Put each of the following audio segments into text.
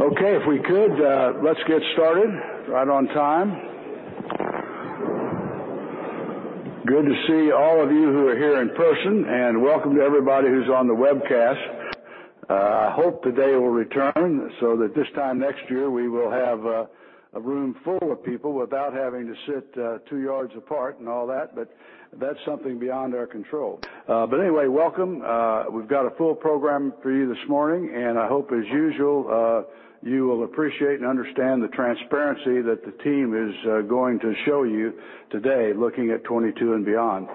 Okay. If we could, let's get started. Right on time. Good to see all of you who are here in person, and welcome to everybody who's on the webcast. I hope the day will return so that this time next year, we will have a room full of people without having to sit two yards apart and all that, but that's something beyond our control. Anyway, welcome. We've got a full program for you this morning, and I hope, as usual, you will appreciate and understand the transparency that the team is going to show you today looking at 2022 and beyond.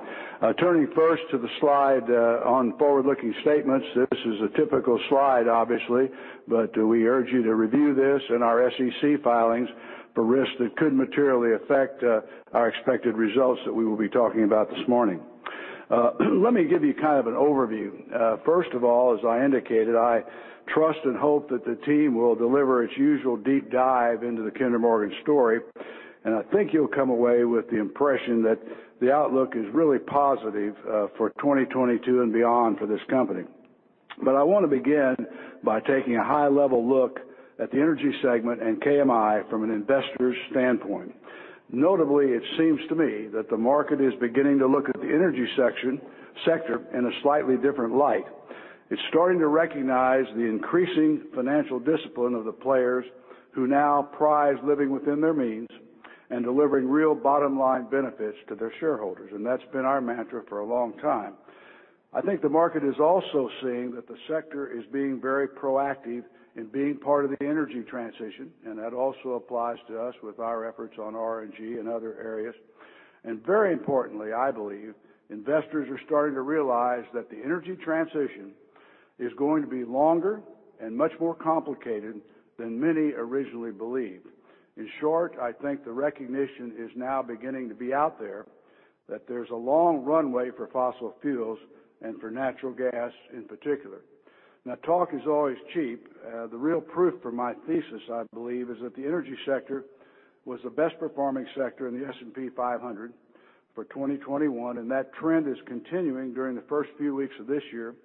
Turning first to the slide on forward-looking statements, this is a typical slide, obviously, but we urge you to review this and our SEC filings for risks that could materially affect our expected results that we will be talking about this morning. Let me give you kind of an overview. First of all, as I indicated, I trust and hope that the team will deliver its usual deep dive into the Kinder Morgan story. I think you'll come away with the impression that the outlook is really positive for 2022 and beyond for this company. I wanna begin by taking a high-level look at the energy segment and KMI from an Investor's Standpoint. Notably, it seems to me that the market is beginning to look at the energy section, sector in a slightly different light. It's starting to recognize the increasing financial discipline of the players who now prize living within their means and delivering real bottom-line benefits to their shareholders, and that's been our mantra for a long time. I think the market is also seeing that the sector is being very proactive in being part of the energy transition, and that also applies to us with our efforts on RNG and other areas. Very importantly, I believe, Investors are starting to realize that the energy transition is going to be longer and much more complicated than many originally believed. In short, I think the recognition is now beginning to be out there that there's a long runway for fossil fuels and for natural gas in particular. Now talk is always cheap. The real proof for my thesis, I believe, is that the energy sector was the best-performing sector in the S&P 500 for 2021, and that trend is continuing during the first few weeks of this year,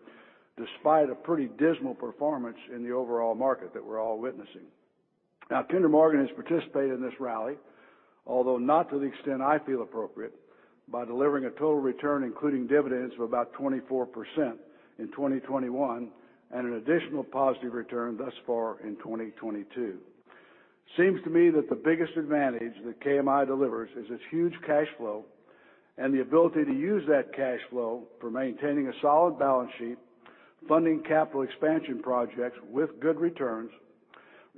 despite a pretty dismal performance in the overall market that we're all witnessing. Now, Kinder Morgan has participated in this rally, although not to the extent I feel appropriate, by delivering a total return, including dividends, of about 24% in 2021, and an additional positive return thus far in 2022. Seems to me that the biggest advantage that KMI delivers is its huge cash flow and the ability to use that cash flow for maintaining a solid balance sheet, funding capital expansion projects with good returns,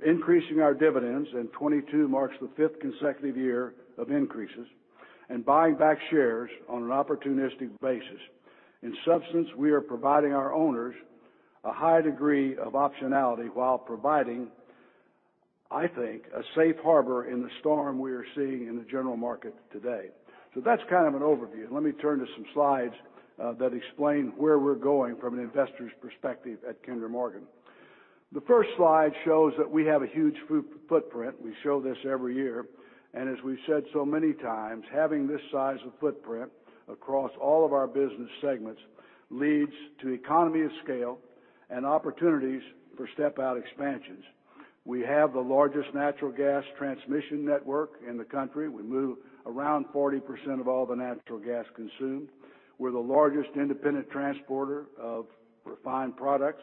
increasing our dividends, and 2022 marks the fifth consecutive year of increases, and buying back shares on an opportunistic basis. In substance, we are providing our owners a high degree of optionality while providing, I think, a safe harbor in the storm we are seeing in the general market today. That's kind of an overview. Let me turn to some slides that explain where we're going from an Investor's Perspective at Kinder Morgan. The first slide shows that we have a huge footprint. We show this every year. As we've said so many times, having this size of footprint across all of our business segments leads to economy of scale and opportunities for step-out expansions. We have the largest natural gas transmission network in the country. We move around 40% of all the natural gas consumed. We're the largest Independent Transporter of Refined Products.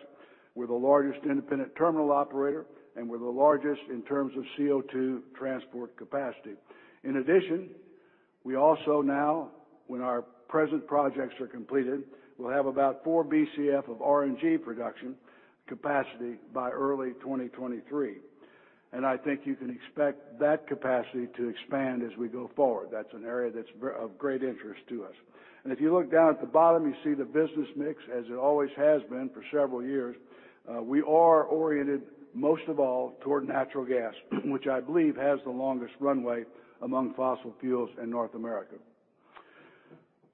We're the largest Independent Terminal Operator, and we're the largest in terms of CO2 Transport Capacity. In addition, we also now, when our present projects are completed, will have about 4 BCF of RNG production capacity by early 2023. I think you can expect that capacity to expand as we go forward. That's an area that's of great interest to us. If you look down at the bottom, you see the business mix as it always has been for several years. We are oriented most of all toward natural gas, which I believe has the longest runway among fossil fuels in North America.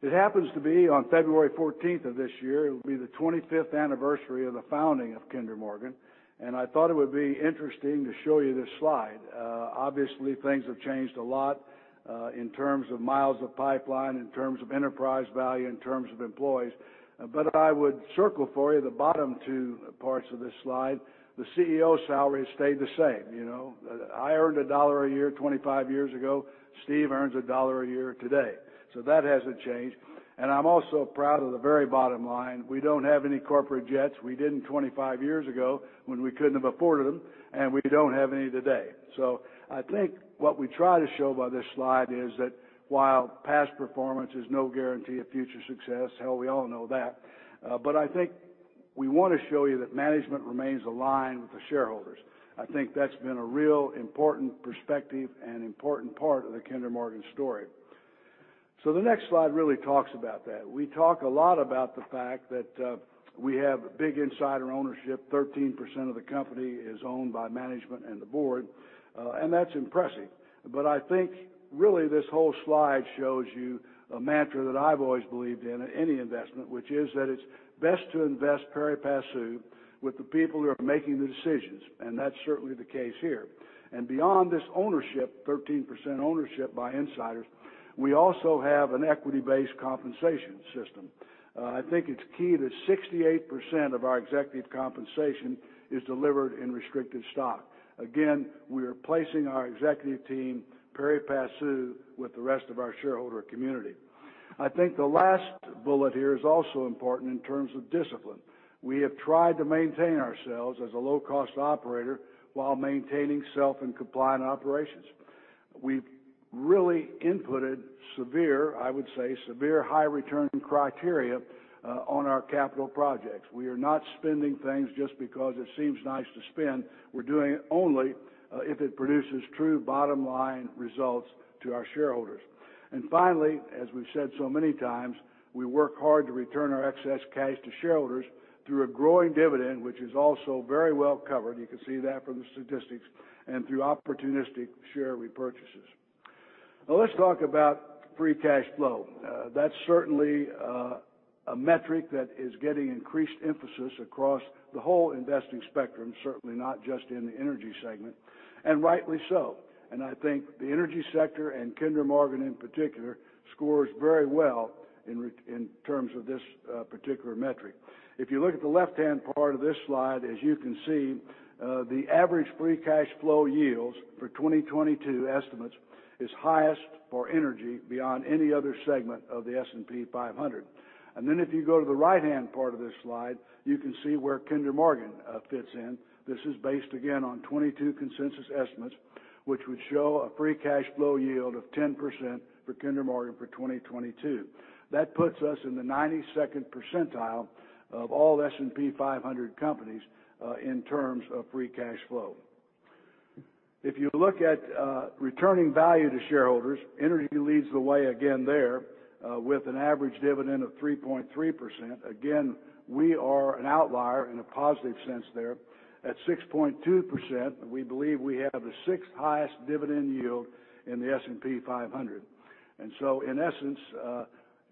It happens to be on February 14th of this year, it will be the 25th anniversary of the founding of Kinder Morgan, and I thought it would be interesting to show you this slide. Obviously, things have changed a lot, in terms of Miles of Pipeline, in Terms of Enterprise Value, in Terms of Employees. But, I would circle for you the bottom two parts of this slide. The CEO salary has stayed the same. You know, I earned $1 a year 25 years ago. Steve earns $1 a year today. That hasn't changed. I'm also proud of the very bottom line. We don't have any corporate jets. We didn't 25 years ago when we couldn't have afforded them, and we don't have any today. I think what we try to show by this slide is that while past performance is no guarantee of future success, hell, we all know that, but I think we want to show you that management remains aligned with the shareholders. I think that's been a real important perspective and important part of the Kinder Morgan story. The next slide really talks about that. We talk a lot about the fact that we have big insider ownership. 13% of the company is owned by management and the board, and that's impressive. But I think, really this whole slide shows you a mantra that I've always believed in in any investment, which is that it's best to invest pari passu with the people who are making the decisions, and that's certainly the case here. Beyond this ownership, 13% ownership by insiders, we also have an equity-based compensation system. I think it's key that 68% of our executive compensation is delivered in restricted stock. Again, we are placing our executive Team Pari Passu with the rest of our Shareholder Community. I think the last bullet here is also important in terms of discipline. We have tried to maintain ourselves as a low-cost Operator, while maintaining self and compliant operations. We've really inputted severe, I would say, high return criteria on our capital projects. We are not spending things just because it seems nice to spend. We're doing it only if it produces true bottom-line results to our Shareholders. And finally, as we've said so many times, we work hard to return our excess cash to shareholders through a growing dividend, which is also very well covered, you can see that from the statistics, and through opportunistic share repurchases. Now let's talk about free cash flow. That's certainly a metric that is getting increased emphasis across the whole investing spectrum, certainly not just in the energy segment, and rightly so. And I think the energy sector and Kinder Morgan in particular scores very well in terms of this particular metric. If you look at the left-hand part of this slide, as you can see, the average free cash flow yields for 2022 estimates is highest for energy beyond any other segment of the S&P 500. Then if you go to the right-hand part of this slide, you can see where Kinder Morgan fits in. This is based again on 2022 consensus estimates, which would show a free cash flow yield of 10% for Kinder Morgan for 2022. That puts us in the 92nd percentile of all S&P 500 companies in terms of free cash flow. If you look at returning value to shareholders, energy leads the way again there with an average dividend of 3.3%. Again, we are an outlier in a positive sense there. At 6.2%, we believe we have the sixth-highest dividend yield in the S&P 500. And so, in essence,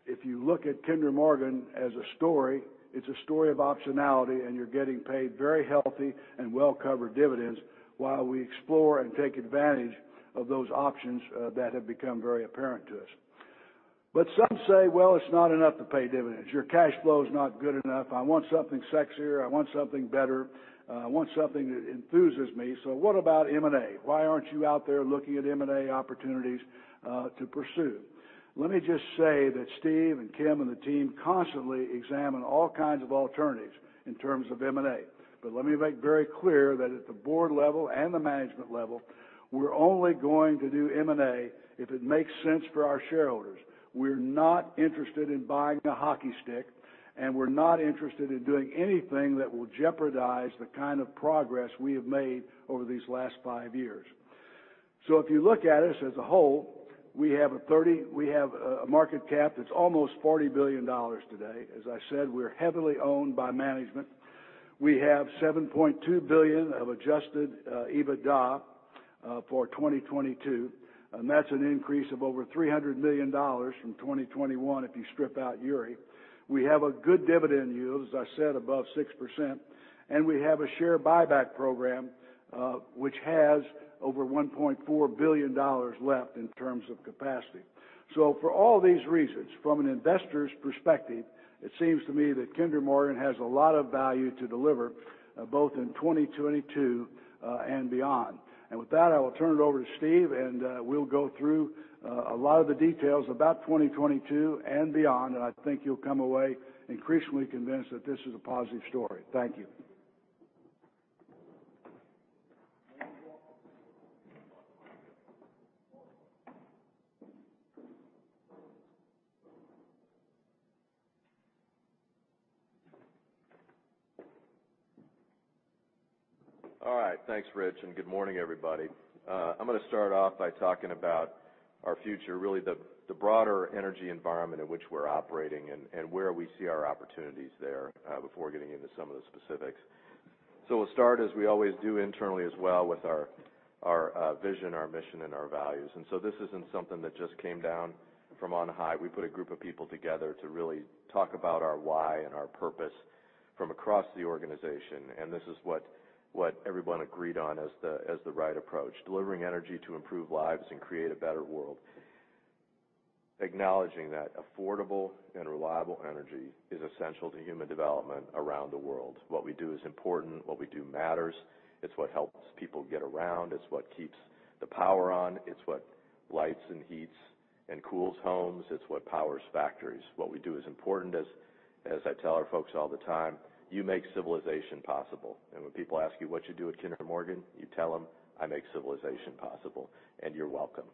if you look at Kinder Morgan as a story, it's a story of optionality, and you're getting paid very healthy and well-covered dividends while we explore and take advantage of those options that have become very apparent to us. But some say, "Well, it's not enough to pay dividends. Your cash flow is not good enough. I want something sexier. I want something better. I want something that enthuses me. So what about M&A? Why aren't you out there looking at M&A opportunities to pursue?" Let me just say that Steve and Kim and the team constantly examine all kinds of alternatives in terms of M&A. Let me make very clear that at the board level and the management level, we're only going to do M&A if it makes sense for our shareholders. We're not interested in buying a hockey stick, and we're not interested in doing anything that will jeopardize the kind of progress we have made over these last five years. If you look at us as a whole, we have a market cap that's almost $40 billion today. As I said, we're heavily owned by management. We have $7.2 billion of Adjusted EBITDA for 2022. And that's an increase of over $300 million from 2021, if you strip out Uri. We have a good dividend yield, as I said, above 6%. We have a share buyback program, which has over $1.4 billion left in terms of capacity. So, for all these reasons, from an Investor's Perspective, it seems to me that Kinder Morgan has a lot of value to deliver, both in 2022 and beyond. And with that, I will turn it over to Steve, and we'll go through a lot of the details about 2022 and beyond. I think you'll come away increasingly convinced that this is a positive story. Thank you. All right. Thanks, Rich, and good morning, everybody. I'm gonna start off by talking about Our Future, really the broader energy environment in which we're operating and where we see our opportunities there, before getting into some of the specifics. We'll start, as we always do internally as well, with our Vision, our Mission, and our Values. This isn't something that just came down from on high. We put a group of people together to really talk about our Why and our Purpose from across the organization. This is what everyone agreed on as the right approach. Delivering energy to improve lives and create a better world. Acknowledging that affordable and reliable energy is essential to human development around the world. What we do is important. What we do matters. It's what helps people get around. It's what keeps the power on. It's what lights and heats and cools homes. It's what powers factories. What we do is important. As I tell our folks all the time, "You make civilization possible." And when people ask you what you do at Kinder Morgan, you tell them, "I make civilization possible, and you're welcome."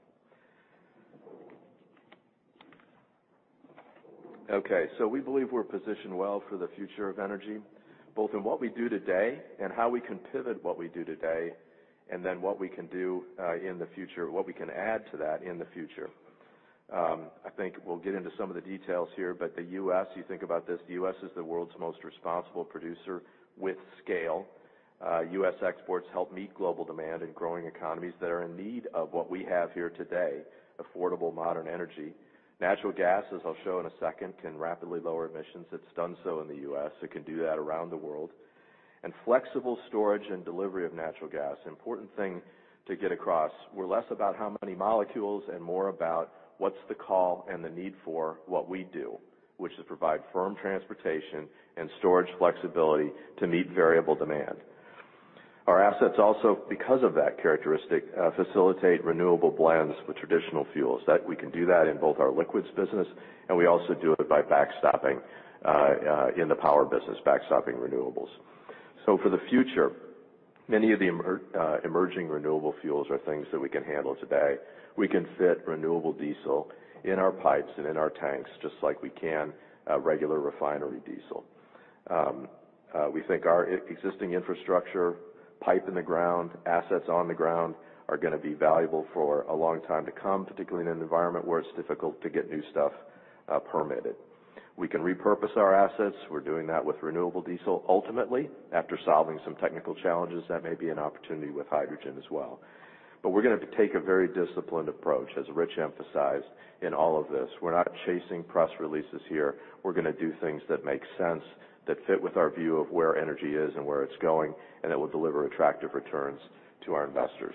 Okay, we believe we're positioned well for the future of energy, both in what we do today and how we can pivot what we do today, and then what we can do in the future, what we can add to that in the future. I think we'll get into some of the details here, but the U.S., you think about this, the U.S. is the world's most Responsible Producer with scale. U.S. exports help meet global demand in growing economies that are in need of what we have here today, affordable modern energy. Natural gas, as I'll show in a second, can rapidly lower emissions. It's done so in the U.S. It can do that around the world. Flexible storage and delivery of natural gas, important thing to get across, we're less about how many molecules and more about what's the call and the need for what we do, which is provide firm transportation and storage flexibility to meet variable demand. Our assets also, because of that characteristic, facilitate renewable blends with traditional fuels. That we can do that in both our liquids business, and we also do it by backstopping in the power business, backstopping renewables. For the future, many of the emerging Renewable Fuels are things that we can handle today. We can fit renewable diesel in our pipes and in our tanks, just like we can regular refinery diesel. We think our existing infrastructure, pipe in the ground, assets on the ground, are gonna be valuable for a long time to come, particularly in an environment where it's difficult to get new stuff permitted. We can repurpose our assets. We're doing that with renewable diesel ultimately, after solving some technical challenges, that may be an opportunity with hydrogen as well. We're gonna take a very disciplined approach, as Rich emphasized, in all of this. We're not chasing press releases here. We're gonna do things that make sense, that fit with our view of where energy is and where it's going, and that will deliver attractive returns to our investors.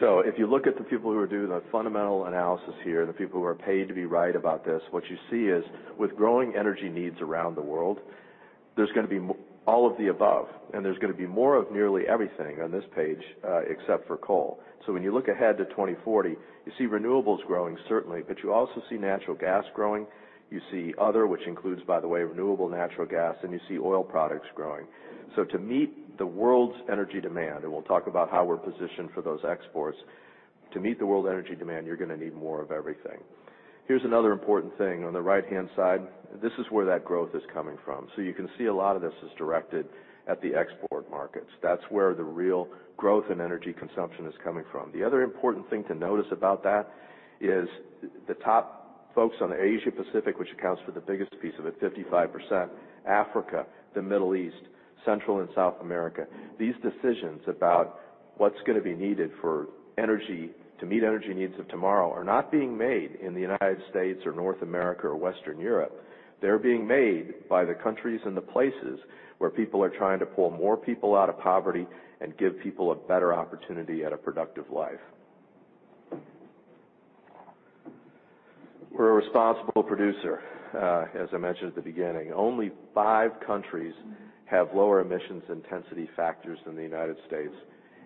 If you look at the people who are doing the fundamental analysis here, the people who are paid to be right about this, what you see is with growing energy needs around the world, there's gonna be-- all of the above, and there's gonna be more of nearly everything on this page, except for coal. When you look ahead to 2040, you see renewables growing certainly, but you also see natural gas growing. You see other, which includes, by the way, renewable natural gas, and you see oil products growing. To meet the world's energy demand, and we'll talk about how we're positioned for those exports, to meet the world energy demand, you're gonna need more of everything. Here's another important thing. On the right-hand side, this is where that growth is coming from. You can see a lot of this is directed at the export markets. That's where the real growth in energy consumption is coming from. The other important thing to notice about that is the top focus on Asia Pacific, which accounts for the biggest piece of it, 55%, Africa, the Middle East, Central and South America. These decisions about what's gonna be needed for energy to meet energy needs of tomorrow are not being made in the United States or North America or Western Europe. They're being made by the countries and the places where people are trying to pull more people out of poverty and give people a better opportunity at a productive life. We're a Responsible Producer, as I mentioned at the beginning. Only five countries have lower emissions intensity factors than the United States,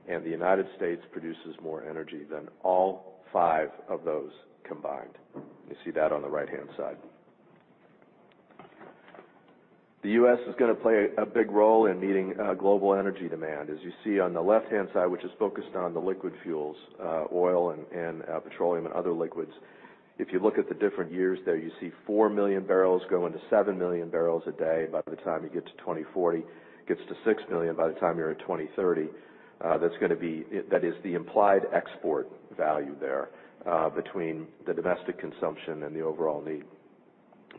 and the United States produces more energy than all five of those combined. You see that on the right-hand side. The U.S. is gonna play a big role in meeting global energy demand. As you see on the left-hand side, which is focused on the liquid fuels, oil and petroleum and other liquids, if you look at the different years there, you see 4 million barrels grow into 7 million barrels a day by the time you get to 2040. Gets to 6 million by the time you're at 2030. That is the implied export value there between the domestic consumption and the overall need.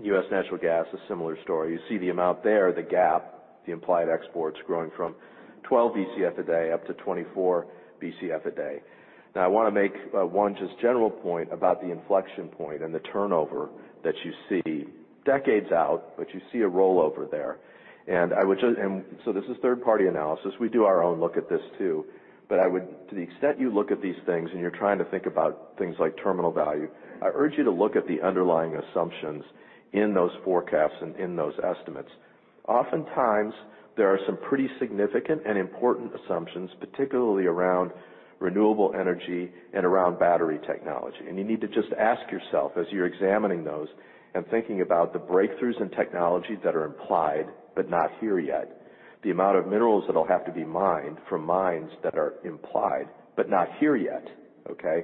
U.S. natural gas, a similar story. You see the amount there, the gap, the implied exports growing from 12 BCF a day up to 24 BCF a day. Now, I wanna make one just general point about the inflection point and the turnover that you see decades out, but you see a rollover there. This is third-party analysis. We do our own look at this too. To the extent you look at these things and you're trying to think about things like Terminal Value, I urge you to look at the underlying assumptions in those forecasts and in those estimates. Oftentimes, there are some pretty significant and important assumptions, particularly around renewable energy and around battery technology. You need to just ask yourself as you're examining those and thinking about the breakthroughs in technology that are implied but not here yet, the amount of minerals that'll have to be mined from mines that are implied but not here yet, okay?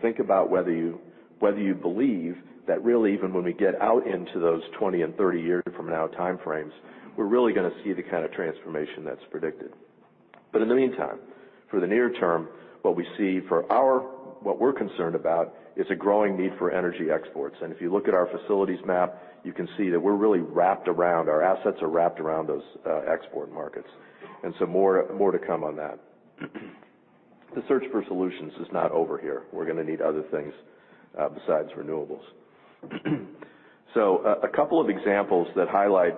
Think about whether you believe that really even when we get out into those 20 and 30-year from now time frames, we're really gonna see the kind of transformation that's predicted. In the meantime, for the near term, what we're concerned about is a growing need for energy exports. If you look at our facilities map, you can see that we're really wrapped around, our assets are wrapped around those export markets. More to come on that. The search for solutions is not over here. We're gonna need other things besides renewables. A couple of examples that highlight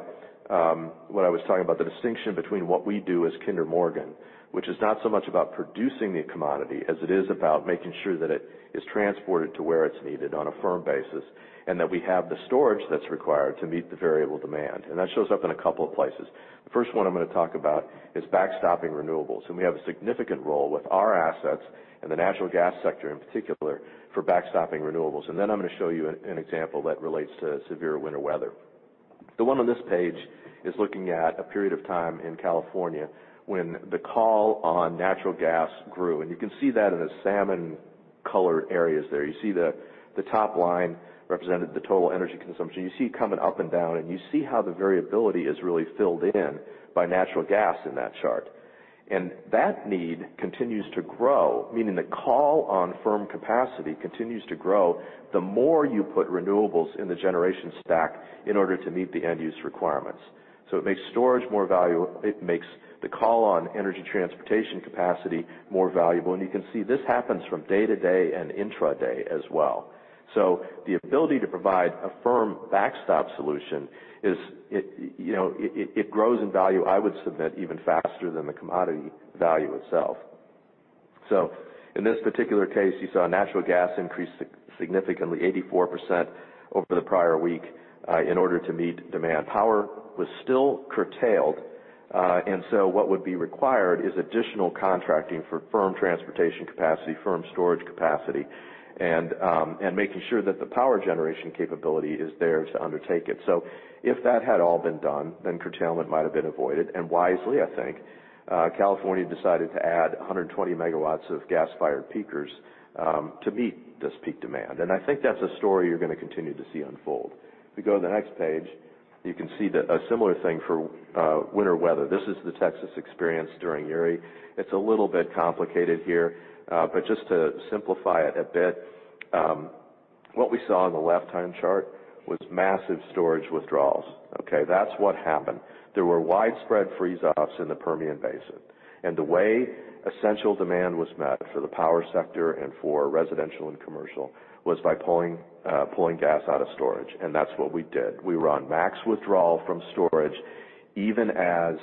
what I was talking about, the distinction between what we do as Kinder Morgan, which is not so much about producing the commodity as it is about making sure that it is transported to where it's needed on a firm basis, and that we have the storage that's required to meet the variable demand. That shows up in a couple of places. The first one I'm gonna talk about is backstopping renewables, and we have a significant role with our assets in the natural gas sector in particular for backstopping renewables. Then I'm gonna show you an example that relates to severe winter weather. The one on this page is looking at a period of time in California when the call on natural gas grew, and you can see that in the salmon-colored areas there. You see the top line represented the total energy consumption. You see it coming up and down, and you see how the variability is really filled in by natural gas in that chart. That need continues to grow, meaning the call on firm capacity continues to grow the more you put renewables in the generation stack in order to meet the end-use requirements. It makes the call on energy transportation capacity more valuable, and you can see this happens from day to day and intraday as well. The ability to provide a firm backstop solution is, you know, it grows in value, I would submit, even faster than the commodity value itself. So, in this particular case, you saw natural gas increase significantly 84% over the prior week in order to meet demand power was still curtailed. What would be required is additional contracting for firm transportation capacity, firm storage capacity, and making sure that the power generation capability is there to undertake it. If that had all been done, then curtailment might have been avoided. Wisely, I think, California decided to add 120 MW of gas-fired peakers to meet this peak demand. I think that's a story you're going to continue to see unfold. If we go to the next page, you can see that a similar thing for winter weather. This is the Texas experience during Uri. It's a little bit complicated here, but just to simplify it a bit, what we saw on the left-hand chart was massive storage withdrawals. Okay. That's what happened. There were widespread freeze-ups in the Permian Basin, and the way essential demand was met for the power sector and for residential and commercial was by pulling gas out of storage. That's what we did. We were on max withdrawal from storage, even as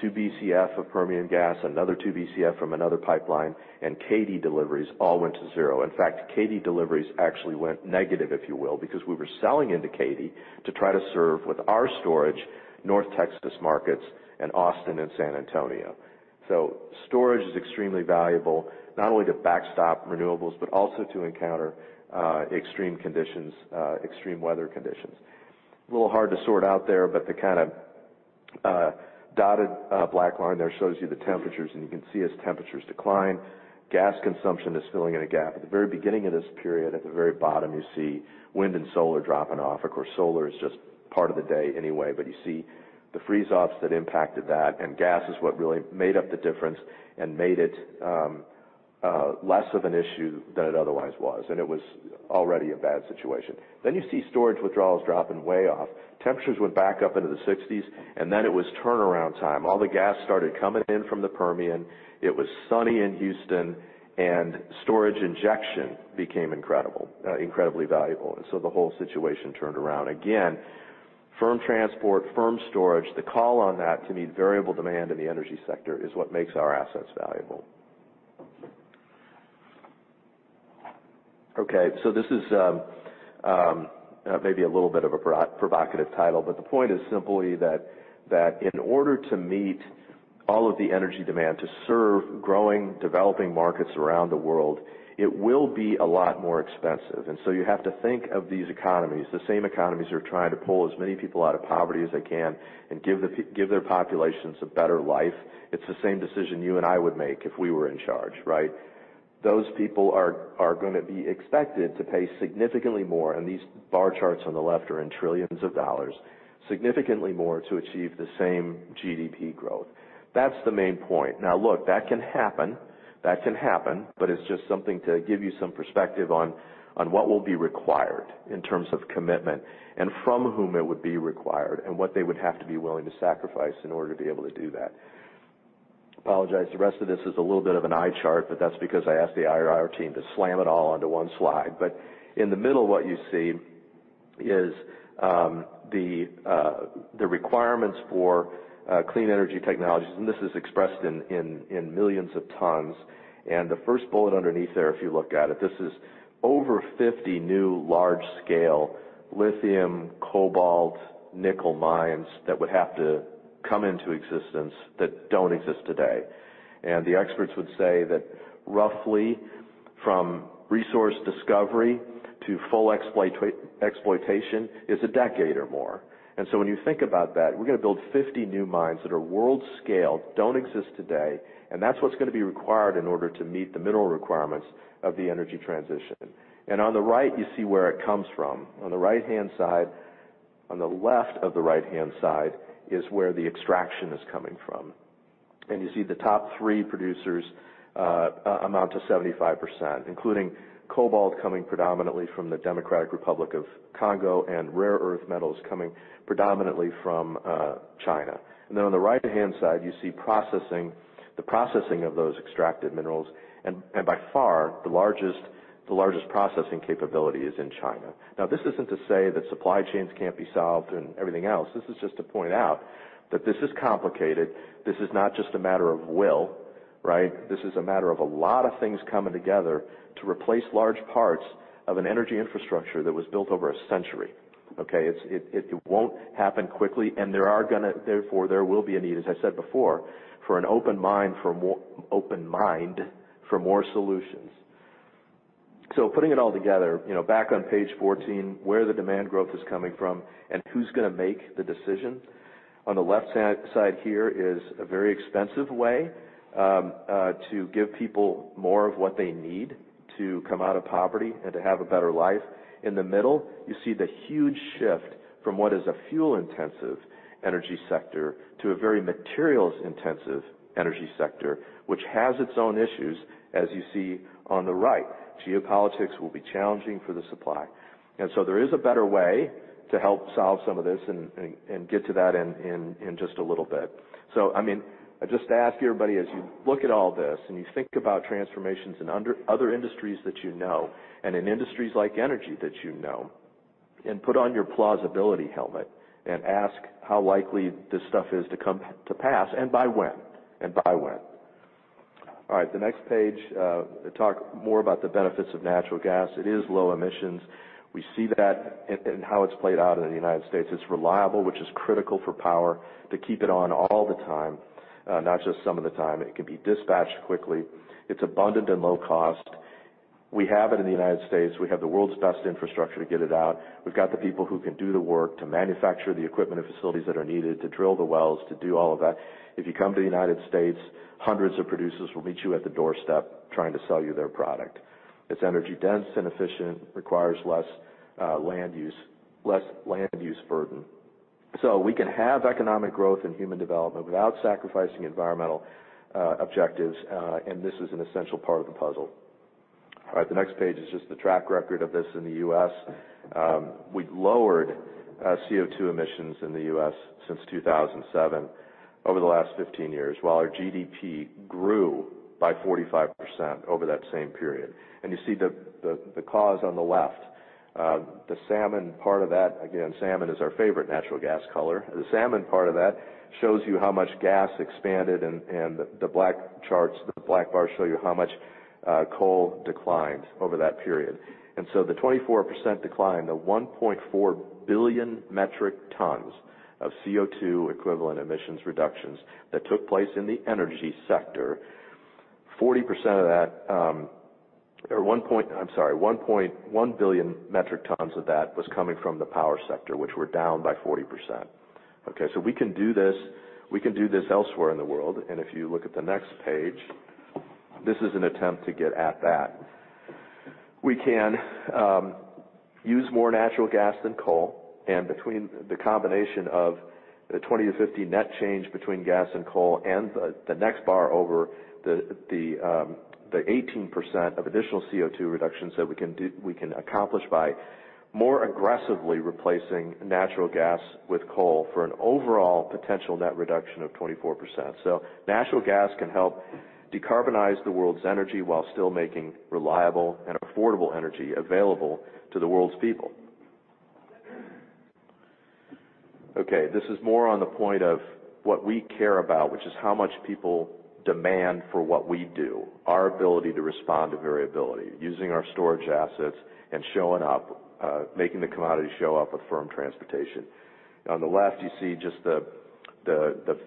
2 BCF of Permian gas, another 2 BCF from another pipeline, and Katy deliveries all went to zero. In fact, Katy deliveries actually went negative, if you will, because we were selling into Katy to try to serve with our storage North Texas markets and Austin and San Antonio. Storage is extremely valuable, not only to backstop renewables, but also to encounter extreme conditions, extreme weather conditions. A little hard to sort out there, but the kind of dotted black line there shows you the temperatures. And you can see as temperatures decline, gas consumption is filling in a gap. At the very beginning of this period, at the very bottom, you see wind and solar dropping off. Of course, solar is just part of the day anyway. You see the freeze-ups that impacted that, and gas is what really made up the difference and made it less of an issue than it otherwise was. It was already a bad situation. You see storage withdrawals dropping way off. Temperatures went back up into the 1960s, and then it was turnaround time. All the gas started coming in from the Permian. It was sunny in Houston, and storage injection became incredibly valuable. The whole situation turned around. Again, firm transport, firm storage. The call on that to meet variable demand in the energy sector is what makes our assets valuable. Okay, so this is, maybe a little bit of a provocative title, but the point is simply that in order to meet all of the energy demand to serve growing, developing markets around the world, it will be a lot more expensive. You have to think of these economies, the same economies that are trying to pull as many people out of poverty as they can and give their populations a better life. It's the same decision you and I would make if we were in charge, right? Those people are gonna be expected to pay significantly more, and these bar charts on the left are in trillions of dollars, significantly more to achieve the same GDP growth. That's the main point. Now, look, that can happen, but it's just something to give you some perspective on what will be required in terms of commitment and from whom it would be required and what they would have to be willing to sacrifice in order to be able to do that. Apologize. The rest of this is a little bit of an eye chart, but that's because I asked the IR team to slam it all onto one slide. In the middle, what you see is the requirements for clean energy technologies, and this is expressed in millions of tons. And the first bullet underneath there, if you look at it, this is over 50 new large-scale Lithium, Cobalt, Nickel Mines that would have to come into existence that don't exist today. The experts would say that roughly from resource discovery to full exploitation is a decade or more. When you think about that, we're going to build 50 new mines that are world scale, don't exist today, and that's what's going to be required in order to meet the mineral requirements of the energy transition. On the right, you see where it comes from. On the right-hand side, on the left of the right-hand side is where the extraction is coming from. You see the top three producers amount to 75%, including cobalt coming predominantly from the Democratic Republic of Congo and rare earth metals coming predominantly from China. On the right-hand side, you see processing, the processing of those extracted minerals. By far, the largest processing capability is in China. Now, this isn't to say that supply chains can't be solved and everything else. This is just to point out that this is complicated. This is not just a matter of will, right? This is a matter of a lot of things coming together to replace large parts of an energy infrastructure that was built over a century. Okay? It won't happen quickly. Therefore, there will be a need, as I said before, for an open mind for more solutions. Putting it all together, you know, back on page 14, where the demand growth is coming from and who's going to make the decision. On the left hand side here is a very expensive way to give people more of what they need to come out of poverty and to have a better life. In the middle, you see the huge shift from what is a fuel-intensive energy sector to a very materials-intensive energy sector, which has its own issues, as you see on the right. Geopolitics will be challenging for the supply. There is a better way to help solve some of this and get to that in just a little bit. I mean, I just ask everybody, as you look at all this and you think about transformations in other industries that you know and in industries like energy that you know and put on your plausibility helmet and ask how likely this stuff is to come to pass and by when. All right, the next page, talk more about the benefits of natural gas. It is low emissions. We see that in how it's played out in the United States. It's reliable, which is critical for power to keep it on all the time, not just some of the time. It can be dispatched quickly. It's abundant and low cost. We have it in the United States. We have the world's best infrastructure to get it out. We've got the people who can do the work to manufacture the equipment and facilities that are needed to drill the wells, to do all of that. If you come to the United States, hundreds of producers will meet you at the doorstep trying to sell you their product. It's energy dense and efficient, requires less land use burden. We can have economic growth and human development without sacrificing environmental objectives, and this is an essential part of the puzzle. All right, the next page is just the track record of this in the U.S. We've lowered CO2 emissions in the U.S. since 2007 over the last 15 years while our GDP grew by 45% over that same period. You see the cause on the left. The salmon part of that, again, salmon is our favorite natural gas color. The salmon part of that shows you how much gas expanded and the black bars show you how much coal declined over that period. The 24% decline, the 1.4 billion metric tons of CO2 equivalent emissions reductions that took place in the energy sector, 40% of that or 1.1 billion metric tons of that was coming from the power sector, which were down by 40%. Okay, we can do this, we can do this elsewhere in the world. If you look at the next page, this is an attempt to get at that. We can use more natural gas than coal, and between the combination of the 20-50 net change between gas and coal and the next bar over, the 18% additional CO2 reductions that we can do—we can accomplish by more aggressively replacing coal with natural gas for an overall potential net reduction of 24%. Natural gas can help decarbonize the world's energy while still making reliable and affordable energy available to the world's people. This is more on the point of what we care about, which is how much people demand for what we do, our ability to respond to variability using our storage assets and showing up, making the commodity show up with firm transportation. On the left, you see just the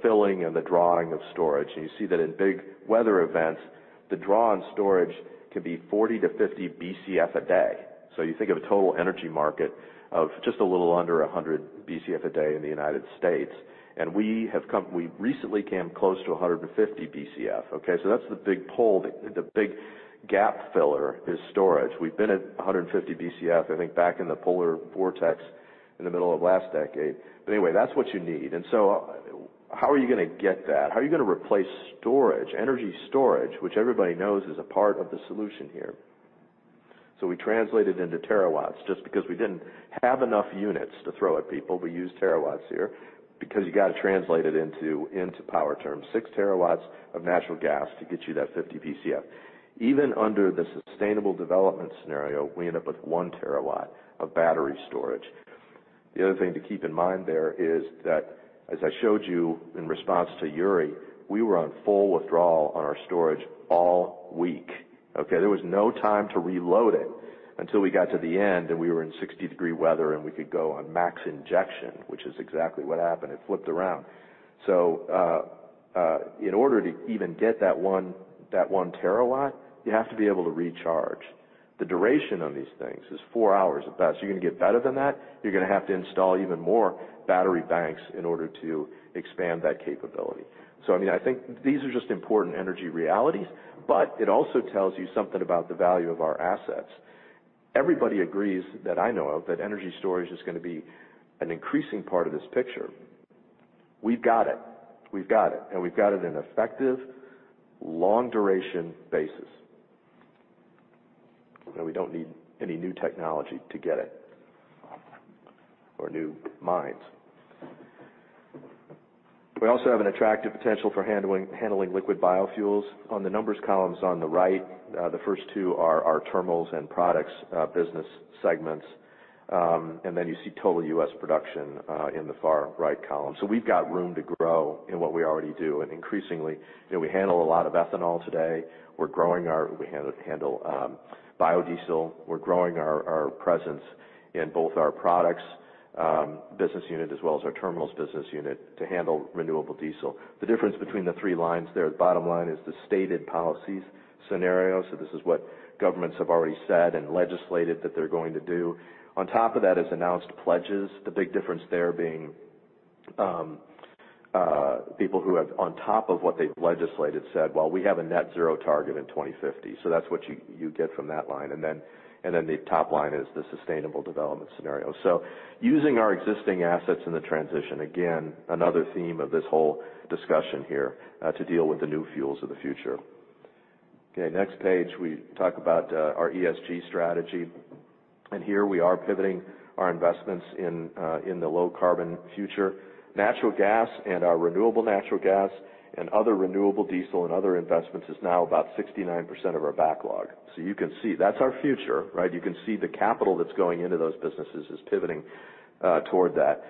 filling and the drawing of storage. You see that in big weather events, the draw on storage can be 40-50 BCF a day. You think of a total energy market of just a little under 100 BCF a day in the United States, and we recently came close to 150 BCF, okay? That's the big pull. The big gap filler is storage. We've been at 150 BCF, I think, back in the polar vortex in the middle of last decade. Anyway, that's what you need. How are you gonna get that? How are you gonna replace storage, energy storage, which everybody knows is a part of the solution here? We translate it into terawatts. Just because we didn't have enough units to throw at people, we used terawatts here because you got to translate it into power terms. 6 TW of natural gas to get you that 50 BCF. Even under the sustainable development scenario, we end up with 1 TW of battery storage. The other thing to keep in mind there is that, as I showed you in response to Uri, we were on full withdrawal on our storage all week, okay. There was no time to reload it until we got to the end, and we were in 60-degree weather, and we could go on max injection, which is exactly what happened. It flipped around. In order to even get that 1 TW, you have to be able to recharge. The duration on these things is 4 hours at best. You're gonna get better than that, you're gonna have to install even more battery banks in order to expand that capability. I mean, I think these are just important energy realities, but it also tells you something about the value of our assets. Everybody agrees, that I know of, that energy storage is gonna be an increasing part of this picture. We've got it, and we've got it in effective long duration basis. You know, we don't need any new technology to get it or new minds. We also have an attractive potential for handling liquid biofuels. On the numbers columns on the right, the first two are our terminals and products business segments. And then you see total U.S. Production in the far right column. We've got room to grow in what we already do. Increasingly, you know, we handle a lot of ethanol today. We're growing our-- We handle biodiesel. We're growing our presence in both our products business unit as well as our terminals business unit to handle renewable diesel. The difference between the three lines there, the bottom line is the stated policies scenario. This is what governments have already said and legislated that they're going to do. On top of that is announced pledges. The big difference there being people who have, on top of what they've legislated, said, "Well, we have a net zero target in 2050." That's what you get from that line. The top line is the sustainable development scenario. Using our existing assets in the transition, again, another theme of this whole discussion here, to deal with the new fuels of the future. Okay, next page, we talk about our ESG strategy, and here we are pivoting our investments in the low carbon future. Natural gas and our renewable natural gas and other renewable diesel and other investments is now about 69% of our backlog. You can see that's Our Future, right? You can see the capital that's going into those businesses is pivoting toward that.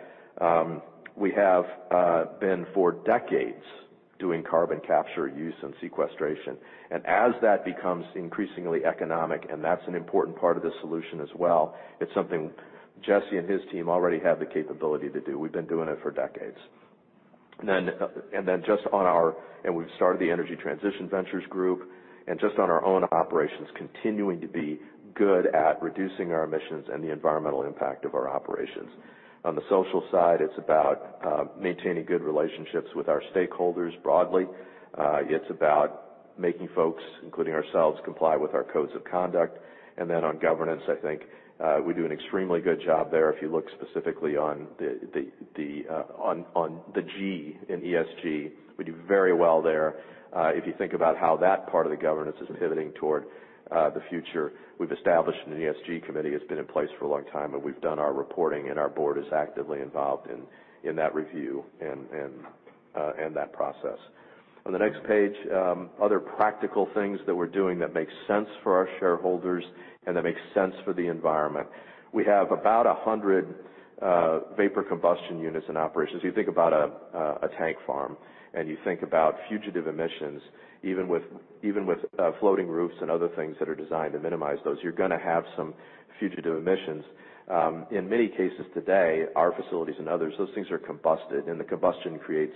We have been for decades doing carbon capture use and sequestration. As that becomes increasingly economic, and that's an important part of the solution as well, it's something Jesse and his team already have the capability to do. We've been doing it for decades. We've started the Energy Transition Ventures group, and just on our own operations, continuing to be good at reducing our emissions and the environmental impact of our operations. On the social side, it's about maintaining good relationships with our stakeholders broadly. It's about making folks, including ourselves, comply with our codes of conduct. On governance, I think we do an extremely good job there. If you look specifically on the G in ESG, we do very well there. If you think about how that part of the governance is pivoting toward the future, we've established an ESG committee that's been in place for a long time, and we've done our reporting, and our board is actively involved in that review and that process. On the next page, other practical things that we're doing that make sense for our shareholders and that make sense for the environment. We have about 100 vapor combustion units in operations. You think about a tank farm, and you think about fugitive emissions, even with floating roofs and other things that are designed to minimize those, you're gonna have some fugitive emissions. In many cases today, our facilities and others, those things are combusted, and the combustion creates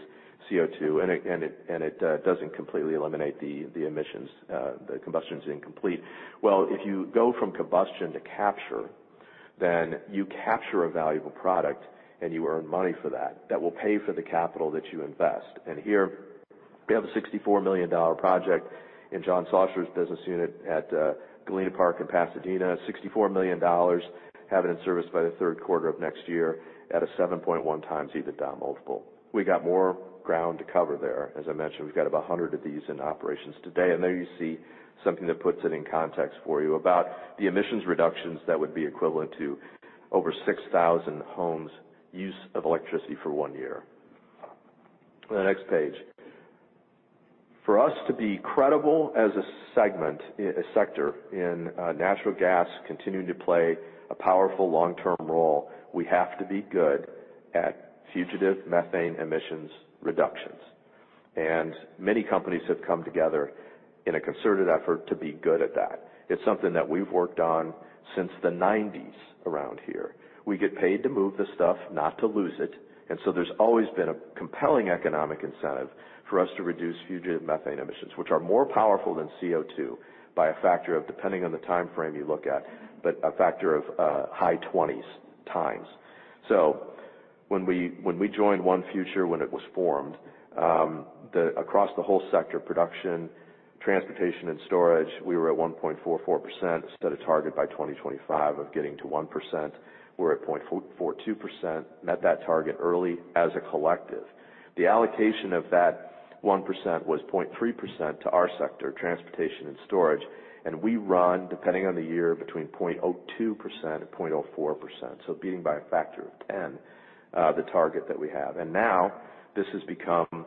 CO2, and it doesn't completely eliminate the emissions. The combustion's incomplete. Well, if you go from combustion to capture, then you capture a valuable product, and you earn money for that will pay for the capital that you invest. Here, we have a $64 million project in John Schlosser's business unit at Galena Park in Pasadena. $64 million, have it in service by the third quarter of next year at a 7.1x EBITDA multiple. We got more ground to cover there. As I mentioned, we've got about 100 of these in operations today. There you see something that puts it in context for you about the emissions reductions that would be equivalent to over 6,000 homes' use of electricity for one year. On the next page. For us to be credible as a segment, a sector in natural gas continuing to play a powerful long-term role, we have to be good at fugitive Methane Emissions reductions. Many companies have come together in a concerted effort to be good at that. It's something that we've worked on since the 1990s around here. We get paid to move the stuff, not to lose it, and so there's always been a compelling economic incentive for us to reduce fugitive Methane Emissions, which are more powerful than CO2 by a factor of, depending on the time frame you look at, but a factor of high 20s times. When we joined ONE Future when it was formed, across the whole sector production, transportation and storage, we were at 1.44%, set a target by 2025 of getting to 1%. We're at 0.42%, met that target early as a collective. The allocation of that 1% was 0.3% to our sector, transportation and storage, and we run, depending on the year, between 0.02% and 0.04%, so beating by a factor of ten, the target that we have. Now this has become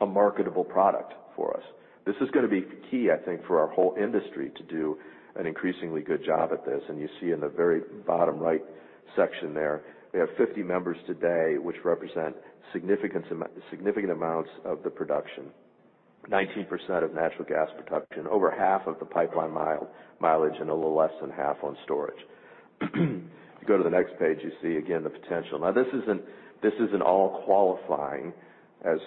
a marketable product for us. This is gonna be key, I think, for our whole industry to do an increasingly good job at this. You see in the very bottom right section there, we have 50 members today which represent significant amounts of the production, 19% of natural gas production, over half of the pipeline mileage, and a little less than half on storage. You go to the next page, you see again the potential. Now this isn't all qualifying as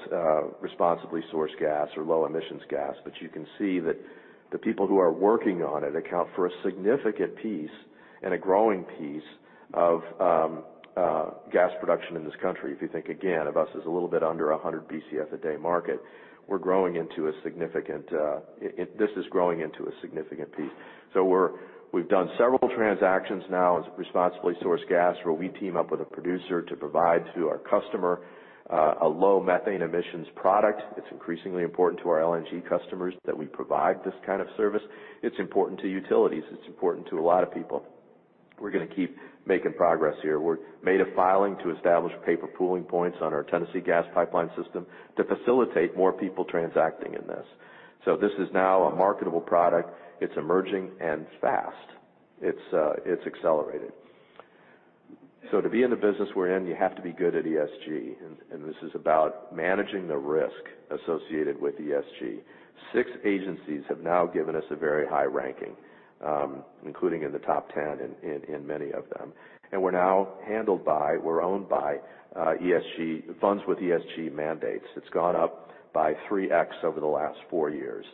Responsibly Sourced Gas or low emissions gas, but you can see that the people who are working on it account for a significant piece and a growing piece of gas production in this country. If you think again of us as a little bit under 100 BCF a day market, we're growing into a significant piece. We've done several transactions now as Responsibly Sourced Gas, where we team up with a producer to provide to our customer a low Methane Emissions product. It's increasingly important to our LNG customers that we provide this kind of service. It's important to utilities. It's important to a lot of people. We're gonna keep making progress here. We made a filing to establish paper pooling points on our Tennessee Gas Pipeline system to facilitate more people transacting in this. This is now a marketable product. It's emerging and fast. It's accelerating. To be in the business we're in, you have to be good at ESG, and this is about managing the risk associated with ESG. six agencies have now given us a very high ranking, including in the top 10 in many of them. We're now held by ESG funds with ESG mandates. It's gone up by 3x over the last four years.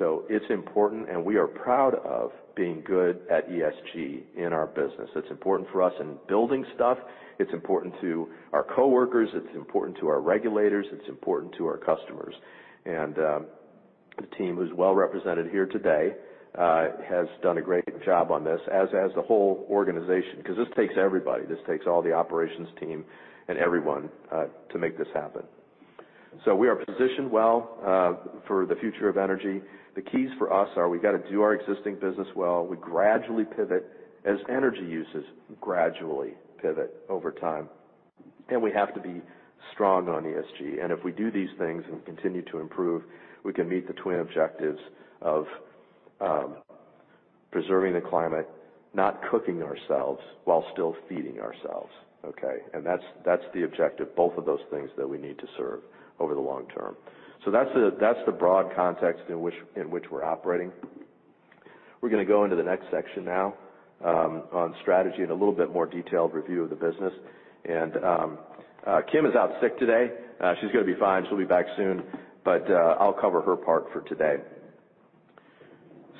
It's important, and we are proud of being good at ESG in our business. It's important for us in building stuff. It's important to our coworkers. It's important to our regulators. It's important to our customers. The team who's well represented here today has done a great job on this, as the whole organization, 'cause this takes everybody. This takes all the operations team and everyone to make this happen. We are positioned well for the future of energy. The keys for us are we've got to do our existing business well. We gradually pivot as energy uses gradually pivot over time. We have to be strong on ESG. If we do these things and continue to improve, we can meet the twin objectives of preserving the climate, not cooking ourselves while still feeding ourselves, okay? That's the objective, both of those things that we need to serve over the long term. That's the broad context in which we're operating. We're gonna go into the next section now, on Strategy and a little bit more detailed review of the Business. Kim is out sick today. She's gonna be fine. She'll be back soon, but I'll cover her part for today.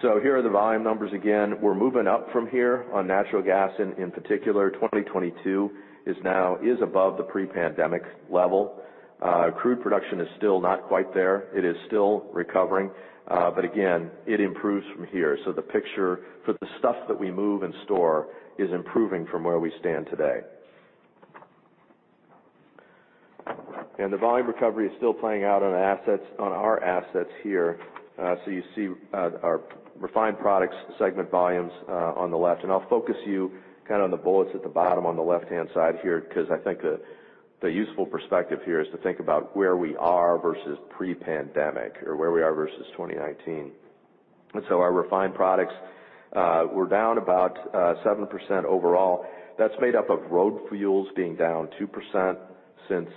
Here are the volume numbers again. We're moving up from here on natural gas in particular. 2022 is now above the pre-pandemic level. Crude production is still not quite there. It is still recovering, but again, it improves from here. The picture for the stuff that we move and store is improving from where we stand today. The volume recovery is still playing out on our assets here. You see our refined products segment volumes on the left, and I'll focus you kind of on the bullets at the bottom on the left-hand side here because I think the useful perspective here is to think about where we are versus pre-pandemic or where we are versus 2019. Our refined products, we're down about 7% overall. That's made up of road fuels being down 2% since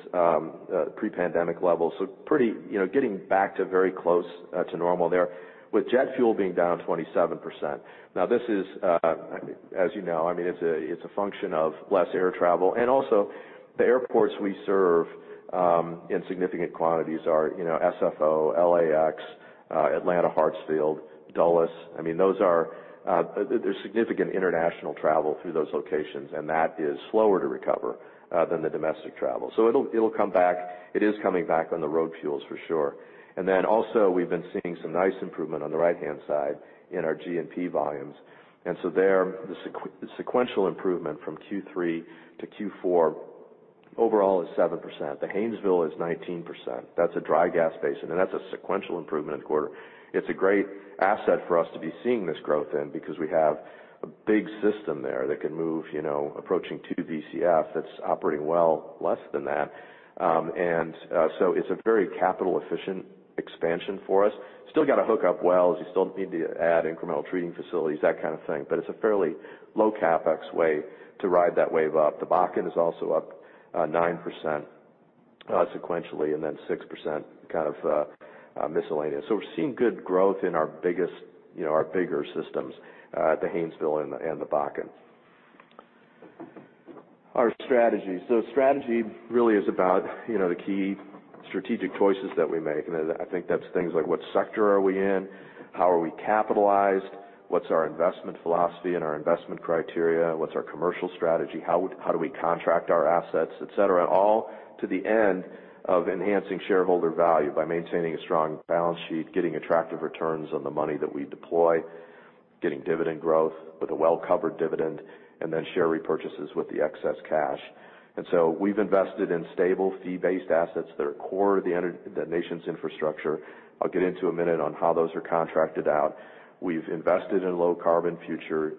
pre-pandemic levels. Pretty you know, getting back to very close to normal there, with Jet Fuel being down 27%. Now this is, as you know, I mean, it's a function of less air travel and also the airports we serve in significant quantities are, you know, SFO, LAX, Atlanta Hartsfield, Dulles. I mean, those are, there's significant international travel through those locations, and that is slower to recover than the domestic travel. It'll come back. It is coming back on the road fuels for sure. Then also we've been seeing some nice improvement on the right-hand side in our G&P volumes. There, the sequential improvement from Q3 to Q4 overall is 7%. The Haynesville is 19%. That's a dry gas basin, and that's a sequential improvement in the quarter. It's a great asset for us to be seeing this growth in because we have a big system there that can move, you know, approaching 2 BCF that's operating well less than that. It's a very capital efficient expansion for us. Still got to hook up wells. You still need to add incremental treating facilities, that kind of thing. But it's a fairly low CapEx way to ride that wave up. The Bakken is also up 9%, sequentially, and then 6% kind of miscellaneous. We're seeing good growth in our biggest, you know, our bigger systems, the Haynesville and the Bakken. Strategy really is about, you know, the key strategic choices that we make. I think that's things like what sector are we in? How are we capitalized? What's our investment philosophy and our investment criteria? What's our commercial strategy? How do we contract our assets, et cetera? All to the end of enhancing shareholder value by maintaining a strong balance sheet, getting attractive returns on the money that we deploy, getting dividend growth with a well-covered dividend, and then share repurchases with the excess cash. We've invested in stable fee-based assets that are core to the nation's infrastructure. I'll get into that in a minute on how those are contracted out. We've invested in low carbon future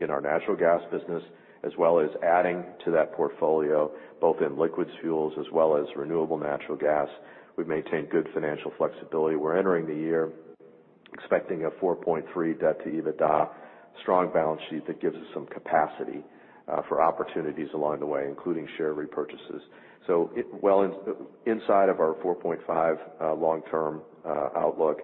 in our natural gas business, as well as adding to that portfolio, both in liquids fuels as well as renewable natural gas. We've maintained good financial flexibility. We're entering the year expecting a $4.3 debt to EBITDA, strong balance sheet that gives us some capacity for opportunities along the way, including share repurchases. Well, inside of our 4.5 long-term outlook,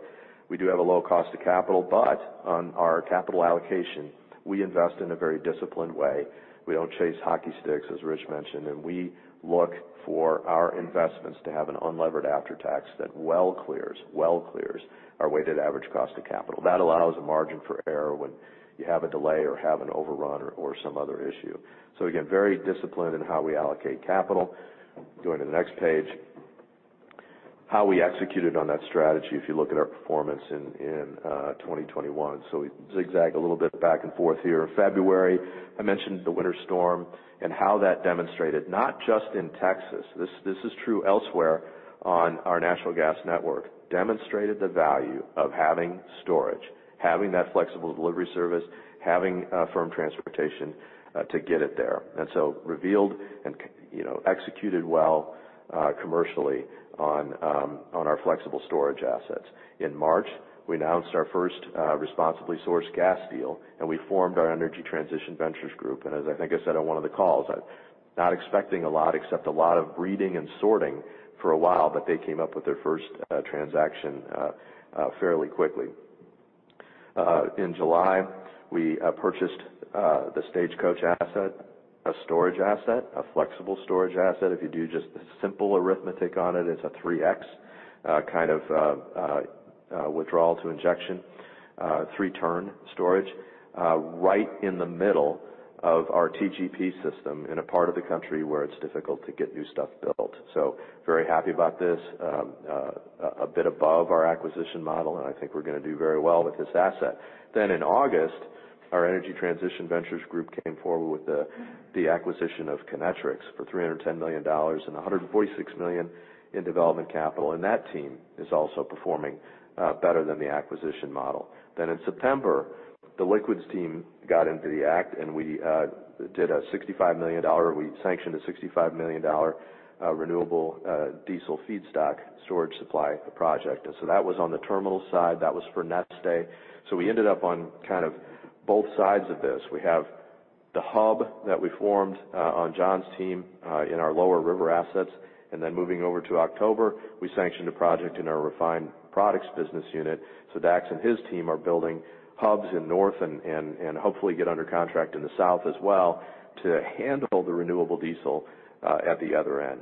we do have a low cost of capital, but on our capital allocation, we invest in a very disciplined way. We don't chase hockey sticks, as Rich mentioned, and we look for our investments to have an unlevered after-tax that well clears our weighted average cost of capital. That allows a margin for error when you have a delay or have an overrun or some other issue. Again, very disciplined in how we allocate capital. Go to the next page. How we executed on that strategy, if you look at our performance in 2021. We zigzagged a little bit back and forth here. February, I mentioned the winter storm and how that demonstrated, not just in Texas, this is true elsewhere on our natural gas network, demonstrated the value of having storage, having that flexible delivery service, having firm transportation to get it there. Revealed and you know, executed well commercially on our flexible storage assets. In March, we announced our first Responsibly Sourced Gas deal, and we formed our Energy Transition Ventures group. As I think I said on one of the calls, I'm not expecting a lot except a lot of reading and sorting for a while, but they came up with their first transaction fairly quickly. In July, we purchased the Stagecoach asset, a storage asset, a flexible storage asset. If you do just the simple arithmetic on it's a 3x kind of withdrawal to injection three-turn storage right in the middle of our TGP system in a part of the country where it's difficult to get new stuff built. Very happy about this. A bit above our acquisition model, and I think we're gonna do very well with this asset. In August, our Energy Transition Ventures group came forward with the acquisition of Kinetrex for $310 million and 146 million in development capital. That team is also performing better than the acquisition model. In September, the liquids team got into the act, and we sanctioned a $65 million renewable diesel feedstock storage supply project. That was on the terminal side. That was for Neste. We ended up on kind of both sides of this. We have the hub that we formed on John's team in our lower river assets, and then moving over to October, we sanctioned a project in our refined products business unit. Dax and his team are building hubs in North and hopefully get under contract in the South as well to handle the renewable diesel at the other end.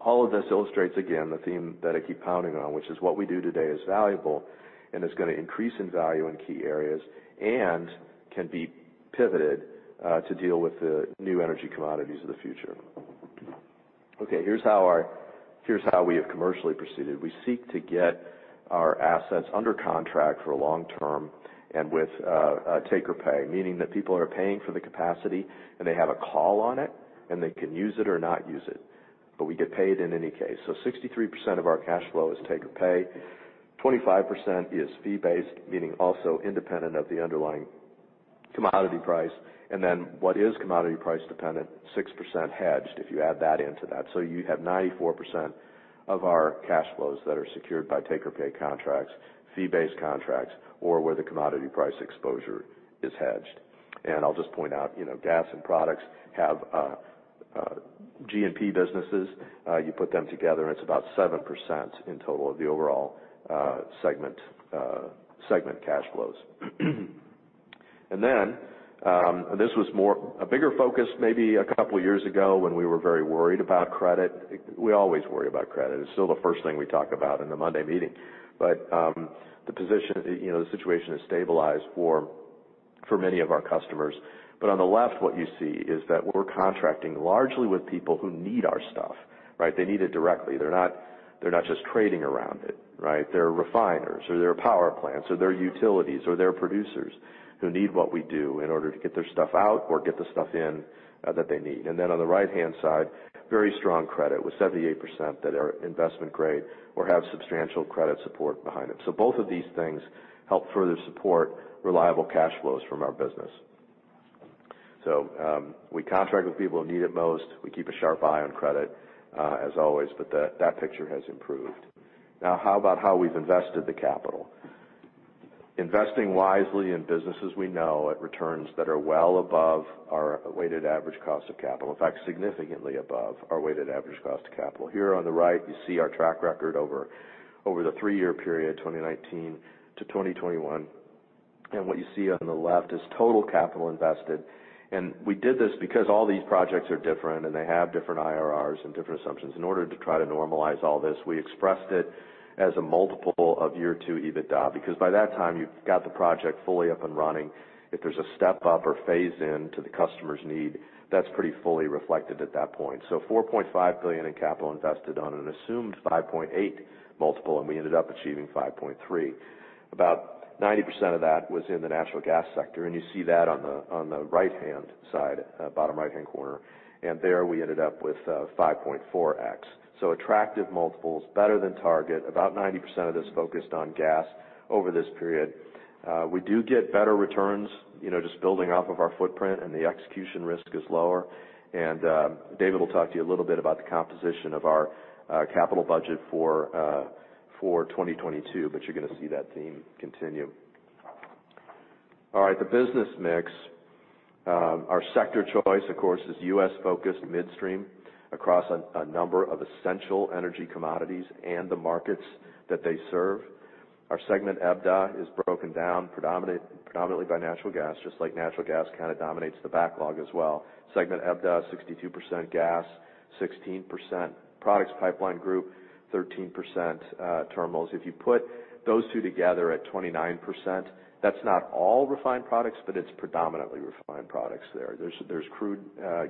All of this illustrates again the theme that I keep pounding on, which is what we do today is valuable and is gonna increase in value in key areas and can be pivoted to deal with the new energy commodities of the future. Okay, here's how we have commercially proceeded. We seek to get our assets under contract for long term and with a take or pay, meaning that people are paying for the capacity, and they have a call on it, and they can use it or not use it, but we get paid in any case. 63% of our cash flow is take or pay. 25% is fee-based, meaning also independent of the underlying commodity price. What is commodity price dependent, 6% hedged if you add that into that. You have 94% of our cash flows that are secured by take or pay contracts, fee-based contracts, or where the commodity price exposure is hedged. I'll just point out, you know, gas and products have G&P businesses. You put them together, and it's about 7% in total of the overall segment cash flows. Then, this was a bigger focus maybe a couple years ago when we were very worried about credit. We always worry about credit. It's still the first thing we talk about in the Monday meeting. The position, you know, the situation has stabilized for many of our customers. On the left, what you see is that we're contracting largely with people who need our stuff, right? They need it directly. They're not just trading around it, right? They're refiners, or they're power plants, or they're utilities, or they're producers who need what we do in order to get their stuff out or get the stuff in that they need. Then on the right-hand side, very strong credit, with 78% that are investment grade or have substantial credit support behind them. Both of these things help further support reliable cash flows from our business. We contract with people who need it most. We keep a sharp eye on credit, as always, but that picture has improved. Now how about how we've invested the capital? Investing wisely in businesses we know at returns that are well above our weighted average cost of capital, in fact, significantly above our weighted average cost of capital. Here on the right, you see our track record over the three-year period, 2019 to 2021. What you see on the left is total capital invested. We did this because all these projects are different, and they have different IRRs and different assumptions. In order to try to normalize all this, we expressed it as a multiple of year two EBITDA, because by that time you've got the project fully up and running. If there's a step up or phase in to the customer's need, that's pretty fully reflected at that point. $4.5 billion in capital invested on an assumed 5.8 multiple, and we ended up achieving 5.3%. About 90% of that was in the natural gas sector, and you see that on the right-hand side, bottom right-hand corner. There we ended up with 5.4x. Attractive multiples, better than target. About 90% of this focused on gas over this period. We do get better returns, you know, just building off of our footprint and the execution risk is lower. David will talk to you a little bit about the composition of our capital budget for 2022, but you're gonna see that theme continue. All right, the business mix. Our sector choice, of course, is U.S.-focused midstream across a number of essential energy commodities and the markets that they serve. Our segment EBITDA is broken down predominantly by natural gas, just like natural gas kind of dominates the backlog as well. Segment EBITDA, 62% gas, 16% products pipeline group, 13% Terminals. If you put those two together at 29%, that's not all refined products, but it's predominantly refined products there. There's Crude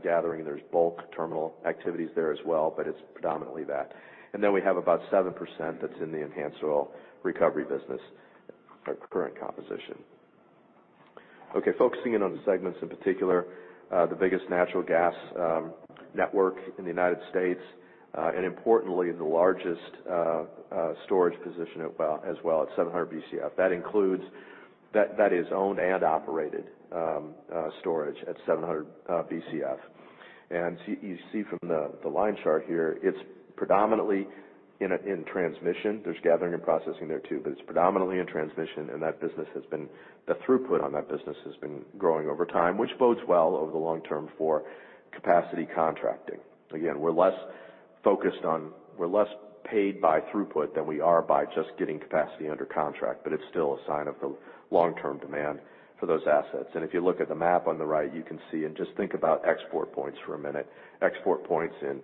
Gathering, there's bulk terminal activities there as well, but it's predominantly that. We have about 7% that's in the enhanced oil recovery business, our current composition. Okay, focusing in on the segments in particular, the biggest natural gas network in the United States, and importantly, the largest storage position as well at 700 BCF. That is owned and operated storage at 700 BCF. You see from the line chart here, it's predominantly in transmission. There's gathering and processing there too, but it's predominantly in transmission, and the throughput on that business has been growing over time, which bodes well over the long term for capacity contracting. Again, we're less paid by throughput than we are by just getting capacity under contract, but it's still a sign of the long-term demand for those assets. If you look at the map on the right, you can see, and just think about export points for a minute, export points in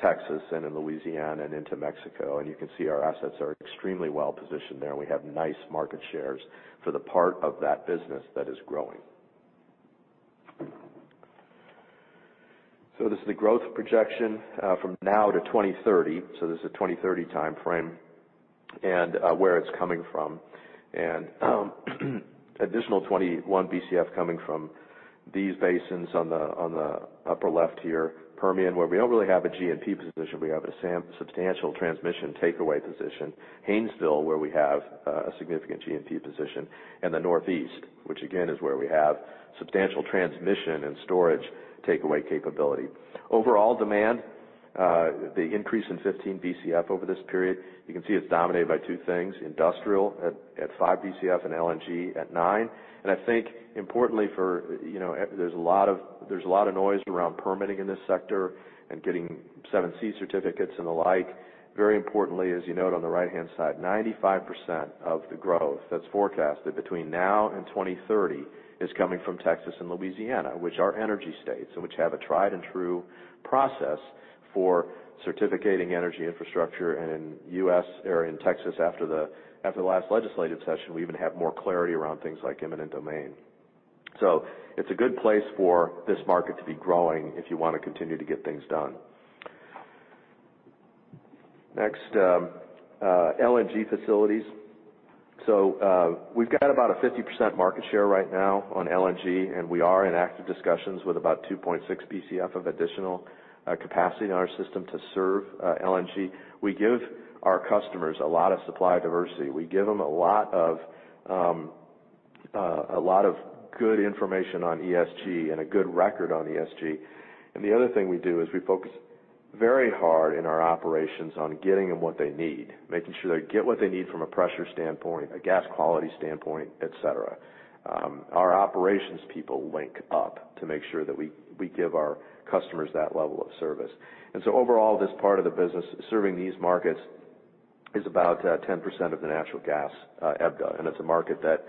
Texas and in Louisiana and into Mexico, and you can see our assets are extremely well positioned there, and we have nice market shares for the part of that business that is growing. This is the growth projection from now to 2030. This is a 2030 time frame and where it's coming from. Additional 21 BCF coming from these basins on the upper left here, Permian, where we don't really have a G&P position. We have a substantial transmission takeaway position, Haynesville, where we have a significant G&P position, and the Northeast, which again, is where we have substantial transmission and storage takeaway capability. Overall demand, the increase in 15 BCF over this period, you can see it's dominated by two things, industrial at five BCF and LNG at nine. I think importantly for, there's a lot of noise around permitting in this sector and getting 7(c) certificates and the like. Very importantly, as you note on the right-hand side, 95% of the growth that's forecasted between now and 2030 is coming from Texas and Louisiana, which are energy states and which have a tried and true process for certificating energy infrastructure in U.S. or in Texas after the last legislative session, we even have more clarity around things like eminent domain. It's a good place for this market to be growing if you want to continue to get things done. Next, LNG facilities. We've got about a 50% market share right now on LNG, and we are in active discussions with about 2.6 BCF of additional capacity in our system to serve LNG. We give our customers a lot of supply diversity. We give them a lot of good information on ESG and a good record on ESG. The other thing we do is we focus very hard in our operations on getting them what they need, making sure they get what they need from a pressure standpoint, a gas quality standpoint, et cetera. Our operations people link up to make sure that we give our customers that level of service. Overall, this part of the business serving these markets is about 10% of the natural gas EBITDA. It's a market that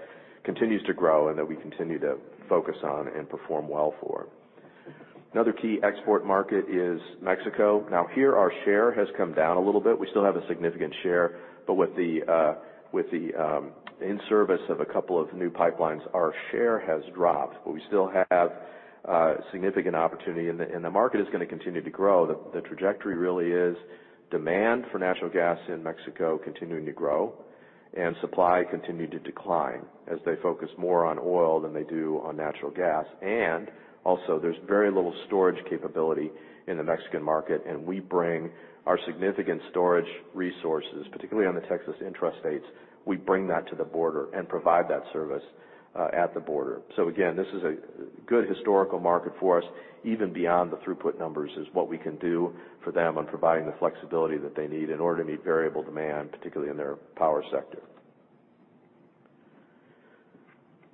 continues to grow and that we continue to focus on and perform well for. Another key export market is Mexico. Now here, our share has come down a little bit. We still have a significant share, but with the in-service of a couple of new pipelines, our share has dropped, but we still have significant opportunity and the market is going to continue to grow. The trajectory really is demand for natural gas in Mexico continuing to grow and supply continuing to decline as they focus more on oil than they do on natural gas. Also there's very little storage capability in the Mexican market. We bring our significant storage resources, particularly on the Texas intrastates. We bring that to the border and provide that service at the border. Again, this is a good historical market for us, even beyond the throughput numbers is what we can do for them on providing the flexibility that they need in order to meet variable demand, particularly in their power sector.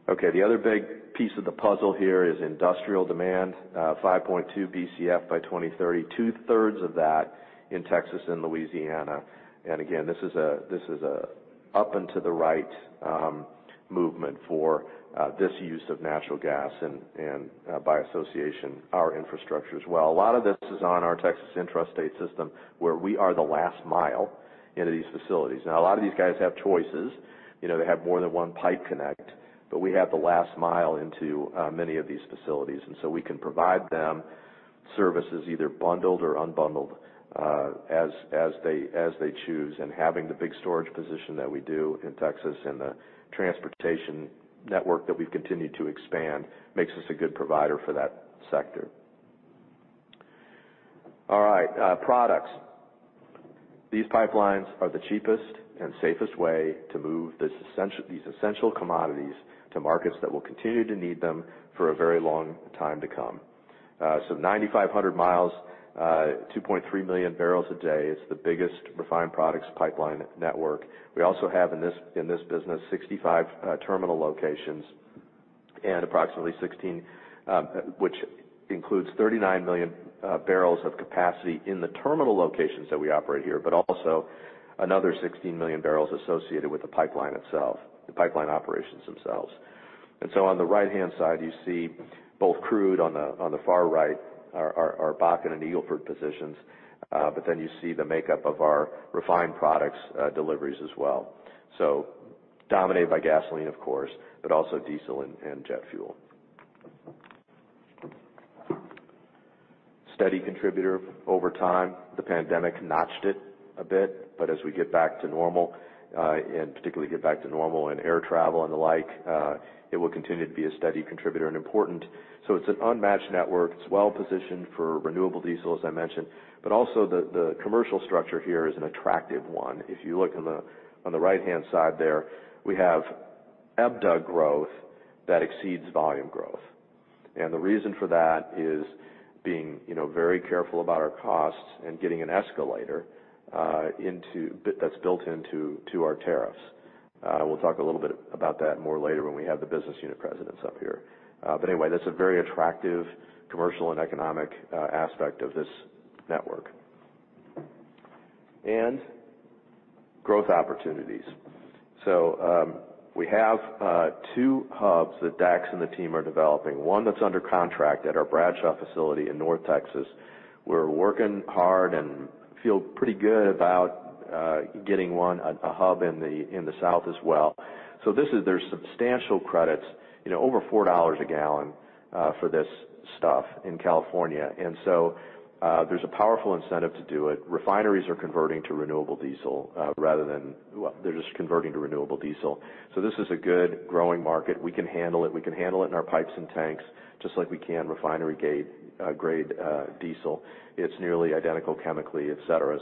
Okay. The other big piece of the puzzle here is Industrial Demand, 5.2 BCF by 2030, two-thirds of that in Texas and Louisiana. Again, this is a up and to the right movement for this use of natural gas and by association, our infrastructure as well. A lot of this is on our Texas intrastate system where we are the last mile into these facilities. Now, a lot of these guys have choices. You know, they have more than one pipe connect, but we have the last mile into many of these facilities. We can provide them services either bundled or unbundled, as they choose and having the big storage position that we do in Texas and the transportation network that we've continued to expand makes us a good provider for that sector. All right. Products. These pipelines are the cheapest and safest way to move these essential commodities to markets that will continue to need them for a very long time to come. 9,500 miles, 2.3 million barrels a day. It's the biggest refined products pipeline network. We also have in this business 65 terminal locations and approximately 16, which includes 39 million barrels of capacity in the terminal locations that we operate here, but also another 16 million barrels associated with the pipeline itself, the pipeline operations themselves. On the right-hand side, you see both crude on the far right are Bakken and Eagle Ford positions. But then you see the makeup of our refined products deliveries as well. Dominated by gasoline, of course, but also Diesel and Jet Fuel. Steady contributor over time. The pandemic notched it a bit, but as we get back to normal, and particularly get back to normal in air travel and the like, it will continue to be a steady contributor and important. It's an unmatched network. It's well positioned for renewable diesel, as I mentioned, but also the commercial structure here is an attractive one. If you look on the right-hand side there, we have EBITDA growth that exceeds volume growth. The reason for that is being very careful about our costs and getting an escalator into our tariffs. That's built into our tariffs. We'll talk a little bit about that more later when we have the business unit presidents up here. Anyway, that's a very attractive commercial and economic aspect of this network. Growth opportunities. We have 2 hubs that Dax and the team are developing. One that's under contract at our Bradshaw facility in North Texas. We're working hard and feel pretty good about getting one, a hub in the South as well. There's substantial credits, you know, over $4 a gallon for this stuff in California. There's a powerful incentive to do it. Refineries are converting to renewable diesel. They're just converting to renewable diesel. This is a good growing market. We can handle it. We can handle it in our pipes and tanks just like we can refinery-grade diesel. It's nearly identical chemically, et cetera.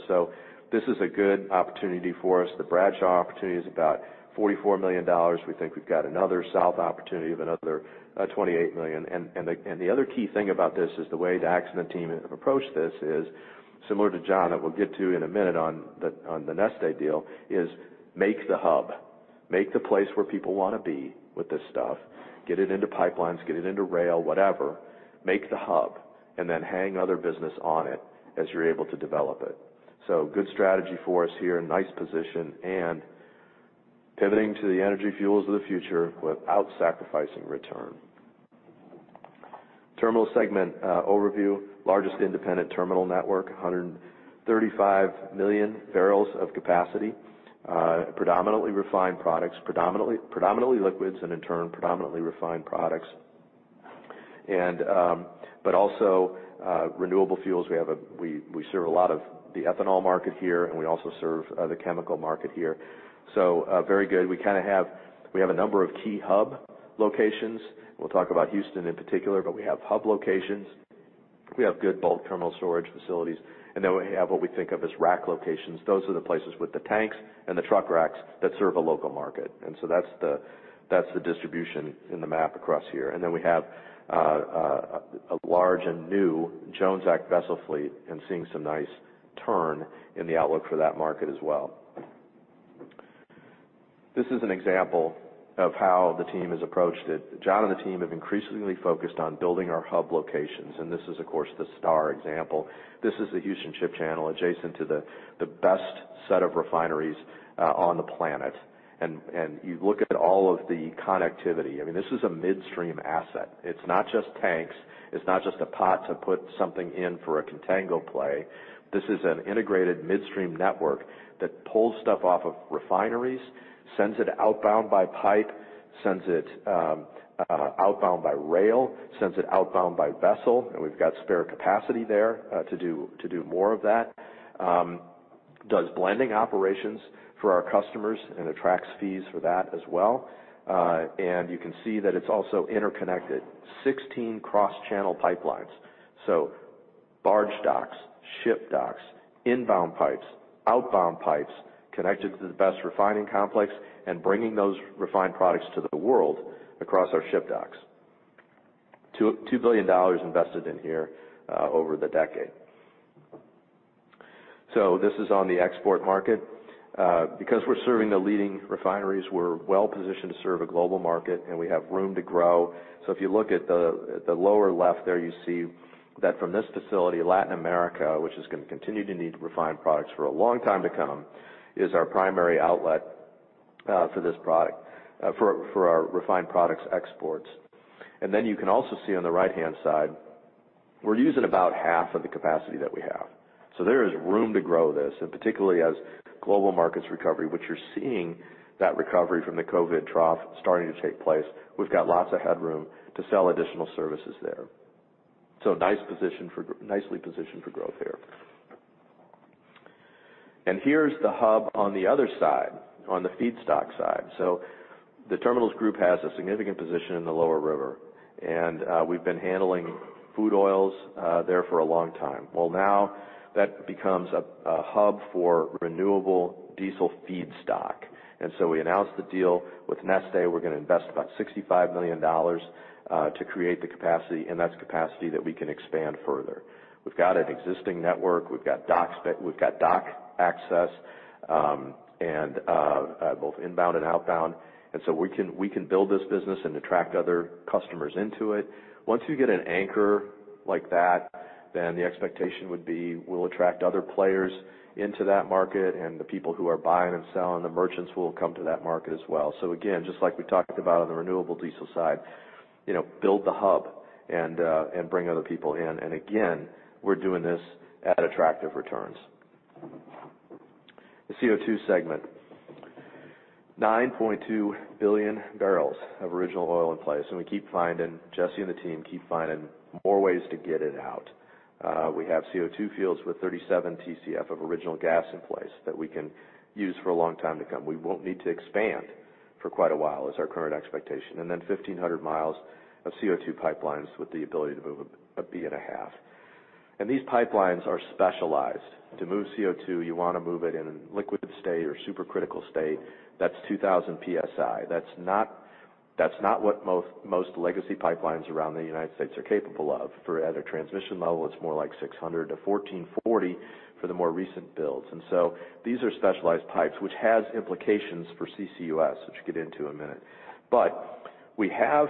This is a good opportunity for us. The Bradshaw opportunity is about $44 million. We think we've got another South opportunity of another $28 million. The other key thing about this is the way Dax and the team have approached this is similar to John, and we'll get to in a minute on the Neste deal, is make the hub. Make the place where people wanna be with this stuff, get it into pipelines, get it into rail, whatever, make the hub, and then hang other business on it as you're able to develop it. Good strategy for us here, nice position, and pivoting to the energy fuels of the future without sacrificing return. Terminal segment overview. Largest independent terminal network, 135 million barrels of capacity. Predominantly refined products, predominantly liquids, and in turn, predominantly refined products. Renewable Fuels. We serve a lot of the ethanol market here, and we also serve the chemical market here. Very good. We have a number of key hub locations. We'll talk about Houston in particular, but we have hub locations. We have good bulk terminal storage facilities. We have what we think of as rack locations. Those are the places with the tanks and the truck racks that serve a local market. That's the distribution in the map across here. We have a large and new Jones Act vessel fleet and seeing some nice turn in the outlook for that market as well. This is an example of how the team has approached it. John and the team have increasingly focused on building our hub locations, and this is, of course, the star example. This is the Houston Ship Channel adjacent to the best set of refineries on the planet. You look at all of the connectivity. I mean, this is a midstream asset. It's not just tanks. It's not just a pot to put something in for a contango play. This is an integrated midstream network that pulls stuff off of refineries, sends it outbound by pipe, sends it outbound by rail, sends it outbound by vessel, and we've got spare capacity there to do more of that. Does blending operations for our customers and attracts fees for that as well. You can see that it's also interconnected. 16 cross-channel pipelines. Barge docks, ship docks, inbound pipes, outbound pipes, connected to the best refining complex and bringing those refined products to the world across our ship docks. $2 billion invested in here over the decade. This is on the export market. Because we're serving the leading refineries, we're well-positioned to serve a global market, and we have room to grow. If you look at the lower left there, you see that from this facility, Latin America, which is gonna continue to need refined products for a long time to come, is our primary outlet for our refined products exports. Then you can also see on the right-hand side, we're using about half of the capacity that we have. There is room to grow this, and particularly as global markets recovery, which you're seeing that recovery from the COVID trough starting to take place. We've got lots of headroom to sell additional services there. Nicely positioned for growth here. Here's the hub on the other side, on the feedstock side. The terminals group has a significant position in the Lower River, and we've been handling food oils there for a long time. Well, now that becomes a hub for renewable diesel feedstock. We announced the deal with Neste. We're gonna invest about $65 million to create the capacity, and that's capacity that we can expand further. We've got an existing network. We've got dock access, and both inbound and outbound. We can build this business and attract other customers into it. Once you get an anchor like that, the expectation would be we'll attract other players into that market, and the people who are buying and selling, the merchants will come to that market as well. Again, just like we talked about on the renewable diesel side, you know, build the hub and bring other people in. Again, we're doing this at attractive returns. The CO2 segment. 9.2 billion barrels of original oil in place, and Jesse and the team keep finding more ways to get it out. We have CO2 fields with 37 TCF of original gas in place that we can use for a long time to come. We won't need to expand for quite a while, is our current expectation. 1,500 miles of CO2 pipelines with the ability to move 1.5 B. These pipelines are specialized. To move CO2, you wanna move it in a liquid state or supercritical state. That's 2,000 PSI. That's not what most legacy pipelines around the United States are capable of. At a transmission level, it's more like 600-1,440 for the more recent builds. These are specialized pipes, which has implications for CCUS, which we'll get into in a minute. But we have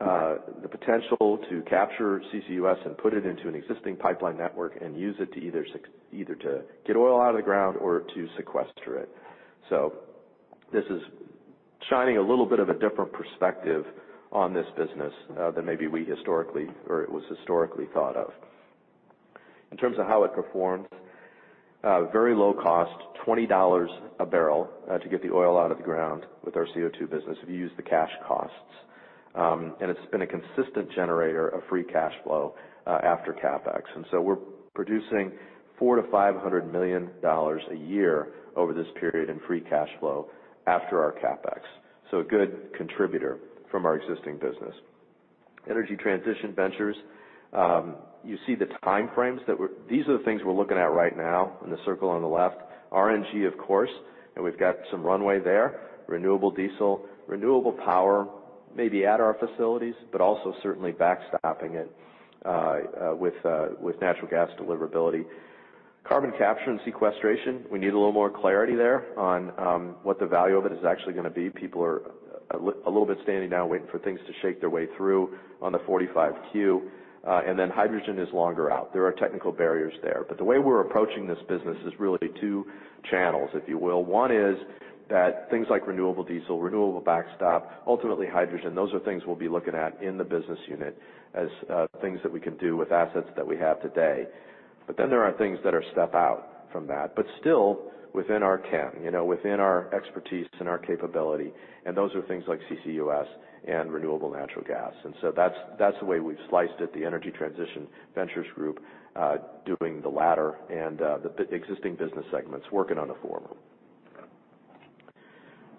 the potential to capture CCUS and put it into an existing pipeline network and use it to either to get oil out of the ground or to sequester it. This is shining a little bit of a different perspective on this business than maybe we historically or it was historically thought of. In terms of how it performs, very low cost, $20 a barrel, to get the oil out of the ground with our CO2 business if you use the cash costs. It's been a consistent generator of free cash flow after CapEx. We're producing $400 million-500 million a year over this period in free cash flow after our CapEx. A good contributor from our existing business. Energy Transition Ventures. You see. These are the things we're looking at right now in the circle on the left. RNG, of course, and we've got some runway there. Renewable diesel, renewable power. Maybe at our facilities, but also certainly backstopping it with natural gas deliverability. Carbon capture and sequestration, we need a little more clarity there on what the value of it is actually gonna be. People are a little bit standing down waiting for things to shake their way through on the 45Q, and then hydrogen is longer out. There are technical barriers there. The way we're approaching this business is really two channels, if you will. One is that things like renewable diesel, renewable natural gas, ultimately hydrogen, those are things we'll be looking at in the business unit as things that we can do with assets that we have today. There are things that are step out from that, but still within our ken, you know, within our expertise and our capability, and those are things like CCUS and renewable natural gas. That's the way we've sliced it, the Energy Transition Ventures group doing the latter and the existing business segments working on the former.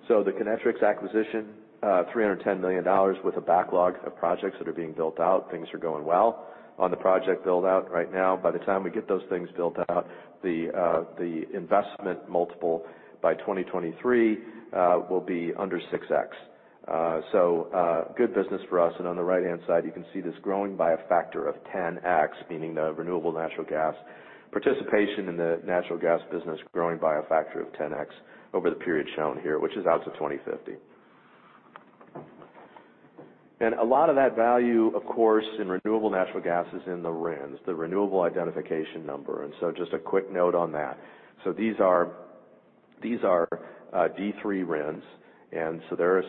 The Kinetrex acquisition, $310 million with a backlog of projects that are being built out. Things are going well on the project build-out right now. By the time we get those things built out, the investment multiple by 2023 will be under 6x. Good business for us. On the right-hand side, you can see this growing by a factor of 10x, meaning the renewable natural gas participation in the natural gas business growing by a factor of 10x over the period shown here, which is out to 2050. A lot of that value, of course, in renewable natural gas is in the RINs, the Renewable Identification Number. Just a quick note on that. These are D3 RINs, and they're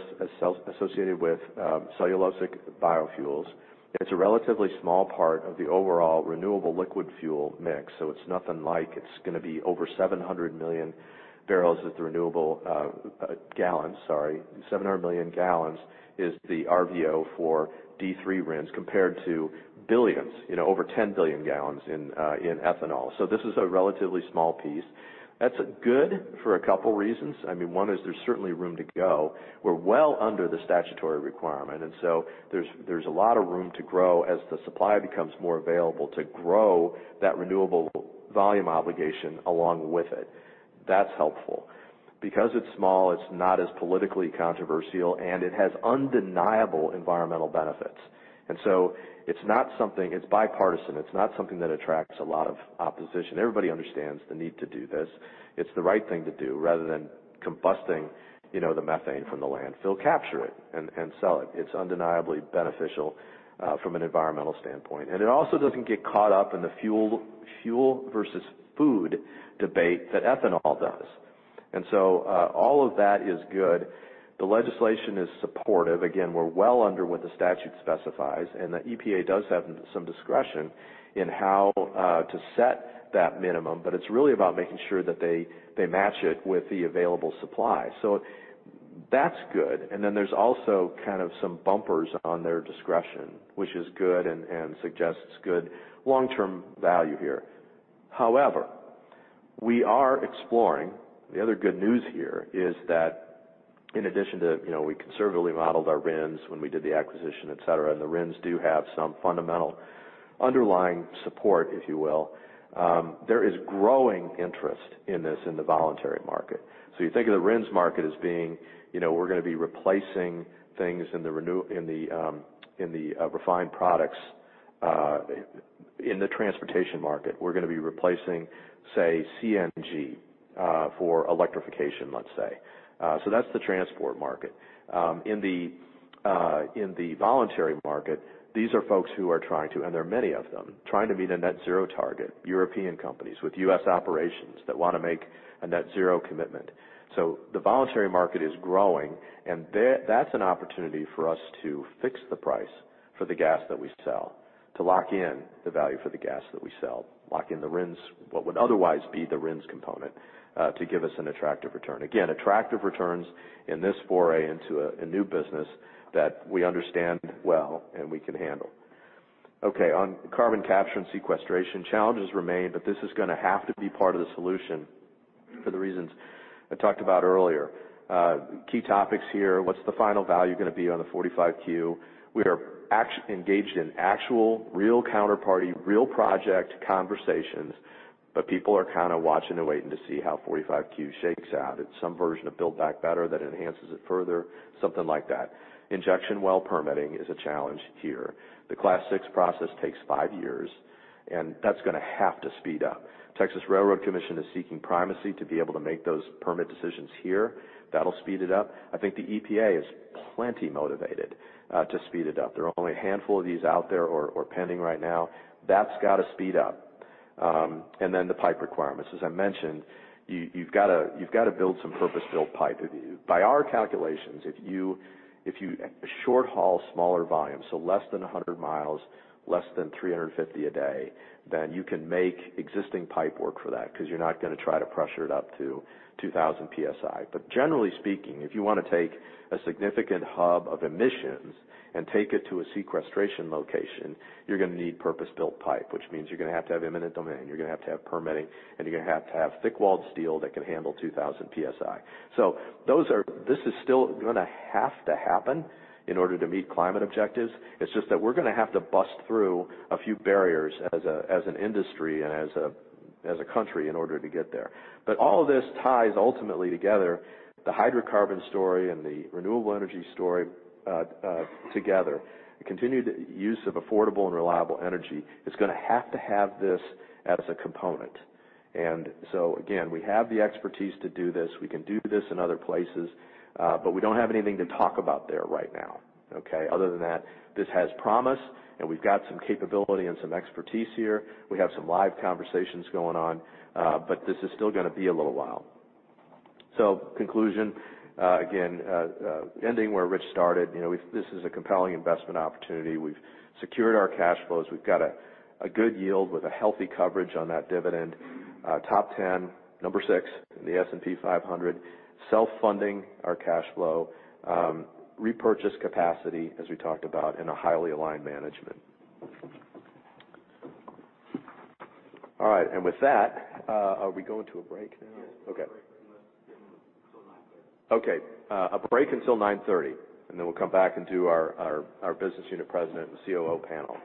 associated with cellulosic biofuels. It's a relatively small part of the overall renewable liquid fuel mix, so it's nothing like it's gonna be over 700 million gallons, sorry. 700 million gallons is the RVO for D3 RINs compared to billions, you know, over 10 billion gallons in ethanol. This is a relatively small piece. That's good for a couple reasons. I mean, one is there's certainly room to go. We're well under the statutory requirement, and so there's a lot of room to grow as the supply becomes more available to grow that renewable volume obligation along with it. That's helpful. Because it's small, it's not as politically controversial, and it has undeniable environmental benefits. It's not something, it's bipartisan. It's not something that attracts a lot of opposition. Everybody understands the need to do this. It's the right thing to do rather than combusting, you know, the methane from the landfill, capture it, and sell it. It's undeniably beneficial from an environmental standpoint. It also doesn't get caught up in the fuel versus food debate that ethanol does. All of that is good. The legislation is supportive. Again, we're well under what the statute specifies, and the EPA does have some discretion in how to set that minimum. It's really about making sure that they match it with the available supply. That's good. Then there's also kind of some bumpers on their discretion, which is good and suggests good long-term value here. However, we are exploring. The other good news here is that in addition to, you know, we conservatively modeled our RINS when we did the acquisition, et cetera, and the RINS do have some fundamental underlying support, if you will, there is growing interest in this in the voluntary market. You think of the RINS market as being, you know, we're gonna be replacing things in the refined products in the transportation market. We're gonna be replacing, say, CNG for electrification, let's say. That's the transport market. In the voluntary market, these are folks who are trying to, and there are many of them, trying to meet a net zero target, European companies with U.S. operations that wanna make a net zero commitment. The voluntary market is growing, and that's an opportunity for us to fix the price for the gas that we sell, to lock in the value for the gas that we sell, lock in the RINS, what would otherwise be the RINS component, to give us an attractive return. Again, attractive returns in this foray into a new business that we understand well and we can handle. Okay, on carbon capture and sequestration, challenges remain, but this is gonna have to be part of the solution for the reasons I talked about earlier. Key topics here, what's the final value gonna be on the 45Q? We are engaged in actual real counterparty, real project conversations, but people are kind of watching and waiting to see how 45Q shakes out. It's some version of Build Back Better that enhances it further, something like that. Injection well permitting is a challenge here. The Class VI process takes 5 years, and that's gonna have to speed up. Texas Railroad Commission is seeking primacy to be able to make those permit decisions here. That'll speed it up. I think the EPA is plenty motivated to speed it up. There are only a handful of these out there or pending right now. That's got to speed up. Then the pipe requirements. As I mentioned, you've got to build some purpose-built pipe. By our calculations, if you short haul smaller volumes, so less than 100 miles, less than 350 a day, then you can make existing pipe work for that 'cause you're not gonna try to pressure it up to 2,000 PSI. Generally speaking, if you want to take a significant hub of emissions and take it to a sequestration location, you're gonna need purpose-built pipe, which means you're gonna have to have eminent domain, you're gonna have to have permitting, and you're gonna have to have thick-walled steel that can handle 2,000 PSI. This is still gonna have to happen in order to meet climate objectives. It's just that we're gonna have to bust through a few barriers as an industry and as a country in order to get there. All of this ties ultimately together, the hydrocarbon story and the renewable energy story, together. Continued use of affordable and reliable energy is gonna have to have this as a component. Again, we have the expertise to do this. We can do this in other places, but we don't have anything to talk about there right now, okay? Other than that, this has promise, and we've got some capability and some expertise here. We have some live conversations going on, but this is still gonna be a little while. Conclusion, again, ending where Rich started, you know, this is a compelling investment opportunity. We've secured our cash flows. We've got a good yield with a healthy coverage on that dividend. Top ten, number six in the S&P 500. Self-funding our cash flow. Repurchase capacity, as we talked about, and a highly aligned management. All right. With that, are we going to a break now? Yes. Okay. until 9:30. Okay. A break until 9:30, and then we'll come back and do our business unit president and COO panel.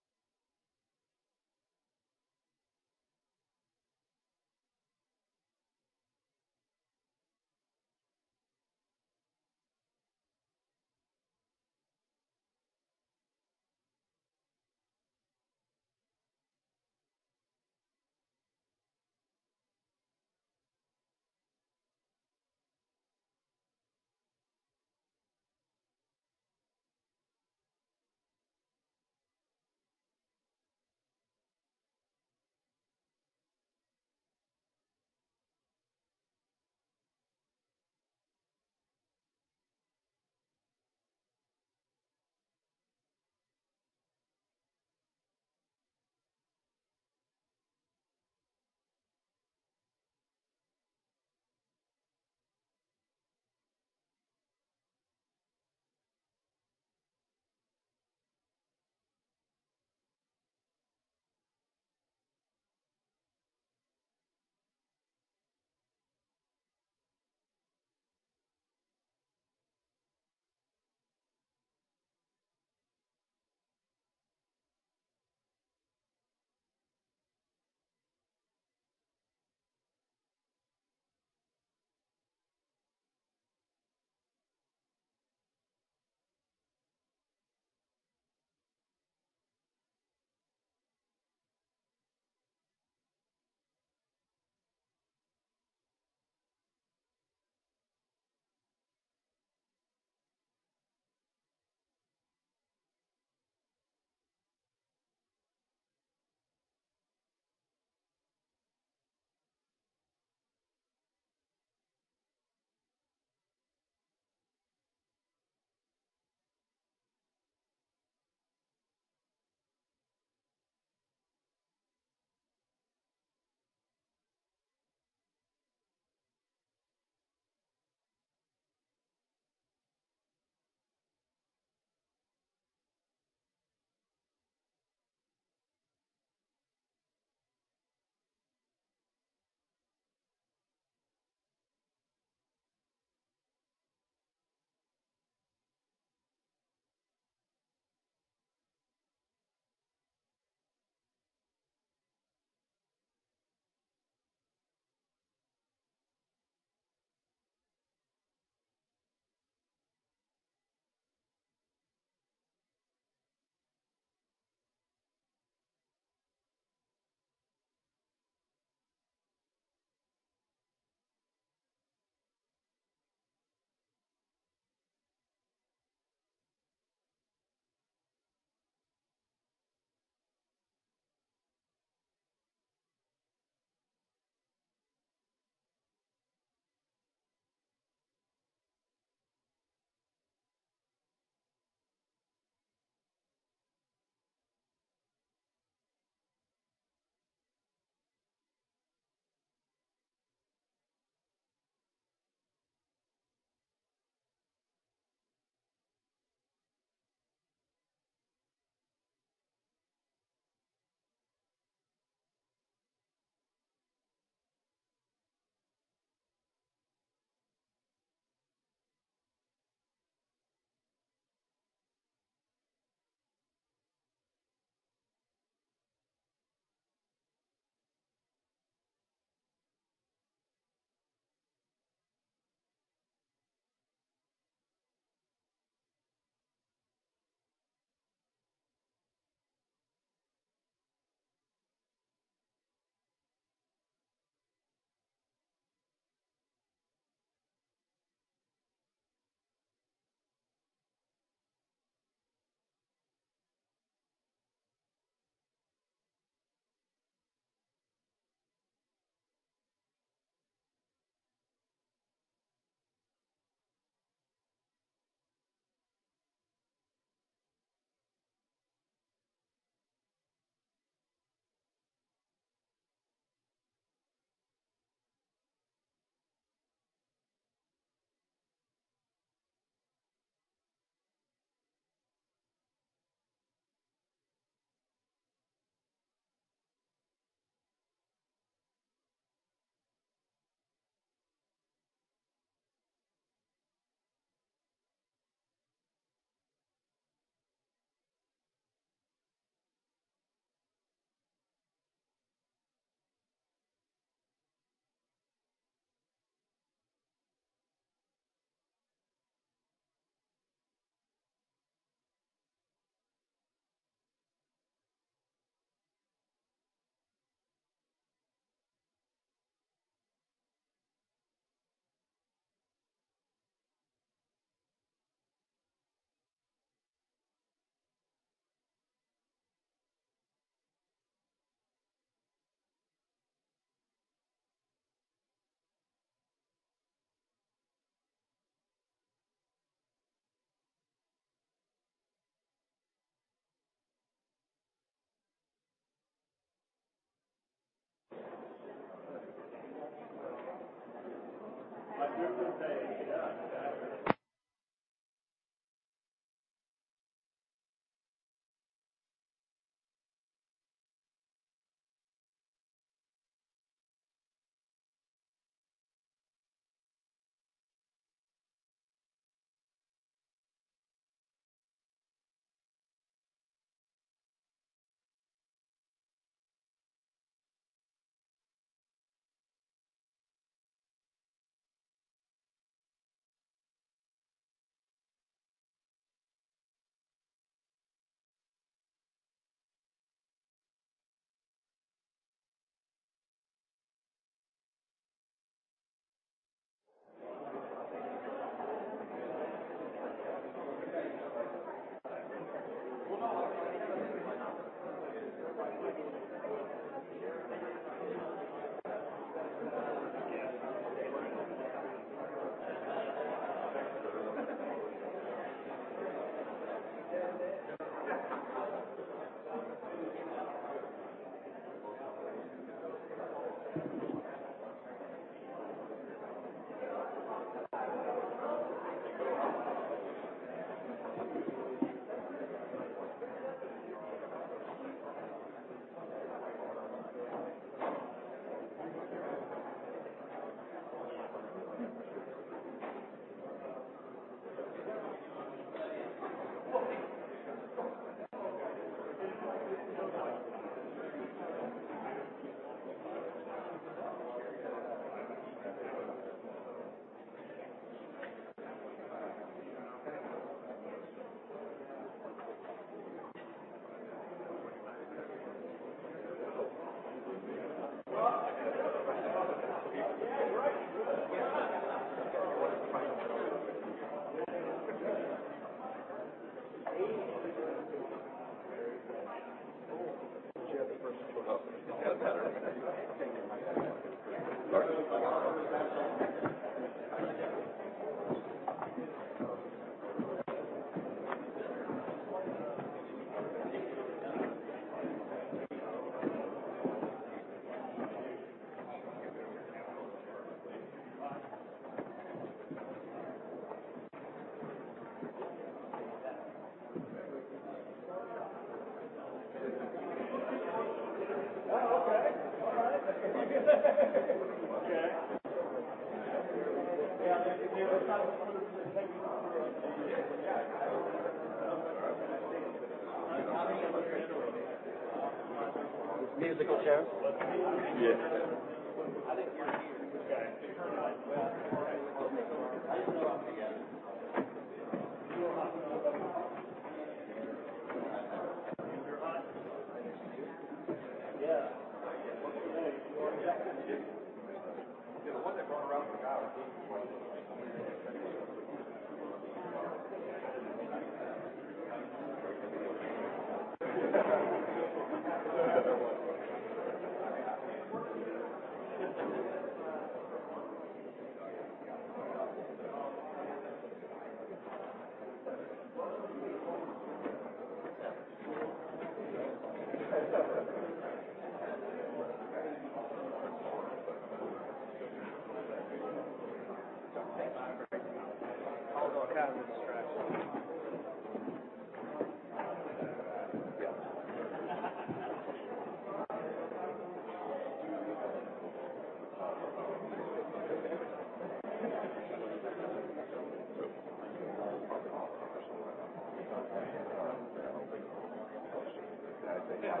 All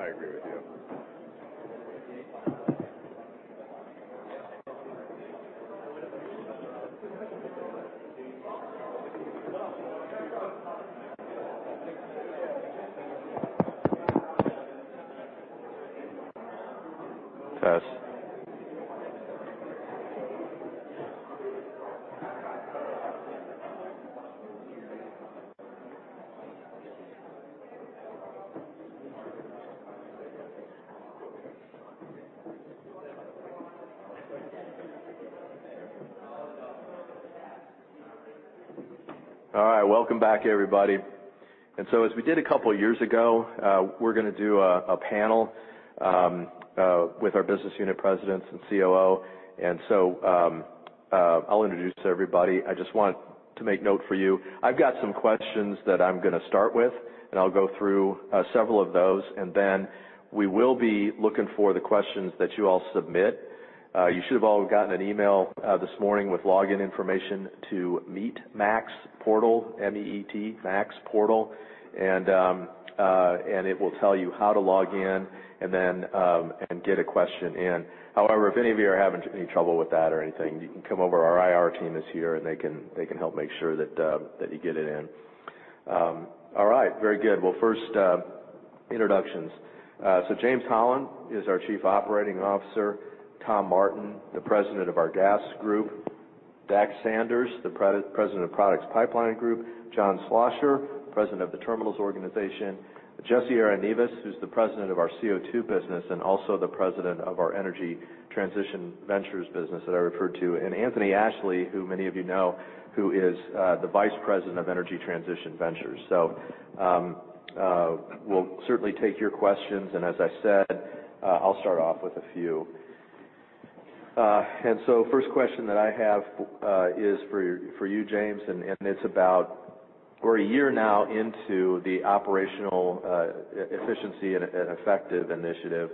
right. Welcome back, everybody. As we did a couple of years ago, we're gonna do a panel with our business unit presidents and COO. I'll introduce everybody. I just want to make note for you. I've got some questions that I'm gonna start with, and I'll go through several of those, and then we will be looking for the questions that you all submit. You should have all gotten an email this morning with login information to MeetMax Portal. It will tell you how to log in and then get a question in. However, if any of you are having any trouble with that or anything, you can come over. Our IR team is here, and they can help make sure that you get it in. All right, very good. Well, first, introductions. James Holland is our Chief Operating Officer. Tom Martin, the President of our gas group. Dax Sanders, the President of Products Pipeline Group. John Schlosser, President of the Terminals Organization. Jesse Arenivas, who's the President of our CO2 business and also the President of our Energy Transition Ventures business that I referred to. Anthony Ashley, who many of you know, who is the Vice President of Energy Transition Ventures. We'll certainly take your questions, and as I said, I'll start off with a few. First question that I have is for you, James, and it's about we're a year now into the operational efficiency and effectiveness initiative.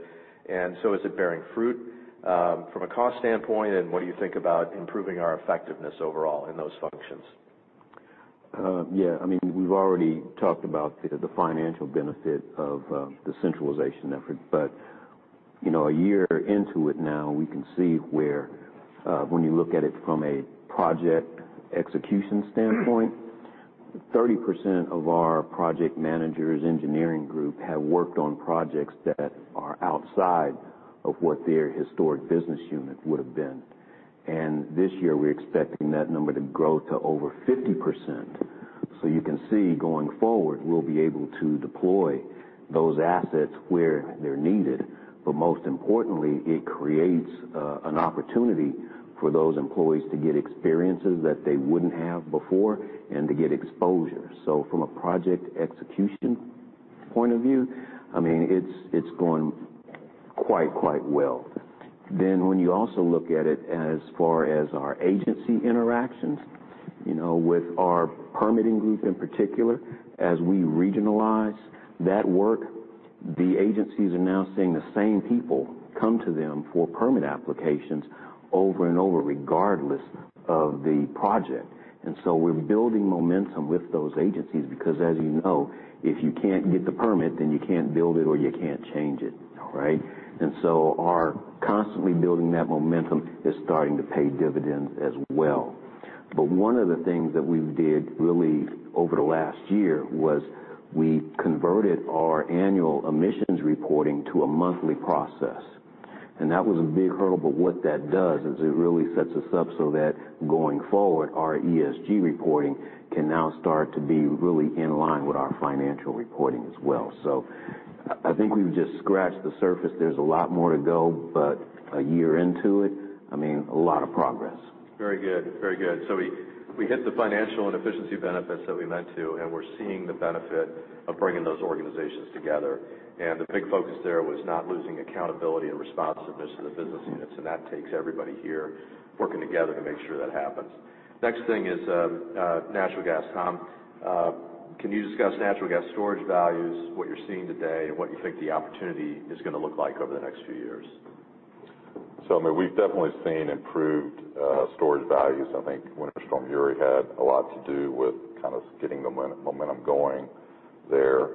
Is it bearing fruit from a cost standpoint? What do you think about improving our effectiveness overall in those functions? I mean, we've already talked about the financial benefit of the centralization effort. You know, a year into it now, we can see where, when you look at it from a project execution standpoint, 30% of our project managers engineering group have worked on projects that are outside of what their historic business unit would have been. This year, we're expecting that number to grow to over 50%. You can see, going forward, we'll be able to deploy those assets where they're needed. Most importantly, it creates an opportunity for those employees to get experiences that they wouldn't have before and to get exposure. From a project execution point of view, I mean, it's going quite well. When you also look at it as far as our agency interactions, you know, with our permitting group in particular, as we regionalize that work, the agencies are now seeing the same people come to them for permit applications over and over, regardless of the project. We're building momentum with those agencies because as you know, if you can't get the permit, then you can't build it or you can't change it. All right. Our constantly building that momentum is starting to pay dividends as well. One of the things that we did really over the last year was we converted our annual emissions reporting to a monthly process. That was a big hurdle, but what that does is it really sets us up so that going forward, our ESG reporting can now start to be really in line with our financial reporting as well. I think we've just scratched the surface. There's a lot more to go, but a year into it, I mean, a lot of progress. Very good. We hit the financial and efficiency benefits that we meant to, and we're seeing the benefit of bringing those organizations together. The big focus there was not losing accountability and responsiveness to the business units, and that takes everybody here working together to make sure that happens. Next thing is natural gas. Tom, can you discuss natural gas storage values, what you're seeing today, and what you think the opportunity is gonna look like over the next few years? I mean, we've definitely seen improved storage values. I think Winter Storm Uri had a lot to do with getting the momentum going there.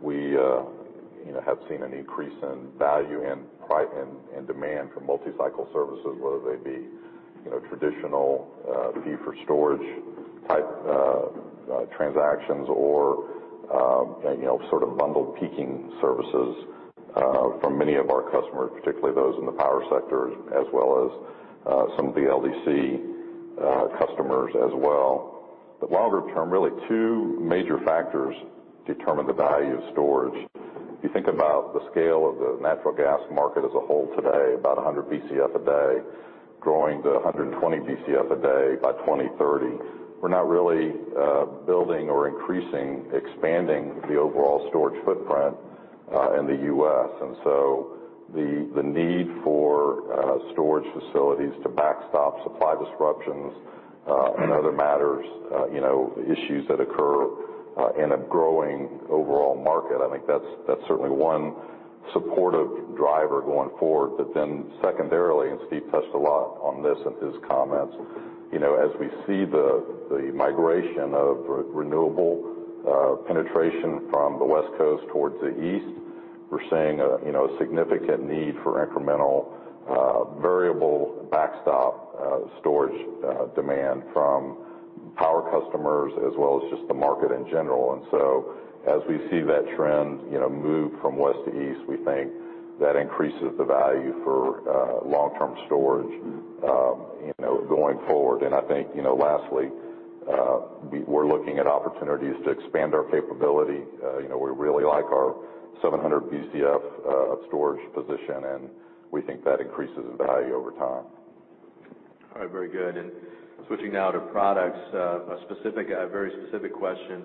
We, you know, have seen an increase in value and demand for multi-cycle services, whether they be, you know, traditional fee for storage type transactions or, you know, sort of bundled peaking services from many of our customers, particularly those in the power sectors, as well as some of the LDC customers as well. Longer term, really two major factors determine the value of storage. If you think about the scale of the natural gas market as a whole today, about 100 BCF a day, growing to 120 BCF a day by 2030, we're not really building or increasing, expanding the overall storage footprint in the U.S. The need for storage facilities to backstop supply disruptions and other matters, you know, issues that occur in a growing overall market, I think that's certainly one supportive driver going forward. Secondarily, and Steve touched a lot on this in his comments, you know, as we see the migration of renewable penetration from the West Coast towards the East, we're seeing a you know, a significant need for incremental variable backstop storage demand from power customers as well as just the market in general. As we see that trend, you know, move from West to East, we think that increases the value for long-term storage, you know, going forward. I think, you know, lastly, we're looking at opportunities to expand our capability. You know, we really like our 700 BCF storage position, and we think that increases in value over time. All right. Very good. Switching now to products, a very specific question.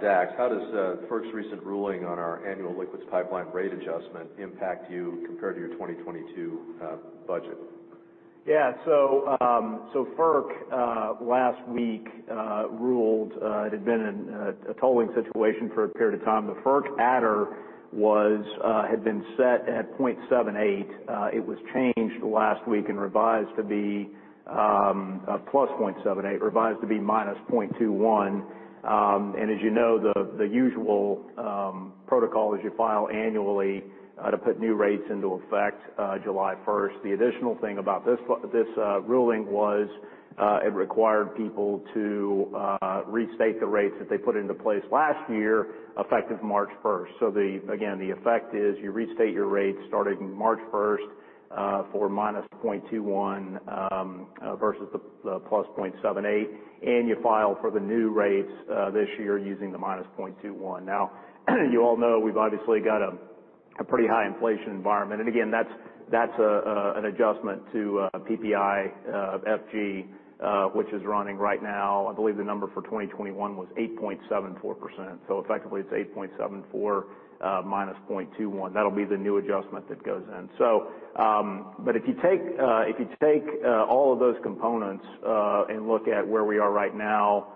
Dax, how does FERC's recent ruling on our annual liquids pipeline rate adjustment impact you compared to your 2022 budget? FERC last week ruled it had been in a tolling situation for a period of time. The FERC adder had been set at 0.78. It was changed last week and revised to be $+0.78, revised to be -0.21. As you know, the usual protocol is you file annually to put new rates into effect July 1st. The additional thing about this ruling was it required people to restate the rates that they put into place last year, effective March 1st. The effect is you restate your rates starting March 1st for -0.21% versus the +0.78%, and you file for the new rates this year using the -0.21. You all know we've obviously got a pretty high inflation environment. Again, that's an adjustment to PPI-FG, which is running right now. I believe the number for 2021 was 8.74%. Effectively, it's 8.74% -0.21%. That'll be the new adjustment that goes in. So, but If you take all of those components and look at where we are right now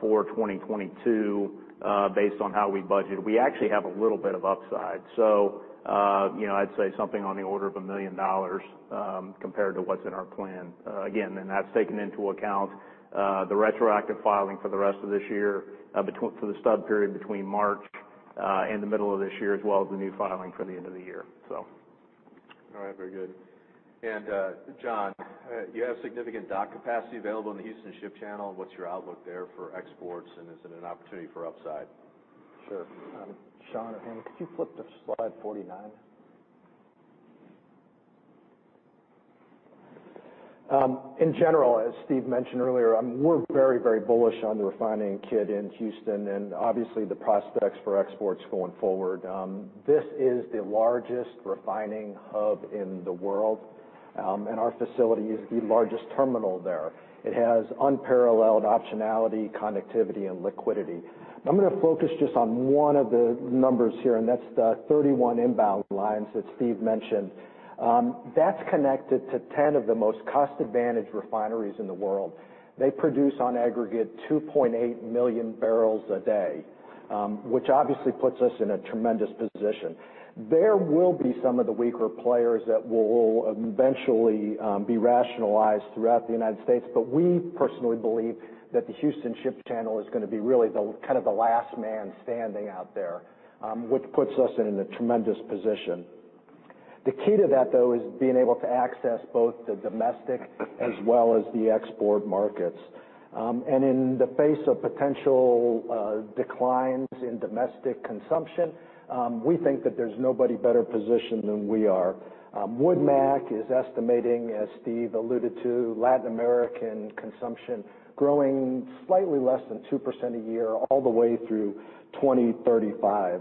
for 2022 based on how we budget, we actually have a little bit of upside. You know, I'd say something on the order of $1 million compared to what's in our plan. Again, that's taking into account the retroactive filing for the rest of this year for the stub period between March. In the middle of this year, as well as the new filing for the end of the year, so. All right. Very good. John, you have significant dock capacity available in the Houston Ship Channel. What's your outlook there for exports, and is it an opportunity for upside? Sure. Sean, could you flip to slide 49? In general, as Steve mentioned earlier, we're very, very bullish on the refining kit in Houston and obviously the prospects for exports going forward. This is the largest refining hub in the world, and our facility is the largest terminal there. It has unparalleled optionality, connectivity and liquidity. I'm gonna focus just on one of the numbers here, and that's the 31 inbound lines that Steve mentioned. That's connected to 10 of the most cost-advantaged refineries in the world. They produce on aggregate 2.8 million barrels a day, which obviously puts us in a tremendous position. There will be some of the weaker players that will eventually be rationalized throughout the United States, but we personally believe that the Houston Ship Channel is gonna be really kind of the last man standing out there, which puts us in a tremendous position. The key to that, though, is being able to access both the domestic as well as the export markets. In the face of potential declines in domestic consumption, we think that there's nobody better positioned than we are. WoodMac is estimating, as Steve alluded to, Latin American consumption growing slightly less than 2% a year all the way through 2035.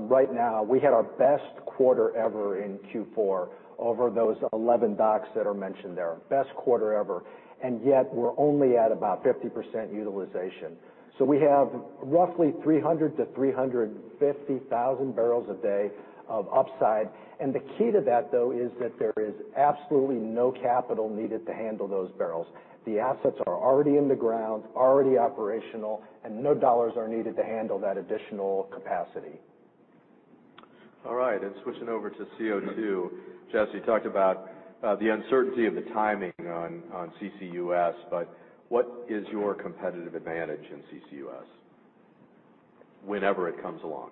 Right now, we had our best quarter ever in Q4 over those 11 docks that are mentioned there. Best quarter ever, and yet we're only at about 50% utilization. We have roughly 300-350,000 barrels a day of upside. The key to that, though, is that there is absolutely no capital needed to handle those barrels. The assets are already in the ground, already operational, and no dollars are needed to handle that additional capacity. All right. Switching over to CO2, Jesse, you talked about the uncertainty of the timing on CCUS, but what is your competitive advantage in CCUS whenever it comes along?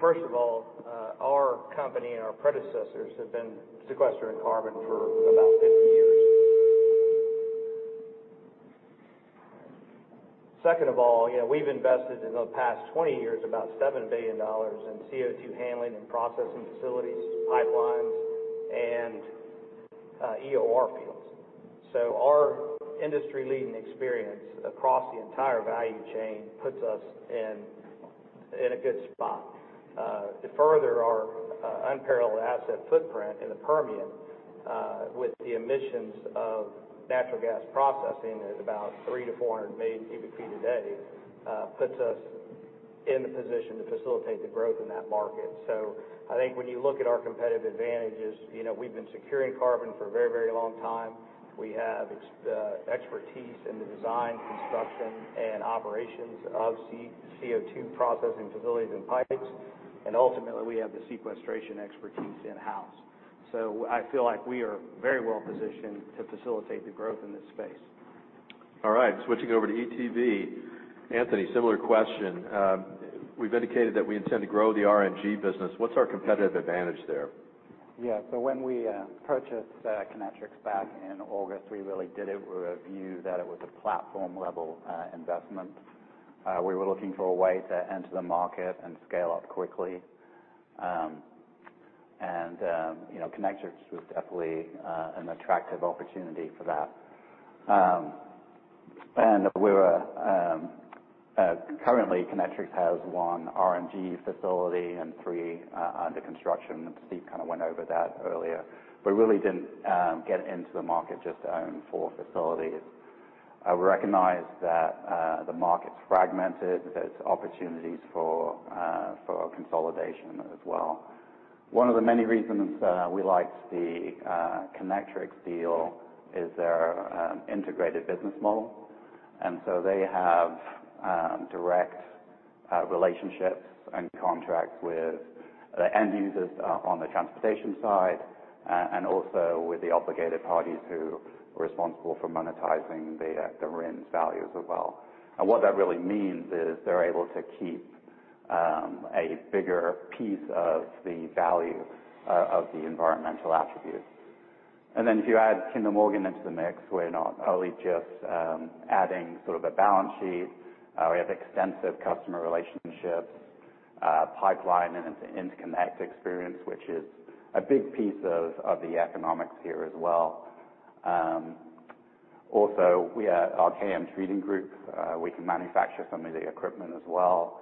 First of all, our company and our predecessors have been sequestering carbon for about 50 years. Second of all, you know, we've invested, in the past 20 years, about $7 billion in CO2 handling and processing facilities, pipelines, and EOR fields. Our industry-leading experience across the entire value chain puts us in a good spot to further our unparalleled asset footprint in the Permian with the emissions of natural gas processing at about 300-400 million cubic feet a day, puts us in the position to facilitate the growth in that market. I think when you look at our competitive advantages, you know, we've been sequestering carbon for a very, very long time. We have expertise in the design, construction and operations of CO2 processing facilities and pipes, and ultimately, we have the sequestration expertise in-house. I feel like we are very well positioned to facilitate the growth in this space. All right. Switching over to ETV. Anthony, similar question. We've indicated that we intend to grow the RNG business. What's our competitive advantage there? Yeah. When we purchased Kinetrex back in August, we really did it with a view that it was a platform-level investment. We were looking for a way to enter the market and scale up quickly. You know, Kinetrex was definitely an attractive opportunity for that. Currently, Kinetrex has one RNG facility and three under construction. Steve kind of went over that earlier. We really didn't get into the market just to own four facilities. We recognize that the market's fragmented. There's opportunities for consolidation as well. One of the many reasons we liked the Kinetrex deal is their integrated business model. They have direct relationships and contracts with the end users on the transportation side and also with the obligated parties who are responsible for monetizing the RINs value as well. What that really means is they're able to keep a bigger piece of the value of the environmental attributes. Then if you add Kinder Morgan into the mix, we're not only just adding sort of a balance sheet. We have extensive customer relationships, pipeline and interconnect experience, which is a big piece of the economics here as well. Also we have our Kinder Morgan Treating. We can manufacture some of the equipment as well.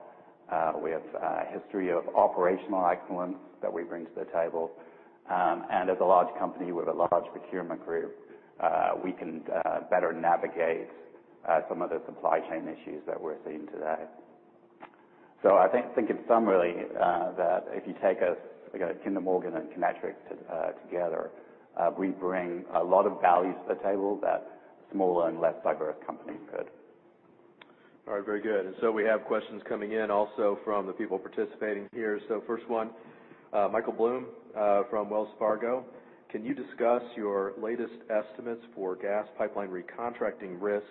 We have a history of operational excellence that we bring to the table. As a large company with a large procurement group, we can better navigate some of the supply chain issues that we're seeing today. I think in summary that if you take us, you know, Kinder Morgan and Kinetrex together, we bring a lot of value to the table that smaller and less diverse companies could. All right. Very good. We have questions coming in also from the people participating here. First one, Michael Blum from Wells Fargo: can you discuss your latest estimates for gas pipeline recontracting risk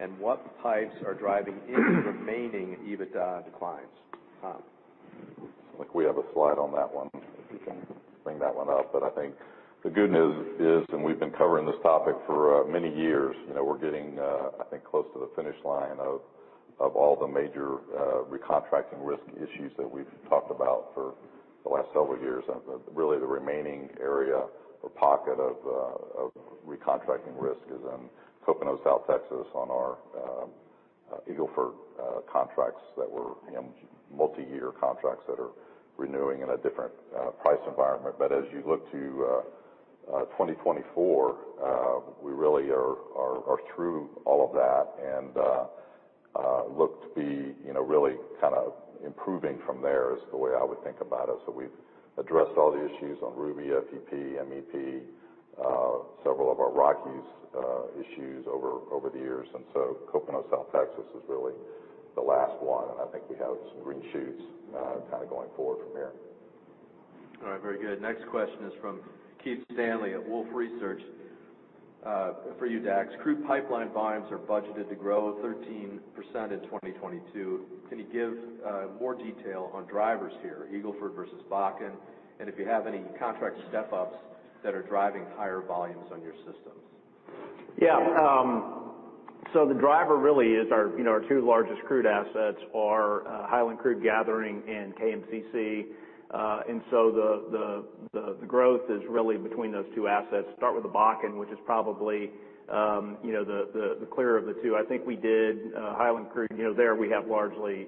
and what pipes are driving any remaining EBITDA declines, Tom? Looks like we have a slide on that one, if you can bring that one up. I think the good news is, and we've been covering this topic for many years, you know, we're getting, I think close to the finish line of all the major recontracting risk issues that we've talked about for the last several years. Really the remaining area or pocket of recontracting risk is in Copano South Texas on our Eagle Ford contracts that were, you know, multiyear contracts that are renewing in a different price environment. As you look to 2024, we really are through all of that and look to be, you know, really kind of improving from there is the way I would think about it. We've addressed all the issues on Ruby, FEP, MEP, several of our Rockies issues over the years. Copano South Texas is really the last one, and I think we have some green shoots kind of going forward from here. All right. Very good. Next question is from Keith Stanley at Wolfe Research for you, Dax. Crude pipeline volumes are budgeted to grow 13% in 2022. Can you give more detail on drivers here, Eagle Ford versus Bakken, and if you have any contract step-ups that are driving higher volumes on your systems? Yeah. The driver really is our, you know, our two largest crude assets are Hiland Crude Gathering and KMCC. The growth is really between those two assets. Start with the Bakken, which is probably, you know, the clearer of the two. I think we did Hiland Crude, you know, there we have largely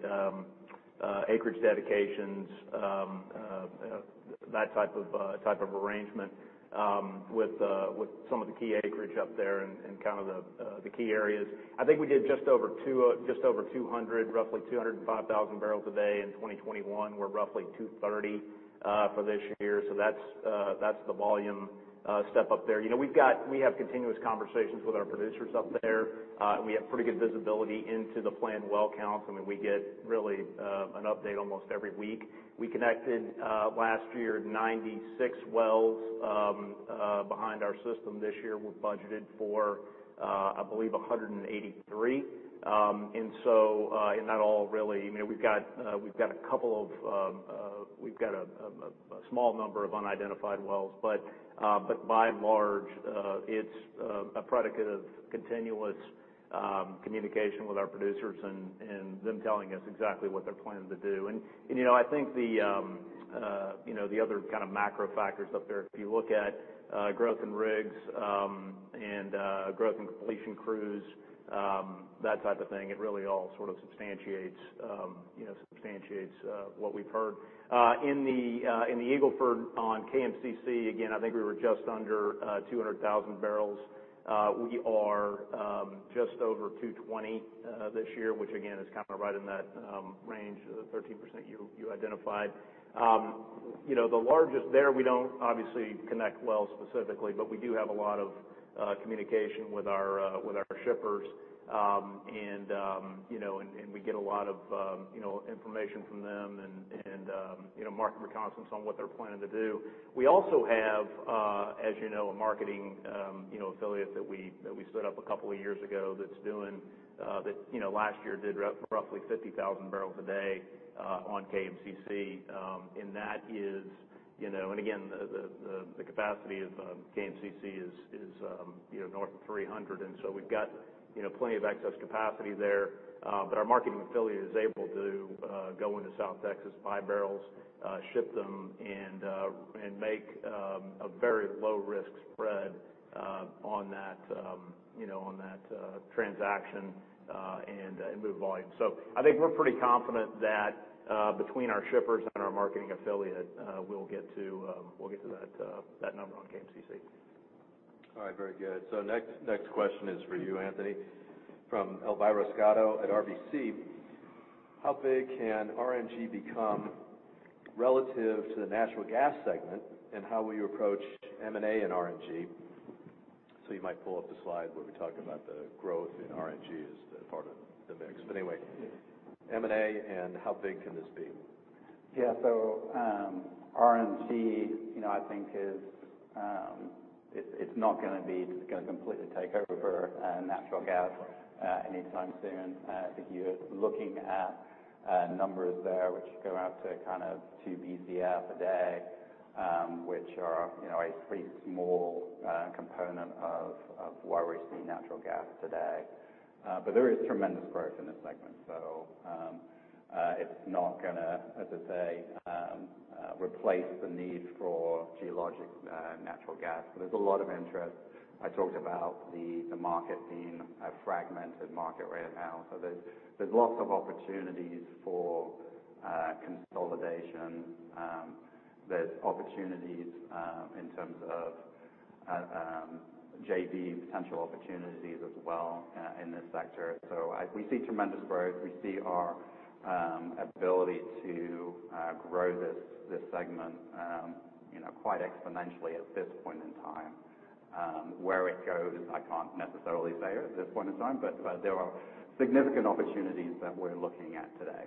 acreage dedications, that type of arrangement with some of the key acreage up there and kind of the key areas. I think we did just over 200, roughly 205,000 barrels a day in 2021. We're roughly 230 for this year. That's the volume step-up there. You know, we have continuous conversations with our producers up there, and we have pretty good visibility into the planned well counts. I mean, we get really an update almost every week. We connected last year 96 wells behind our system. This year we're budgeted for, I believe, 183. Not all really. I mean, we've got a couple of -- we've got a small number of unidentified wells. But by and large, it's predicated on continuous Communication with our Producers and them telling us exactly what they're planning to do. You know, I think the other kind of macro factors up there, if you look at growth in rigs and growth in completion crews, that type of thing, it really all sort of substantiates what we've heard. In the Eagle Ford on KMCC, again, I think we were just under 200,000 barrels. We are just over 220 this year, which again, is kind of right in that range of the 13% you identified. You know, the largest there, we don't obviously connect wells specifically, but we do have a lot of Communication with our Shippers. You know, we get a lot of you know, information from them and you know, market reconnaissance on what they're planning to do. We also have, as you know, a marketing you know, affiliate that we stood up a couple of years ago that's doing, that you know, last year did roughly 50,000 barrels a day on KMCC. That is you know and again, the capacity of KMCC is you know, north of 300, and so we've got you know, plenty of excess capacity there. Our marketing affiliate is able to go into South Texas, buy barrels, ship them, and make a very low risk spread on that, you know, on that transaction, and move volume. I think we're pretty confident that between our shippers and our marketing affiliate, we'll get to that number on KMCC. All right. Very good. Next question is for you, Anthony, from Elvira Scotto at RBC. How big can RNG become relative to the natural gas segment, and how will you approach M&A in RNG? You might pull up the slide where we talk about the growth in RNG as part of the mix. Anyway, M&A and how big can this be? Yeah. RNG, you know, I think, is not gonna completely take over natural gas anytime soon. If you're looking at numbers there which go out to kind of 2 BCF a day, which are, you know, a pretty small component of where we see natural gas today. There is tremendous growth in this segment. It's not gonna, as I say, replace the need for geologic natural gas. There's a lot of interest. I talked about the market being a fragmented market right now. There's lots of opportunities for consolidation. There's opportunities in terms of JV potential opportunities as well in this sector. We see tremendous growth. We see our ability to grow this segment, you know, quite exponentially at this point in time. Where it goes, I can't necessarily say at this point in time, but there are significant opportunities that we're looking at today.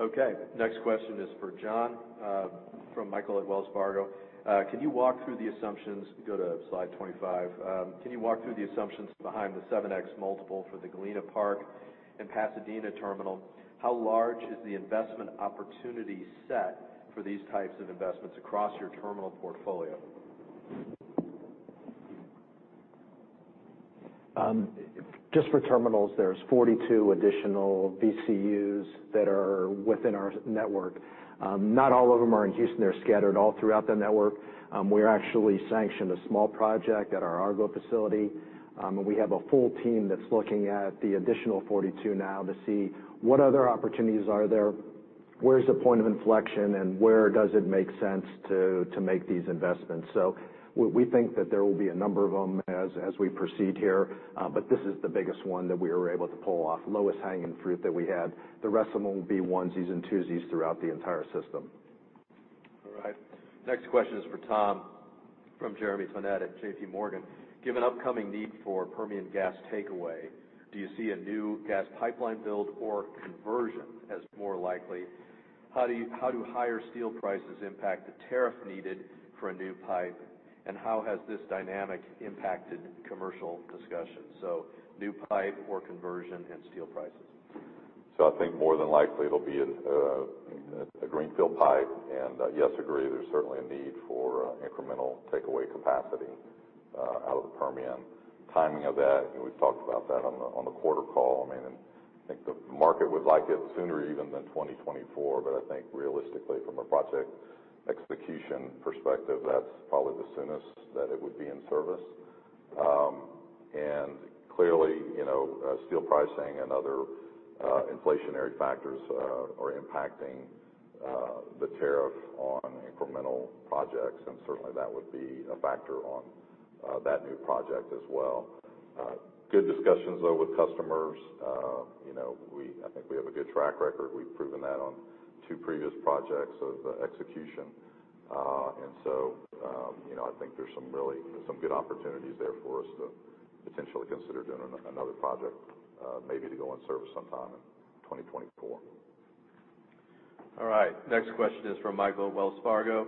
Okay. Next question is for John from Michael at Wells Fargo. Go to slide 25. Can you walk through the assumptions behind the 7x multiple for the Galena Park and Pasadena terminal? How large is the investment opportunity set for these types of investments across your terminal portfolio? Just for terminals, there's 42 additional VCUs that are within our network. Not all of them are in Houston. They're scattered all throughout the network. We actually sanctioned a small project at our Argo facility, and we have a full team that's looking at the additional 42 now to see what other opportunities are there, where is the point of inflection, and where does it make sense to make these investments. We think that there will be a number of them as we proceed here, but this is the biggest one that we were able to pull off. Lowest hanging fruit that we had. The rest of them will be onesies and twosies throughout the entire system. All right. Next question is for Tom from Jeremy Tonet at JPMorgan. Given upcoming need for Permian gas takeaway, do you see a new gas pipeline build or conversion as more likely? How do higher steel prices impact the tariff needed for a new pipe? And how has this dynamic impacted commercial discussions? New pipe or conversion and steel prices. I think more than likely it'll be a greenfield pipe. Yes, agree, there's certainly a need for incremental takeaway capacity out of the Permian. Timing of that, you know, we've talked about that on the quarter call. I mean, I think the market would like it sooner even than 2024, but I think realistically from a project execution perspective, that's probably the soonest that it would be in service. Clearly, you know, steel pricing and other inflationary factors are impacting the tariff on incremental projects, and certainly that would be a factor on that new project as well. Good discussions though with customers. You know, I think we have a good track record. We've proven that on two previous projects of the execution. You know, I think there's some good opportunities there for us to potentially consider doing another project, maybe to go in service sometime in 2024. All right. Next question is from Michael, Wells Fargo,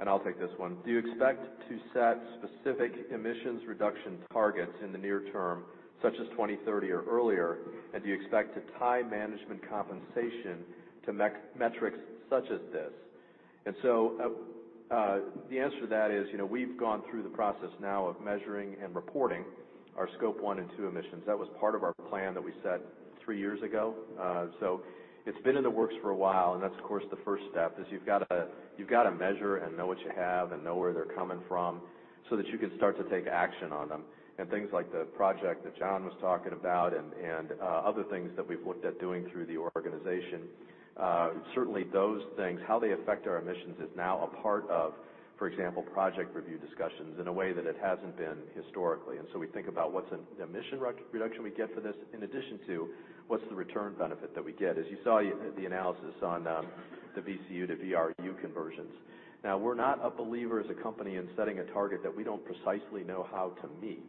and I'll take this one. Do you expect to set specific emissions reduction targets in the near term, such as 2030 or earlier? And do you expect to tie management compensation to metrics such as this? The answer to that is, you know, we've gone through the process now of measuring and reporting our Scope 1 and Scope 2 emissions. That was part of our plan that we set three years ago. It's been in the works for a while, and that's of course the first step, is you've got to measure and know what you have and know where they're coming from so that you can start to take action on them. Things like the project that John was talking about and other things that we've looked at doing through the organization. Certainly those things, how they affect our emissions is now a part of, for example, project review discussions in a way that it hasn't been historically. We think about what's an emission reduction we get for this in addition to what's the return benefit that we get, as you saw in the analysis on the VCU to VRU conversions. Now, we're not a believer as a company in setting a target that we don't precisely know how to meet.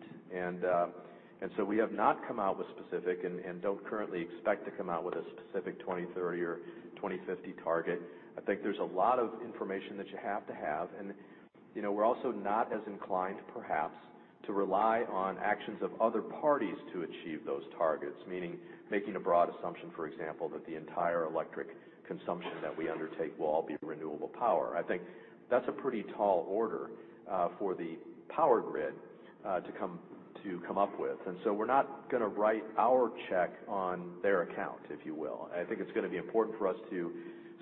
We have not come out with specific and don't currently expect to come out with a specific 2030 or 2050 target. I think there's a lot of information that you have to have. You know, we're also not as inclined perhaps to rely on actions of other parties to achieve those targets. Meaning making a broad assumption, for example, that the entire electric consumption that we undertake will all be renewable power. I think that's a pretty tall order for the power grid to come up with. We're not gonna write our check on their account, if you will. I think it's gonna be important for us to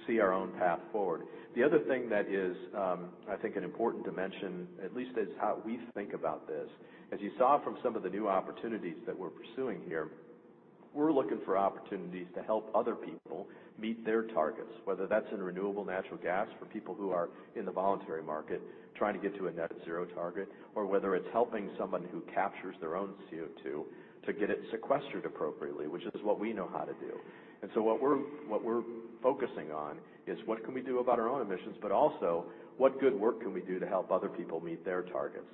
see our own path forward. The other thing that is, I think an important dimension, at least as how we think about this, as you saw from some of the new opportunities that we're pursuing here, we're looking for opportunities to help other people meet their targets, whether that's in renewable natural gas for people who are in the voluntary market trying to get to a net zero target, or whether it's helping someone who captures their own CO2 to get it sequestered appropriately, which is what we know how to do. What we're focusing on is what can we do about our own emissions, but also what good work can we do to help other people meet their targets.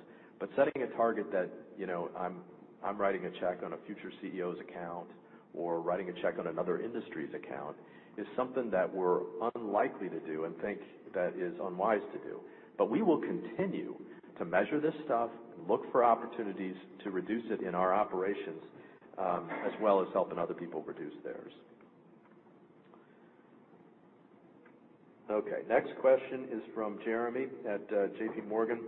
Setting a target that, you know, I'm writing a check on a future CEO's account or writing a check on another industry's account, is something that we're unlikely to do and think that is unwise to do. We will continue to measure this stuff and look for opportunities to reduce it in our operations, as well as helping other people reduce theirs. Okay, next question is from Jeremy at JPMorgan.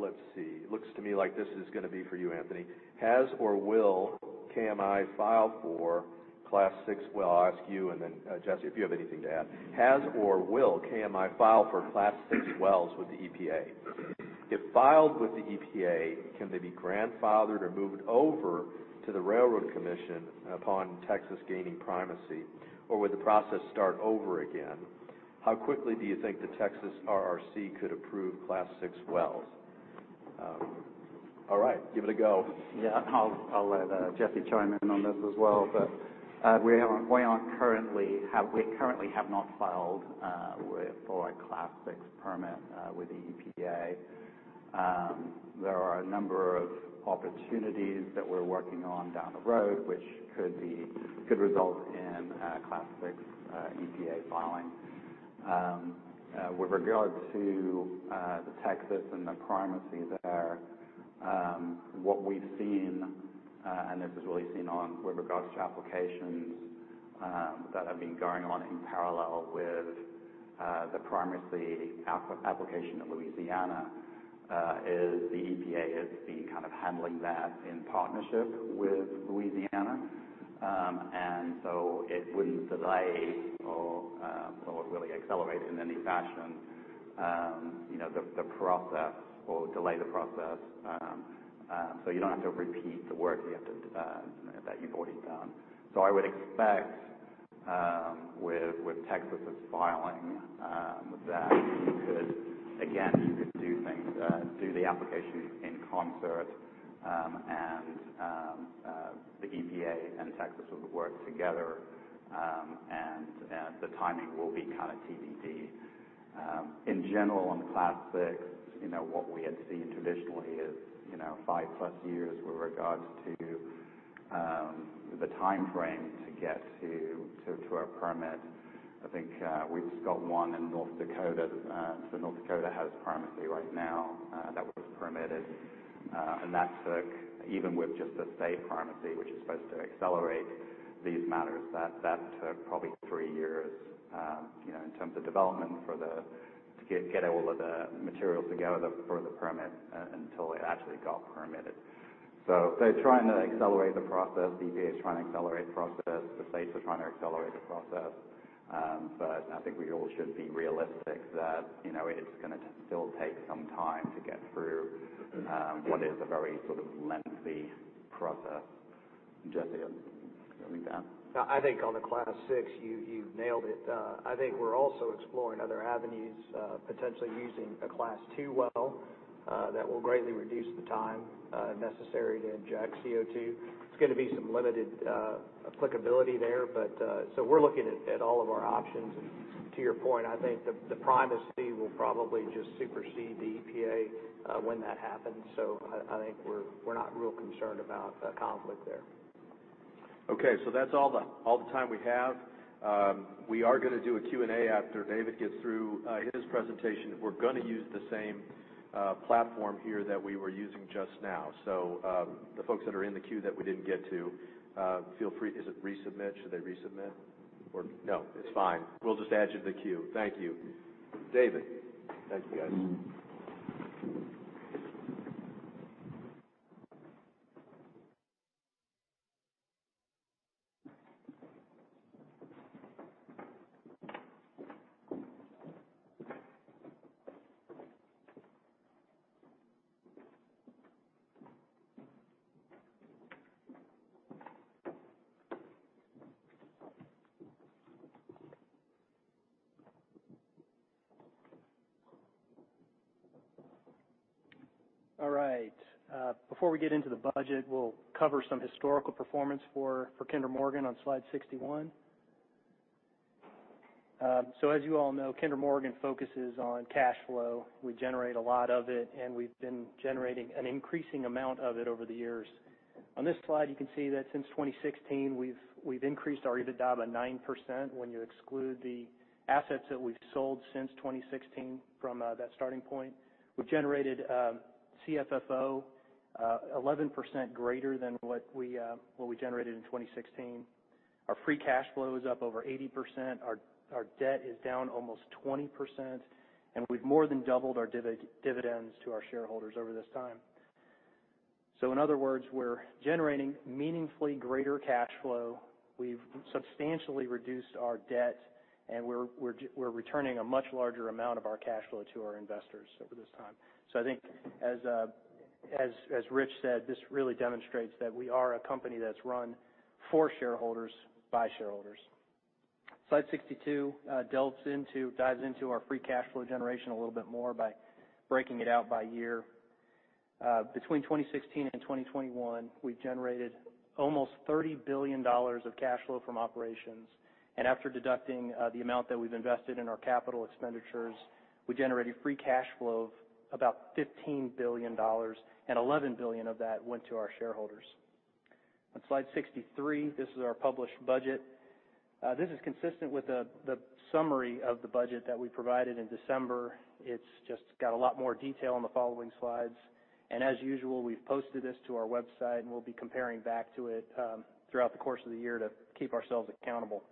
Let's see. Looks to me like this is gonna be for you, Anthony. Well, I'll ask you, and then, Jesse, if you have anything to add. Has or will KMI file for Class VI wells with the EPA? If filed with the EPA, can they be grandfathered or moved over to the Railroad Commission upon Texas gaining primacy, or would the process start over again? How quickly do you think the Texas RRC could approve Class VI wells? All right. Give it a go. Yeah. I'll let Jesse chime in on this as well. We currently have not filed for a Class VI permit with the EPA. There are a number of opportunities that we're working on down the road, which could result in a Class VI EPA filing. With regard to the Texas and the primacy there, what we've seen, and this was really seen with regards to applications that have been going on in parallel with the primacy application of Louisiana, is the EPA has been kind of handling that in partnership with Louisiana. It wouldn't delay or sort of really accelerate in any fashion, you know, the process or delay the process. You don't have to repeat the work that you've already done. I would expect with Texas' filing that you could do the applications in concert. The EPA and Texas would work together. The timing will be kind of TBD. In general, on the Class VI, you know, what we had seen traditionally is, you know, five-plus years with regards to the timeframe to get to a permit. I think we just got one in North Dakota. North Dakota has primacy right now, that was permitted. That took, even with just the state primacy, which is supposed to accelerate these matters, probably three years, you know, in terms of development to get all of the materials together for the permit until it actually got permitted. Trying to accelerate the process, the EPA is trying to accelerate the process, the states are trying to accelerate the process. I think we all should be realistic that, you know, it's gonna still take some time to get through what is a very sort of lengthy process. Jesse, anything to add? No. I think on the Class VI you nailed it. I think we're also exploring other avenues, potentially using a Class II well that will greatly reduce the time necessary to inject CO2. It's gonna be some limited applicability there, but we're looking at all of our options. To your point, I think the primacy will probably just supersede the EPA when that happens. I think we're not real concerned about a conflict there. Okay. That's all the time we have. We are gonna do a Q&A after David gets through his presentation. We're gonna use the same platform here that we were using just now. The folks that are in the queue that we didn't get to, feel free. Is it resubmit? Should they resubmit or. No, it's fine. We'll just add you to the queue. Thank you. David. Thanks, guys. All right. Before we get into the budget, we'll cover some historical performance for Kinder Morgan on slide 61. So as you all know, Kinder Morgan focuses on cash flow. We generate a lot of it, and we've been generating an increasing amount of it over the years. On this slide, you can see that since 2016, we've increased our EBITDA by 9% when you exclude the assets that we've sold since 2016 from that starting point. We've generated CFFO 11% greater than what we generated in 2016. Our free cash flow is up over 80%. Our debt is down almost 20%. We've more than doubled our dividends to our shareholders over this time. In other words, we're generating meaningfully greater cash flow. We've substantially reduced our debt, and we're returning a much larger amount of our cash flow to our investors over this time. I think as Rich said, this really demonstrates that we are a company that's run for shareholders by shareholders. Slide 62 dives into our free cash flow generation a little bit more by breaking it out by year. Between 2016 and 2021, we've generated almost $30 billion of cash flow from operations. After deducting the amount that we've invested in our capital expenditures, we generated free cash flow of about $15 billion, and 11 billion of that went to our shareholders. On slide 63, this is our published budget. This is consistent with the summary of the budget that we provided in December. It's just got a lot more detail on the following slides. As usual, we've posted this to our website, and we'll be comparing back to it throughout the course of the year to keep ourselves accountable.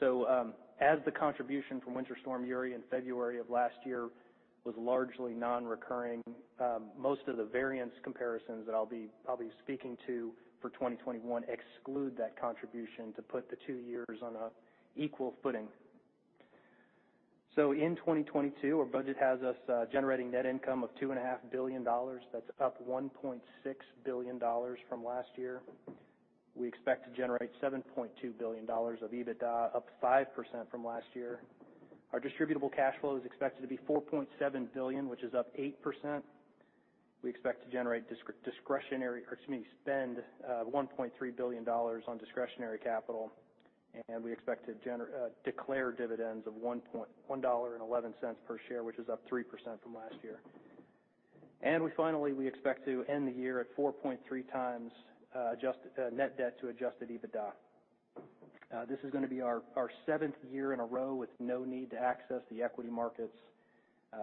As the contribution from Winter Storm Uri in February of last year was largely non-recurring, most of the variance comparisons that I'll be speaking to for 2021 exclude that contribution to put the two years on an equal footing. In 2022, our budget has us generating net income of $2.5 billion. That's up $1.6 billion from last year. We expect to generate $7.2 billion of EBITDA, up 5% from last year. Our distributable cash flow is expected to be $4.7 billion, which is up 8%. We expect to spend $1.3 billion on Discretionary Capital, and we expect to declare dividends of $1.11 per share, which is up 3% from last year. We finally expect to end the year at 4.3x net debt to Adjusted EBITDA. This is gonna be our seventh year in a row with no need to access the equity markets,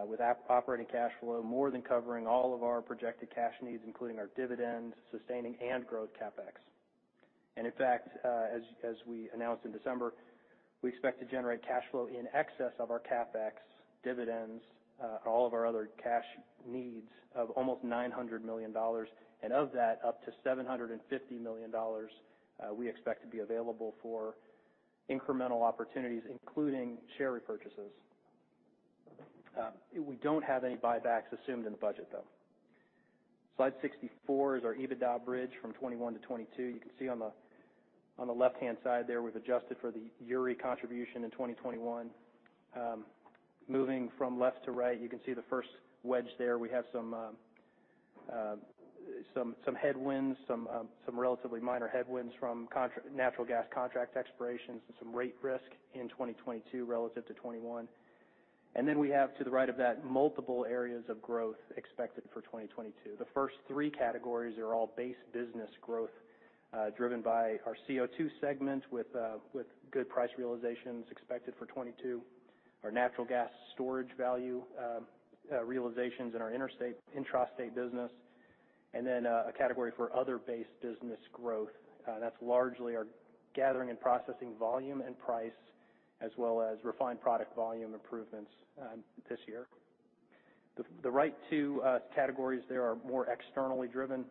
with operating cash flow more than covering all of our projected cash needs, including our dividends, sustaining and growth CapEx. In fact, as we announced in December, we expect to generate cash flow in excess of our CapEx dividends, all of our other cash needs of almost $900 million. Of that, up to $750 million, we expect to be available for incremental opportunities, including share repurchases. We don't have any buybacks assumed in the budget, though. Slide 64 is our EBITDA bridge from 2021 to 2022. You can see on the left-hand side there, we've adjusted for the Uri contribution in 2021. Moving from left to right, you can see the first wedge there. We have some headwinds, some relatively minor headwinds from natural gas contract expirations and some rate risk in 2022 relative to 2021. Then we have, to the right of that, multiple areas of growth expected for 2022. The first three categories are all base business growth, driven by our CO2 segment with good price realizations expected for 2022. Our natural gas storage value realizations in our intrastate business, and then a category for other base business growth. That's largely our gathering and processing volume and price, as well as refined product volume improvements this year. The right two categories there are more externally driven.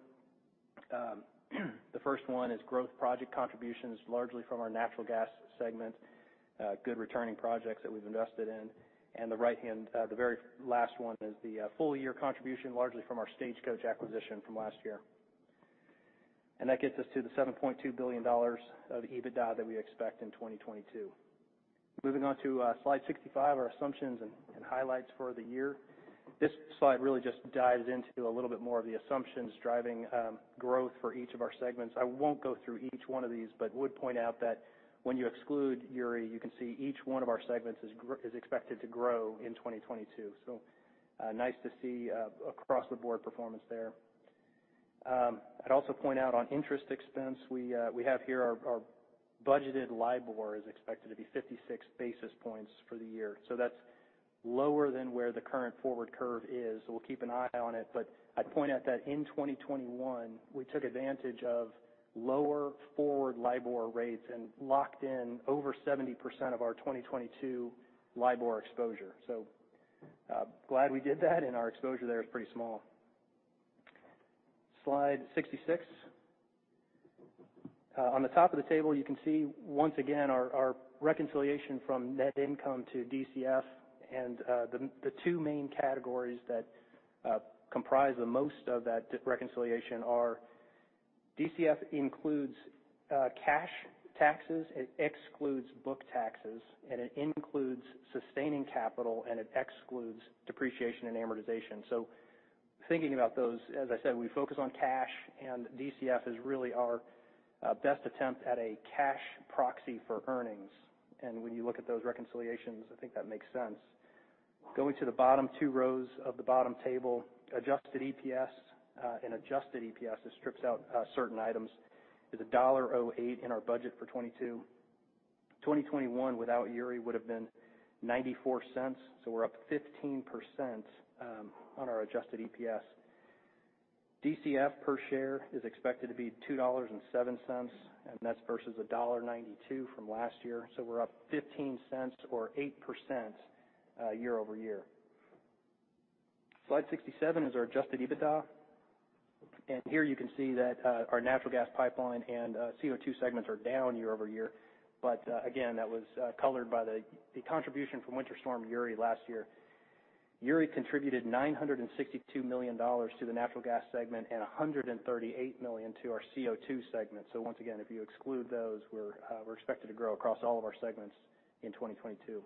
The first one is growth project contributions, largely from our natural gas segment, good returning projects that we've invested in. The very last one is the full year contribution, largely from our Stagecoach acquisition from last year. That gets us to the $7.2 billion of EBITDA that we expect in 2022. Moving on to slide 65, our assumptions and highlights for the year. This slide really just dives into a little bit more of the assumptions driving growth for each of our segments. I won't go through each one of these, but would point out that when you exclude Uri, you can see each one of our segments is expected to grow in 2022. Nice to see across-the-board performance there. I'd also point out on interest expense, we have here our budgeted LIBOR is expected to be 56 basis points for the year. So that's lower than where the current forward curve is. We'll keep an eye on it. I'd point out that in 2021, we took advantage of lower forward LIBOR rates and locked in over 70% of our 2022 LIBOR exposure. Glad we did that, and our exposure there is pretty small. Slide 66. On the top of the table, you can see once again our reconciliation from net income to DCF and, the two main categories that comprise the most of that reconciliation are DCF includes cash taxes, it excludes book taxes, and it includes sustaining capital, and it excludes depreciation and amortization. Thinking about those, as I said, we focus on cash, and DCF is really our best attempt at a cash proxy for earnings. When you look at those reconciliations, I think that makes sense. Going to the bottom two rows of the bottom table, adjusted EPS this strips out certain items, is $1.08 in our budget for 2022. 2021 without Uri would have been $0.94, so we're up 15% on our adjusted EPS. DCF per share is expected to be $2.07, and that's versus $1.92 from last year. We're up $0.15 or 8%, year over year. Slide 67 is our Adjusted EBITDA. Here you can see that our natural gas pipeline and CO2 segments are down year over year. Again, that was colored by the contribution from Winter Storm Uri last year. Uri contributed $962 million to the natural gas segment and $138 million to our CO2 segment. Once again, if you exclude those, we're expected to grow across all of our segments in 2022.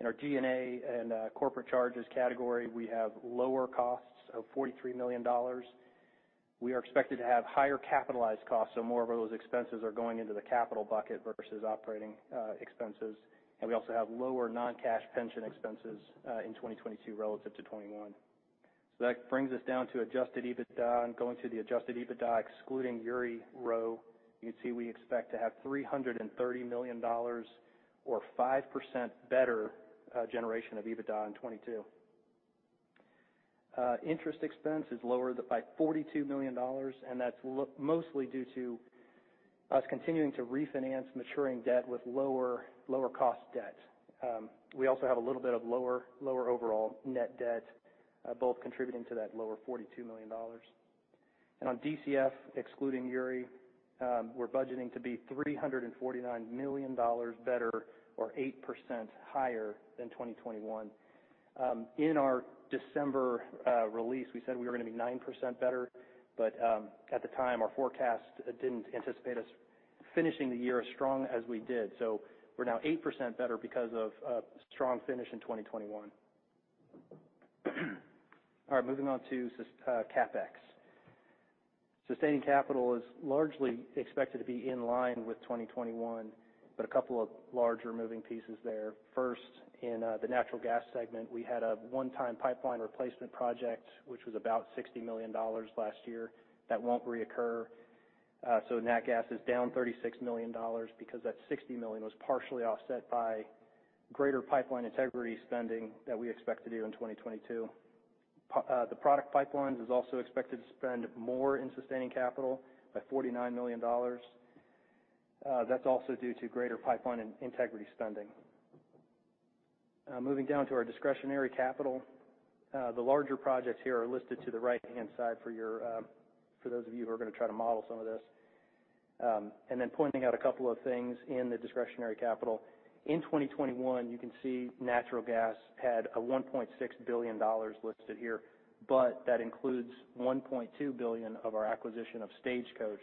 In our G&A and corporate charges category, we have lower costs of $43 million. We are expected to have higher capitalized costs, so more of those expenses are going into the capital bucket versus operating expenses. We also have lower non-cash pension expenses in 2022 relative to 2021. That brings us down to Adjusted EBITDA, and going to the Adjusted EBITDA excluding Uri row, you can see we expect to have $330 million or 5% better generation of EBITDA in 2022. Interest expense is lower by $42 million, and that's mostly due to us continuing to refinance maturing debt with lower cost debt. We also have a little bit of lower overall net debt, both contributing to that lower $42 million. On DCF, excluding Uri, we're budgeting to be $349 million better or 8% higher than 2021. In our December release, we said we were gonna be 9% better, but at the time, our forecast didn't anticipate us finishing the year as strong as we did. We're now 8% better because of a strong finish in 2021. All right, moving on to CapEx. Sustaining capital is largely expected to be in line with 2021, but a couple of larger moving pieces there. First, in the natural gas segment, we had a one-time pipeline replacement project, which was about $60 million last year that won't reoccur. Nat gas is down $36 million because that $60 million was partially offset by greater pipeline integrity spending that we expect to do in 2022. The product pipelines is also expected to spend more in sustaining capital by $49 million. That's also due to greater pipeline integrity spending. Moving down to our Discretionary Capital. The larger projects here are listed to the right-hand side for your—for those of you who are gonna try to model some of this. Then pointing out a couple of things in the Discretionary Capital. In 2021, you can see natural gas had a $1.6 billion listed here, but that includes $1.2 billion of our acquisition of Stagecoach.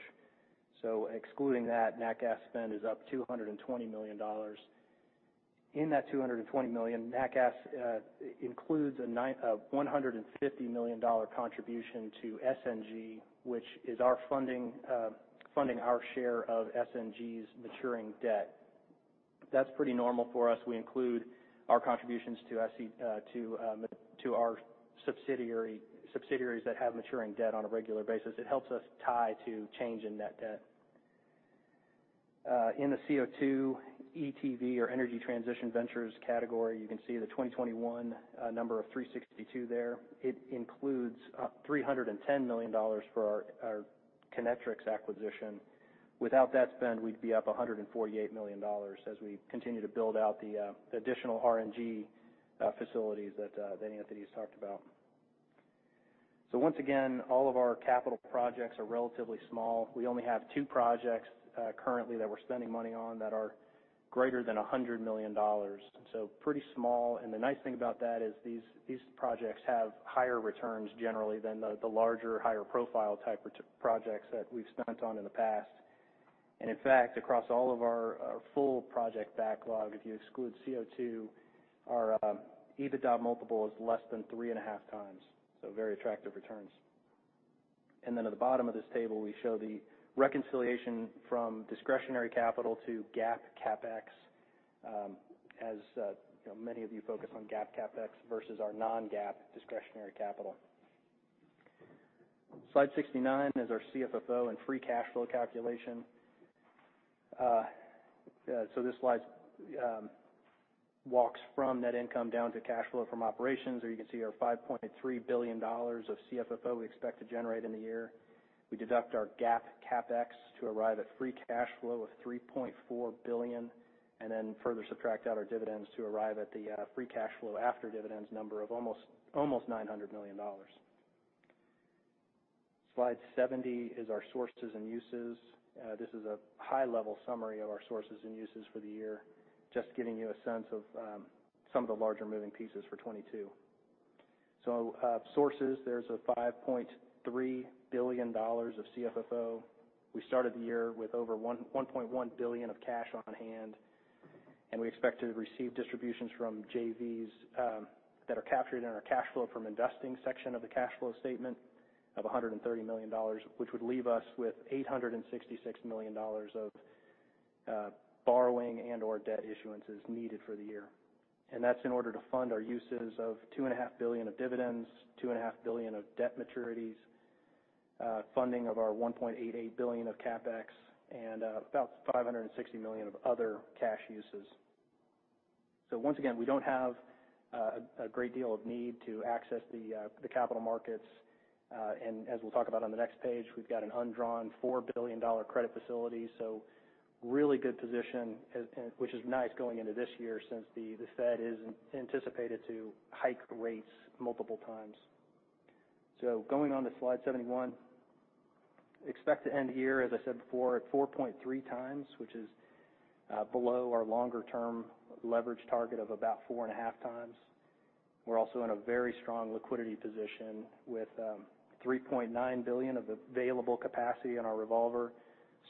Excluding that, nat gas spend is up $220 million. In that $220 million, nat gas, includes a $150 million dollar contribution to SNG, which is our funding our share of SNG's maturing debt. That's pretty normal for us. We include our contributions to our subsidiaries that have maturing debt on a regular basis. It helps us tie to change in net debt. In the CO2 ETV or Energy Transition Ventures category, you can see the 2021 number of 362 there. It includes $310 million dollars for our Kinetrex Acquisition. Without that spend, we'd be up a $148 million dollars as we continue to build out the additional RNG facilities that Anthony's talked about. Once again, all of our capital projects are relatively small. We only have two projects currently that we're spending money on that are greater than $100 million, and so pretty small. The nice thing about that is these projects have higher returns generally than the larger, higher profile type projects that we've spent on in the past. In fact, across all of our full project backlog, if you exclude CO2, our EBITDA multiple is less than 3.5x, so very attractive returns. Then at the bottom of this table, we show the reconciliation from Discretionary Capital to GAAP CapEx, as you know, many of you focus on GAAP CapEx versus our non-GAAP Discretionary Capital. Slide 69 is our CFFO and free cash flow calculation. This slide walks from net income down to cash flow from operations, where you can see our $5.3 billion of CFFO we expect to generate in the year. We deduct our GAAP CapEx to arrive at free cash flow of $3.4 billion, and then further subtract out our dividends to arrive at the free cash flow after dividends number of almost $900 million. Slide 70 is our sources and uses. This is a high-level summary of our sources and uses for the year, just giving you a sense of some of the larger moving pieces for 2022. Sources, there's $5.3 billion of CFFO. We started the year with over $1.1 billion of cash on hand, and we expect to receive distributions from JVs that are captured in our cash flow from investing section of the cash flow statement of $130 million, which would leave us with $866 million of borrowing and/or debt issuances needed for the year. That's in order to fund our uses of $2.5 billion of dividends, $2.5 billion of debt maturities, funding of our $1.88 billion of CapEx, and about $560 million of other cash uses. Once again, we don't have a great deal of need to access the capital markets. As we'll talk about on the next page, we've got an undrawn $4 billion credit facility, so really good position, which is nice going into this year since the Fed is anticipated to hike rates multiple times. Going on to slide 71. Expect to end the year, as I said before, at 4.3x, which is below our longer-term leverage target of about 4.5x. We're also in a very strong liquidity position with $3.9 billion of available capacity in our revolver.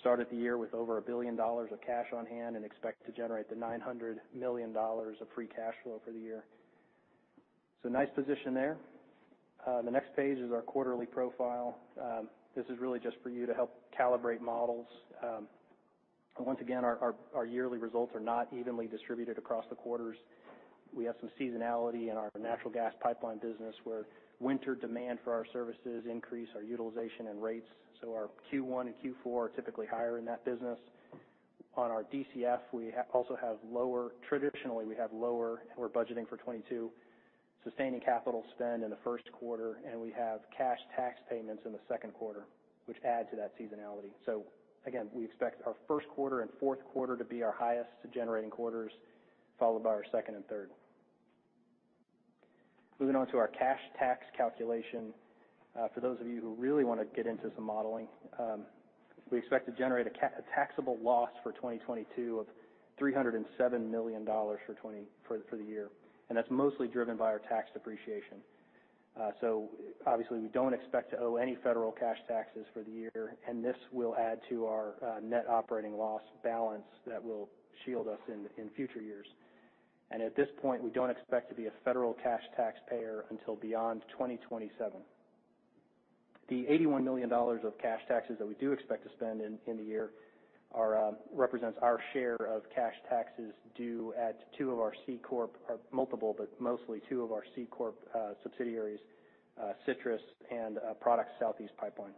Started the year with over $1 billion of cash on hand and expect to generate $900 million of free cash flow for the year. Nice position there. The next page is our quarterly profile. This is really just for you to help calibrate models. Once again, our yearly results are not evenly distributed across the quarters. We have some seasonality in our natural gas pipeline business, where winter demand for our services increase our utilization and rates. Our Q1 and Q4 are typically higher in that business. On our DCF, we also have lower, traditionally, we have lower, and we're budgeting for 2022 sustaining capital spend in the first quarter, and we have cash tax payments in the second quarter, which add to that seasonality. Again, we expect our first quarter and fourth quarter to be our highest generating quarters, followed by our second and third. Moving on to our cash tax calculation, for those of you who really wanna get into some modeling. We expect to generate a taxable loss for 2022 of $307 million for the year. That's mostly driven by our tax depreciation. So obviously, we don't expect to owe any federal cash taxes for the year, and this will add to our net operating loss balance that will shield us in future years. At this point, we don't expect to be a federal cash taxpayer until beyond 2027. The $81 million of cash taxes that we do expect to spend in the year represents our share of cash taxes due at two of our C corp or multiple, but mostly two of our C corp subsidiaries, Citrus and Products South East Pipeline.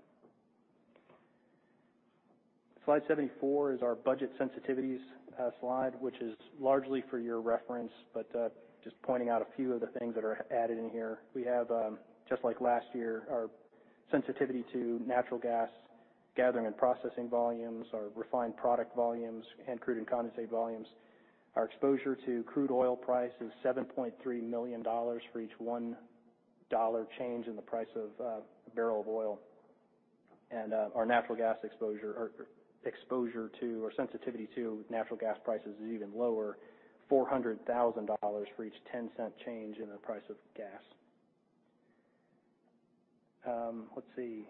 Slide 74 is our budget sensitivities slide, which is largely for your reference, but just pointing out a few of the things that are added in here. We have, just like last year, our sensitivity to natural gas gathering and processing volumes, our refined product volumes and crude and condensate volumes. Our exposure to Crude Oil price is $7.3 million for each $1 change in the price of a barrel of oil. Our natural gas exposure or exposure to or sensitivity to natural gas prices is even lower, $400,000 for each $0.10 Change in the price of gas. Let's see.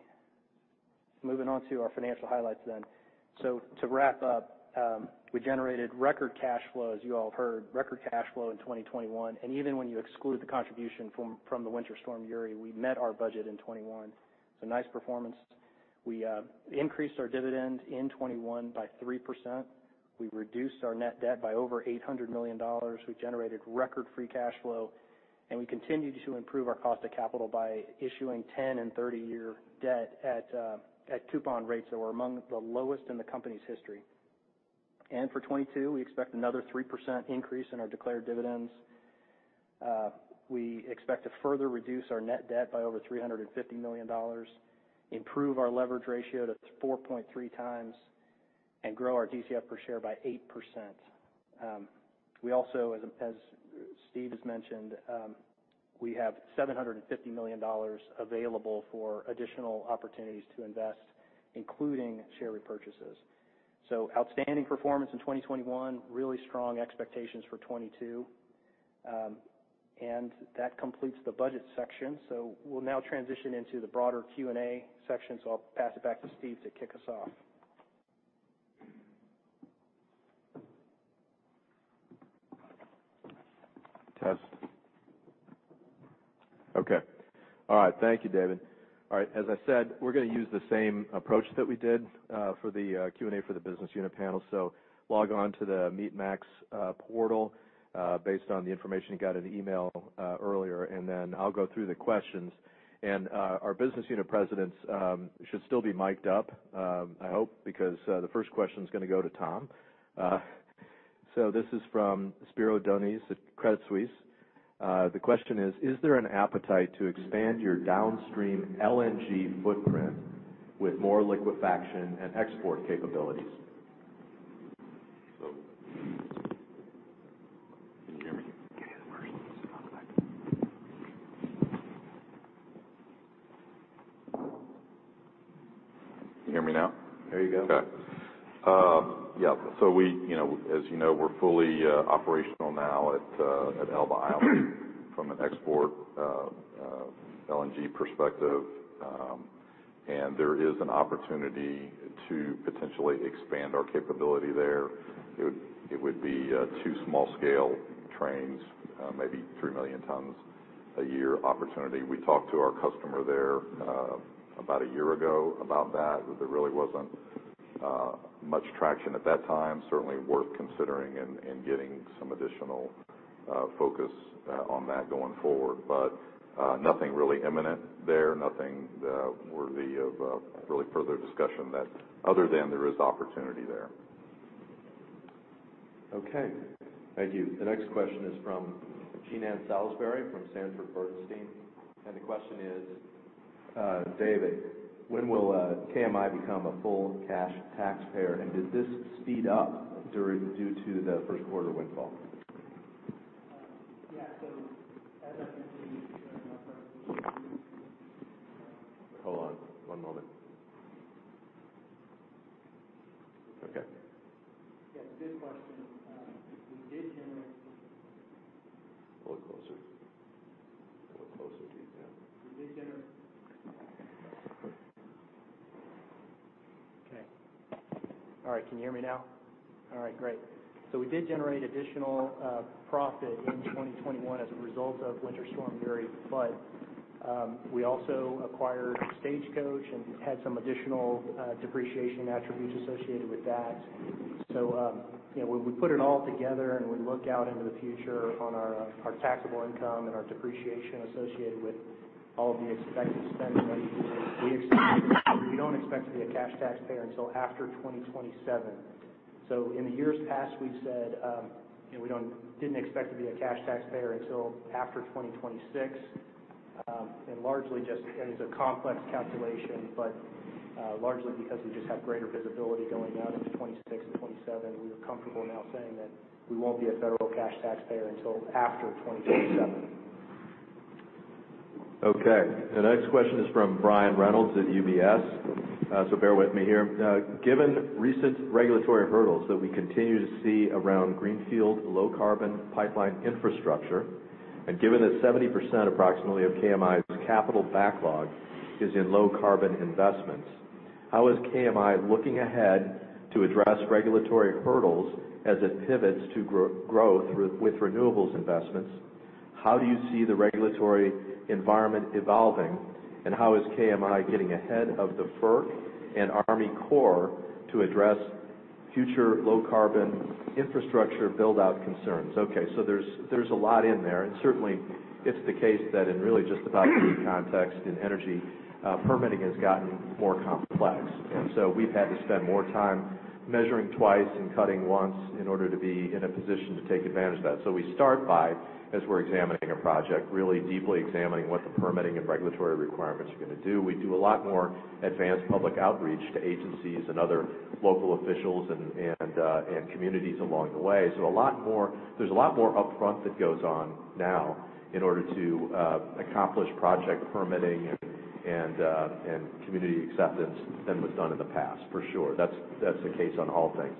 Moving on to our financial highlights then. To wrap up, we generated record cash flow, as you all have heard, record cash flow in 2021. Even when you exclude the contribution from the Winter Storm Uri, we met our budget in 2021. It's a nice performance. We increased our dividend in 2021 by 3%. We reduced our net debt by over $800 million. We generated record free cash flow, and we continued to improve our cost of capital by issuing 10- and 30-year debt at coupon rates that were among the lowest in the company's history. For 2022, we expect another 3% increase in our declared dividends. We expect to further reduce our net debt by over $350 million, improve our leverage ratio to 4.3x, and grow our DCF per share by 8%. We also, as Steve has mentioned, we have $750 million available for additional opportunities to invest, including share repurchases. Outstanding performance in 2021, really strong expectations for 2022. And that completes the budget section. We'll now transition into the broader Q&A section. I'll pass it back to Steve to kick us off. Test. Okay. All right. Thank you, David. All right. As I said, we're gonna use the same approach that we did for the Q&A for the business unit panel. Log on to the MeetMax portal based on the information you got in the email earlier, and then I'll go through the questions. Our business unit presidents should still be micced up, I hope, because the first question is gonna go to Tom. This is from Spiro Dounis at Credit Suisse. The question is: Is there an appetite to expand your downstream LNG footprint with more liquefaction and export capabilities? Can you hear me? Can you hear the first? Can you hear me now? There you go. Okay. Yeah. You know, as you know, we're fully operational now at Elba Island from an export LNG perspective. There is an opportunity to potentially expand our capability there. It would be two small scale trains, maybe $3 million tons a year opportunity. We talked to our customer there about a year ago about that. There really wasn't much traction at that time. Certainly worth considering and getting some additional focus on that going forward. Nothing really imminent there, nothing worthy of really further discussion other than there is opportunity there. Okay. Thank you. The next question is from Jean Ann Salisbury from Sanford Bernstein. The question is: David, when will KMI become a full cash taxpayer, and did this speed up due to the first quarter windfall? Yeah. As I mentioned during my presentation. Hold on, one moment. Okay. Yeah. Good question. We did generate- A little closer. Put closer to you, Dan. Can you hear me now? Alright, great. We did generate additional profit in 2021 as a result of Winter Storm Uri, but we also acquired Stagecoach and had some additional depreciation attributes associated with that. You know, when we put it all together and we look out into the future on our taxable income and our depreciation associated with all of the expected spend that we expect, we don't expect to be a cash taxpayer until after 2027. In the years past, we said, you know, we didn't expect to be a cash taxpayer until after 2026. And largely just, it's a complex calculation, but largely because we just have greater visibility going out into 2026 and 2027. We are comfortable now saying that we won't be a federal cash taxpayer until after 2027. Okay. The next question is from Brian Reynolds at UBS. So bear with me here. Given recent regulatory hurdles that we continue to see around greenfield low-carbon pipeline infrastructure, and given that approximately 70% of KMI's capital backlog is in low-carbon investments, how is KMI looking ahead to address regulatory hurdles as it pivots to growth with renewables investments? How do you see the regulatory environment evolving? And how is KMI getting ahead of the FERC and Army Corps to address future low-carbon infrastructure build-out concerns? Okay, there's a lot in there, and certainly it's the case that in really just about any context in energy, permitting has gotten more complex. We've had to spend more time measuring twice and cutting once in order to be in a position to take advantage of that. We start by, as we're examining a project, really deeply examining what the permitting and regulatory requirements are gonna do. We do a lot more advanced public outreach to agencies and other local officials and communities along the way. There's a lot more upfront that goes on now in order to accomplish project permitting and community acceptance than was done in the past, for sure. That's the case on all things.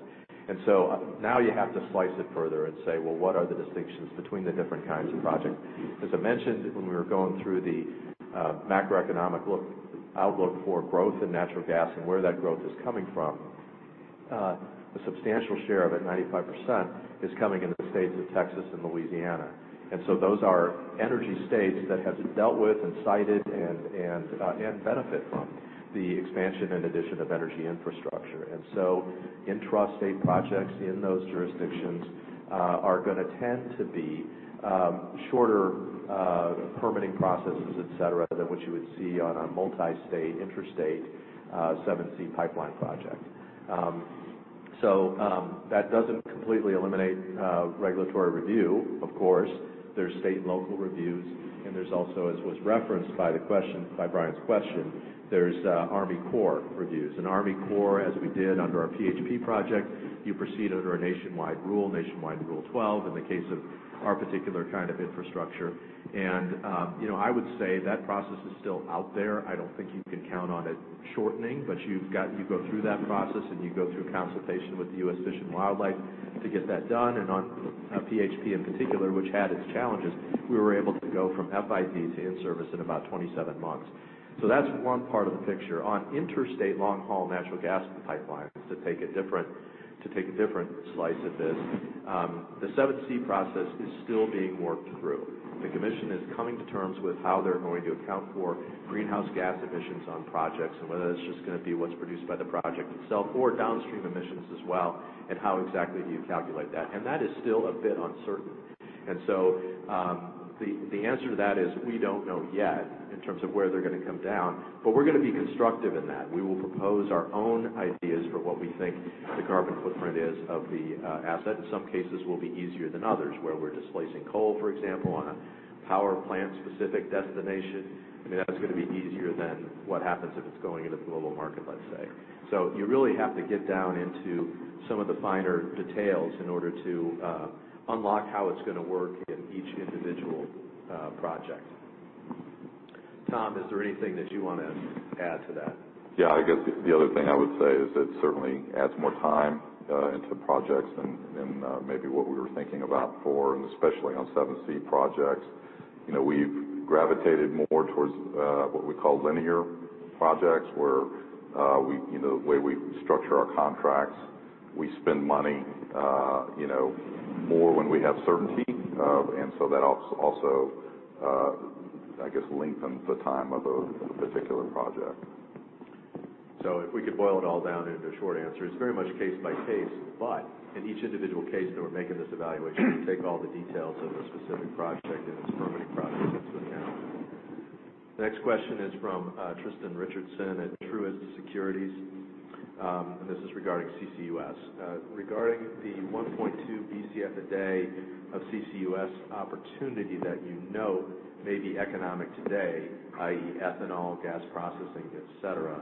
Now you have to slice it further and say, "Well, what are the distinctions between the different kinds of projects?" As I mentioned when we were going through the macroeconomic outlook for growth in natural gas and where that growth is coming from, a substantial share of it, 95%, is coming in the states of Texas and Louisiana. Those are energy states that have dealt with, and cited, and benefit from the expansion and addition of energy infrastructure. Intrastate projects in those jurisdictions are gonna tend to be shorter permitting processes, et cetera, than what you would see on a multi-state, interstate 7c pipeline project. That doesn't completely eliminate regulatory review, of course. There's state and local reviews, and there's also, as was referenced by Brian's question, Army Corps reviews. Army Corps, as we did under our PHP project, you proceed under a Nationwide Permit 12 in the case of our particular kind of infrastructure. You know, I would say that process is still out there. I don't think you can count on it shortening, but you go through that process, and you go through consultation with the U.S. Fish and Wildlife to get that done. On PHP in particular, which had its challenges, we were able to go from FID to in-service in about 27 months. That's one part of the picture. On interstate long-haul natural gas pipelines, to take a different slice of this, the 7(c) process is still being worked through. The commission is coming to terms with how they're going to account for greenhouse gas emissions on projects and whether that's just gonna be what's produced by the project itself or downstream emissions as well, and how exactly do you calculate that. That is still a bit uncertain. The answer to that is we don't know yet in terms of where they're gonna come down, but we're gonna be constructive in that. We will propose our own ideas for what we think the carbon footprint is of the asset. In some cases it will be easier than others, where we're displacing coal, for example, on a power plant-specific destination. I mean, that's gonna be easier than what happens if it's going into the global market, let's say. You really have to get down into some of the finer details in order to unlock how it's gonna work in each individual project. Tom, is there anything that you wanna add to that? Yeah, I guess the other thing I would say is it certainly adds more time into projects than maybe what we were thinking about before, and especially on 7c projects. You know, we've gravitated more towards what we call linear projects, where you know the way we structure our contracts, we spend money more when we have certainty. That also, I guess, lengthens the time of a particular project. If we could boil it all down into a short answer, it's very much case by case. In each individual case that we're making this evaluation, take all the details of a specific project and its permitting process into account. The next question is from Tristan Richardson at Truist Securities. This is regarding CCUS. Regarding the 1.2 BCF a day of CCUS opportunity that you note may be economic today, i.e., ethanol, gas processing, et cetera,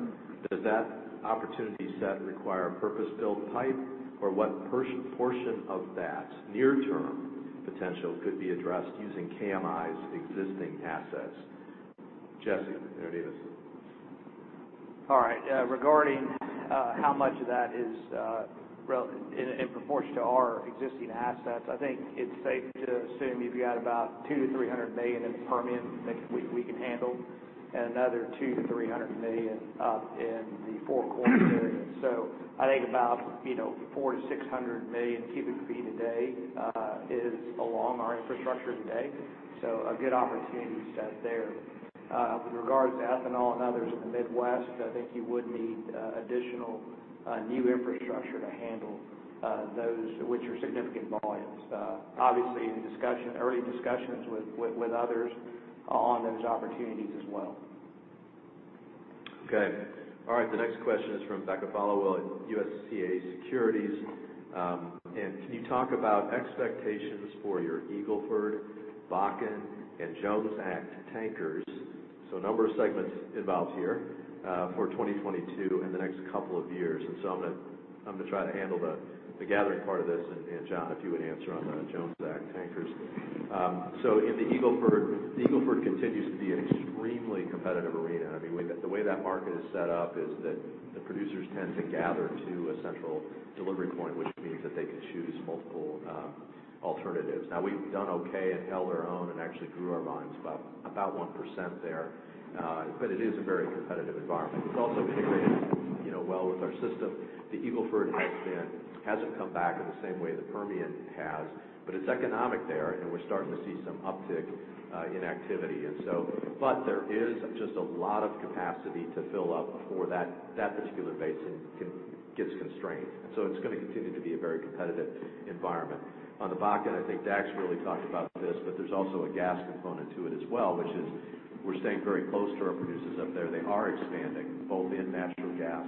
does that opportunity set require a purpose-built pipe, or what portion of that near-term potential could be addressed using KMI's existing assets? Jesse, there it is. All right. Yeah, regarding how much of that is in proportion to our existing assets, I think it's safe to assume you've got about $200 million to 300 million in the Permian that we can handle and another $200 million to 300 million up in the four corners area. I think about, you know, $400 million to 600 million cu ft a day is along our infrastructure today. A good opportunity set there. With regards to ethanol and others in the Midwest, I think you would need additional new infrastructure to handle those which are significant volumes. Obviously, in early discussions with others on those opportunities as well. Okay. All right, the next question is from Becca Followill, USCA Securities. And can you talk about expectations for your Eagle Ford, Bakken, and Jones Act tankers, so a number of segments involved here, for 2022 and the next couple of years? I'm gonna try to handle the gathering part of this. And John, if you would answer on the Jones Act tankers. So in the Eagle Ford, the Eagle Ford continues to be an extremely competitive arena. I mean, the way that market is set up is that the producers tend to gather to a central delivery point, which means that they can choose multiple alternatives. Now we've done okay and held our own and actually grew our volumes about 1% there. But it is a very competitive environment. It's also integrated, you know, well with our system. The Eagle Ford hasn't come back in the same way the Permian has, but it's economic there, and we're starting to see some uptick in activity. There is just a lot of capacity to fill up before that particular basin gets constrained. It's gonna continue to be a very competitive environment. On the Bakken, I think Dax really talked about this, but there's also a gas component to it as well, which is we're staying very close to our producers up there. They are expanding both in natural gas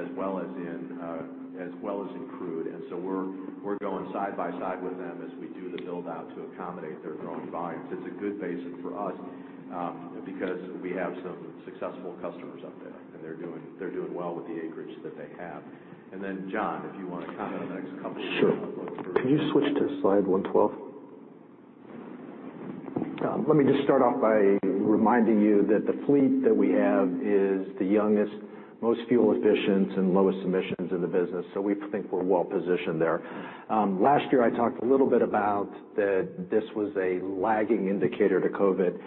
as well as in crude. We're going side by side with them as we do the build-out to accommodate their growing volumes. It's a good basin for us, because we have some successful customers up there, and they're doing well with the acreage that they have. Then, John, if you want to comment on the next couple- Sure. Can you switch to slide 112? Let me just start off by reminding you that the fleet that we have is the youngest, most fuel efficient, and lowest emissions in the business. We think we're well positioned there. Last year, I talked a little bit about that this was a lagging indicator to COVID.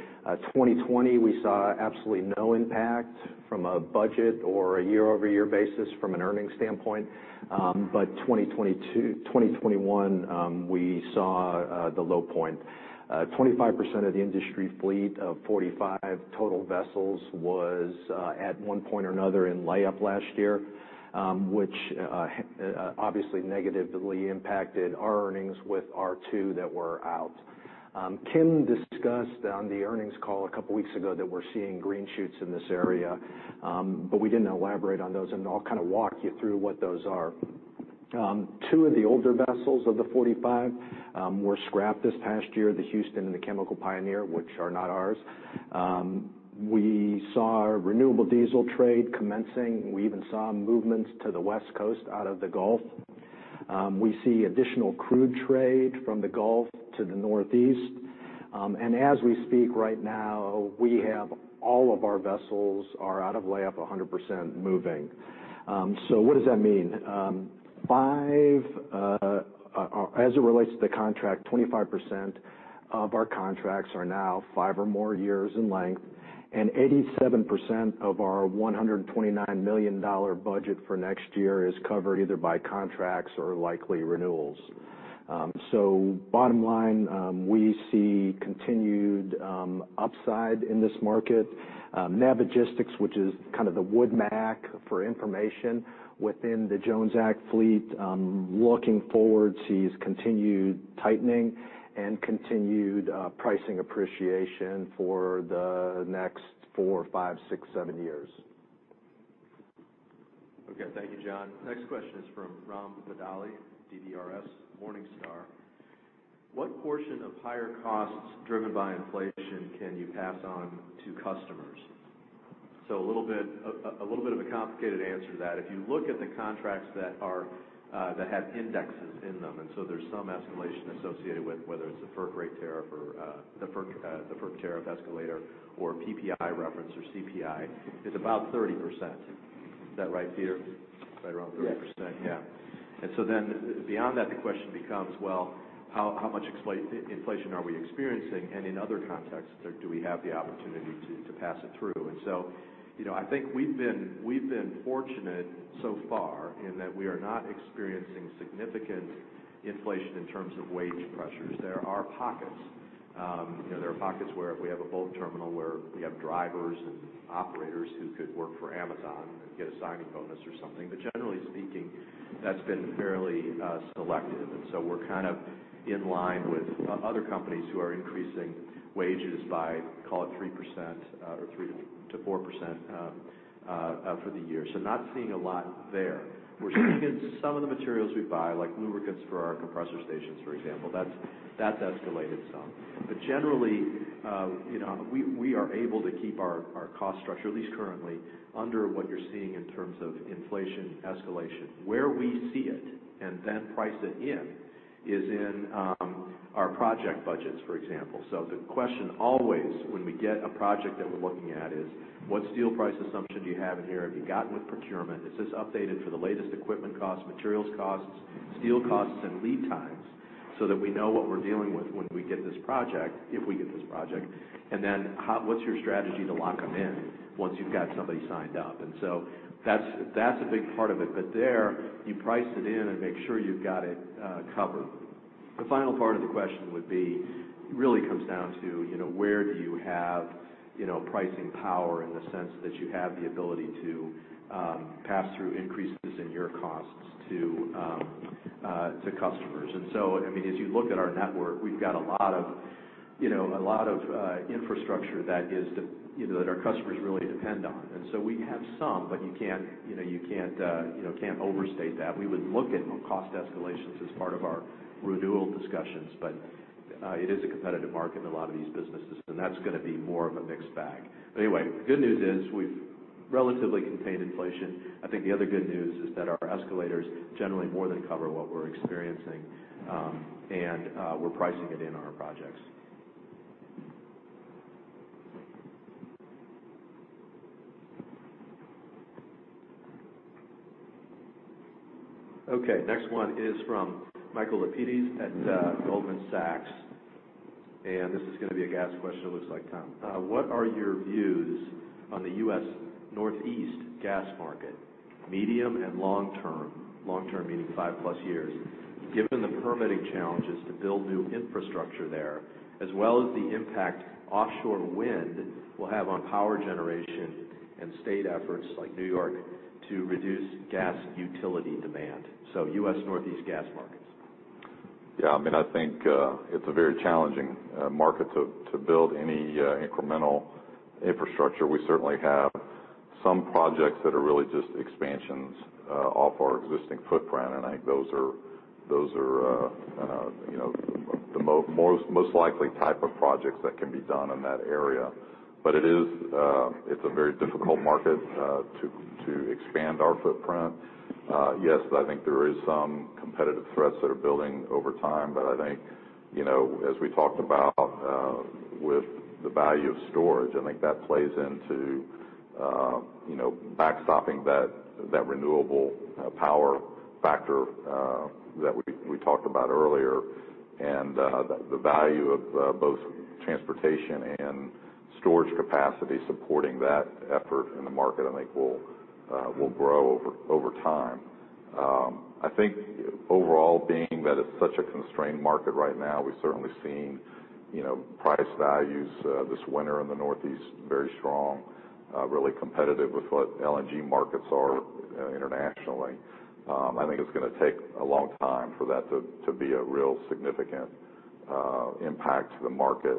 2020, we saw absolutely no impact from a budget or a year-over-year basis from an earnings standpoint. 2021, we saw the low point. 25% of the industry fleet of 45 total vessels was at one point or another in layup last year, which obviously negatively impacted our earnings with our two that were out. Kim discussed on the earnings call a couple weeks ago that we're seeing green shoots in this area, but we didn't elaborate on those, and I'll kind of walk you through what those are. Two of the older vessels of the 45 were scrapped this past year, the Houston and the Chemical Pioneer, which are not ours. We saw our renewable diesel trade commencing. We even saw movements to the West Coast out of the Gulf. We see additional crude trade from the Gulf to the Northeast. As we speak right now, we have all of our vessels are out of layup 100% moving. What does that mean? As it relates to the contract, 25% of our contracts are now five or more years in length, and 87% of our $129 million budget for next year is covered either by contracts or likely renewals. Bottom line, we see continued upside in this market. Navigistics, which is kind of the WoodMac for information within the Jones Act fleet, looking forward, sees continued tightening and continued pricing appreciation for the next four, five, six, seven years. Okay. Thank you, John. Next question is from Ram Vadali, DBRS Morningstar. What portion of higher costs driven by inflation can you pass on to customers? A little bit of a complicated answer to that. If you look at the contracts that have indexes in them, there's some escalation associated with whether it's the FERC rate tariff or the FERC tariff escalator or PPI reference or CPI, it's about 30%. Is that right, Peter? It's right around 30%. Yes. Beyond that, the question becomes, well, how much inflation are we experiencing? In other contexts, do we have the opportunity to pass it through? You know, I think we've been fortunate so far in that we are not experiencing significant inflation in terms of wage pressures. There are pockets. You know, there are pockets where we have a bulk terminal, where we have drivers and operators who could work for Amazon and get a signing bonus or something. But generally speaking, that's been fairly selective. We're kind of in line with other companies who are increasing wages by, call it 3%, or 3%-4%, for the year. Not seeing a lot there. We're seeing in some of the materials we buy, like lubricants for our compressor stations, for example, that's escalated some. But generally, you know, we are able to keep our cost structure, at least currently, under what you're seeing in terms of inflation escalation. Where we see it and then price it in is in our project budgets, for example. The question always when we get a project that we're looking at is, what steel price assumption do you have in here? Have you gotten with procurement? Is this updated for the latest equipment costs, materials costs, steel costs, and lead times so that we know what we're dealing with when we get this project, if we get this project? And then what's your strategy to lock them in once you've got somebody signed up? And so, that's a big part of it. But there, you price it in and make sure you've got it covered. The final part of the question would be, it really comes down to, you know, where do you have, you know, pricing power in the sense that you have the ability to pass through increases in your costs to to customers. I mean, as you look at our network, we've got a lot of, you know, infrastructure that is, you know, that our customers really depend on. We have some, but you can't overstate that. We would look at cost escalations as part of our renewal discussions, but it is a competitive market in a lot of these businesses, and that's gonna be more of a mixed bag. Anyway, good news is we've relatively contained inflation. I think the other good news is that our escalators generally more than cover what we're experiencing, we're pricing it in our projects. Okay, next one is from Michael Lapides at Goldman Sachs. This is gonna be a gas question, it looks like, Tom. What are your views on the U.S. Northeast gas market, medium and long term, long term meaning 5+ years, given the permitting challenges to build new infrastructure there, as well as the impact offshore wind will have on power generation and state efforts like New York to reduce gas utility demand, so U.S. Northeast Gas Markets? Yeah, I mean, I think it's a very challenging market to build any incremental infrastructure. We certainly have some projects that are really just expansions off our existing footprint, and I think those are, you know, the most likely type of projects that can be done in that area. It is. It's a very difficult market to expand our footprint. Yes, I think there is some competitive threats that are building over time. I think, you know, as we talked about, with the value of storage, I think that plays into, you know, backstopping that renewable power factor that we talked about earlier. The value of both transportation and storage capacity supporting that effort in the market, I think will grow over time. I think overall being that it's such a constrained market right now, we've certainly seen, you know, price values this winter in the Northeast, very strong, really competitive with what LNG markets are internationally. I think it's gonna take a long time for that to be a real significant impact to the market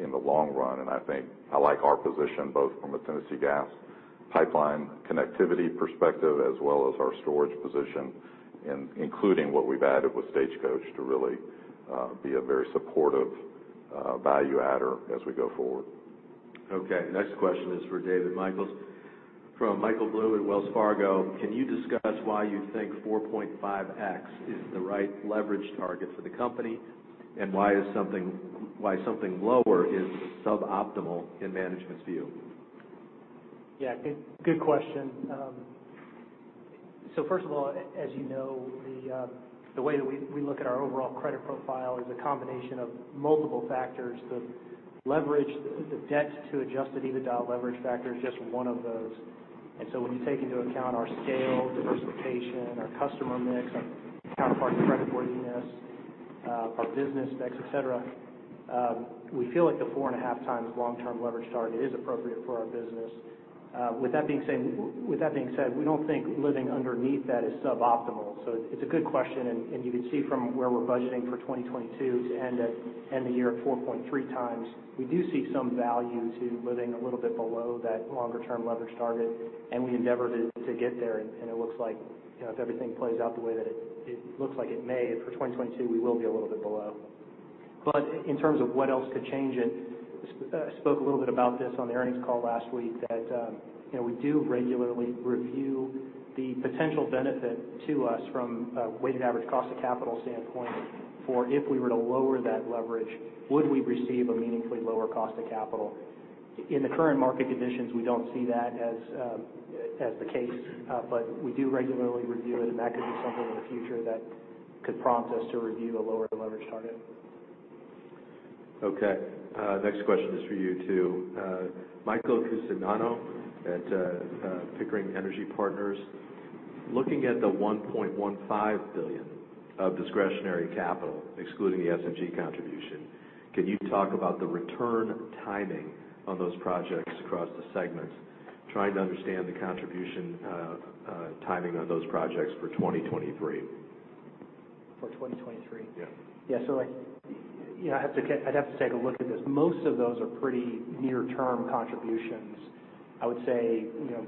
in the long run. I think I like our position both from a Tennessee Gas Pipeline connectivity perspective as well as our storage position including what we've added with Stagecoach to really be a very supportive value adder as we go forward. Okay. Next question is for David Michels from Michael Blum at Wells Fargo. Can you discuss why you think 4.5x is the right leverage target for the company, and why something lower is suboptimal in management's view? Yeah. Good question. First of all, as you know, the way that we look at our overall credit profile is a combination of multiple factors. The debt to Adjusted EBITDA leverage factor is just one of those. When you take into account our scale, diversification, our customer mix, our counterpart creditworthiness, our business mix, et cetera, we feel like the 4.5x long-term leverage target is appropriate for our business. With that being said, we don't think living underneath that is suboptimal. It's a good question, and you can see from where we're budgeting for 2022 to end the year at 4.3x. We do see some value to living a little bit below that longer-term leverage target, and we endeavor to get there. It looks like, you know, if everything plays out the way that it looks like it may for 2022, we will be a little bit below. In terms of what else could change it, spoke a little bit about this on the earnings call last week that, you know, we do regularly review the potential benefit to us from a weighted average cost of capital standpoint for if we were to lower that leverage, would we receive a meaningfully lower cost of capital? In the current market conditions, we don't see that as the case. We do regularly review it, and that could be something in the future that could prompt us to review a lower leverage target. Okay. Next question is for you, too. Michael Cusimano at Pickering Energy Partners. Looking at the $1.15 billion of Discretionary Capital, excluding the SMG contribution, can you talk about the return timing on those projects across the segments, trying to understand the contribution, timing on those projects for 2023. For 2023? Yeah. I'd have to take a look at this. Most of those are pretty near-term contributions. I would say, you know,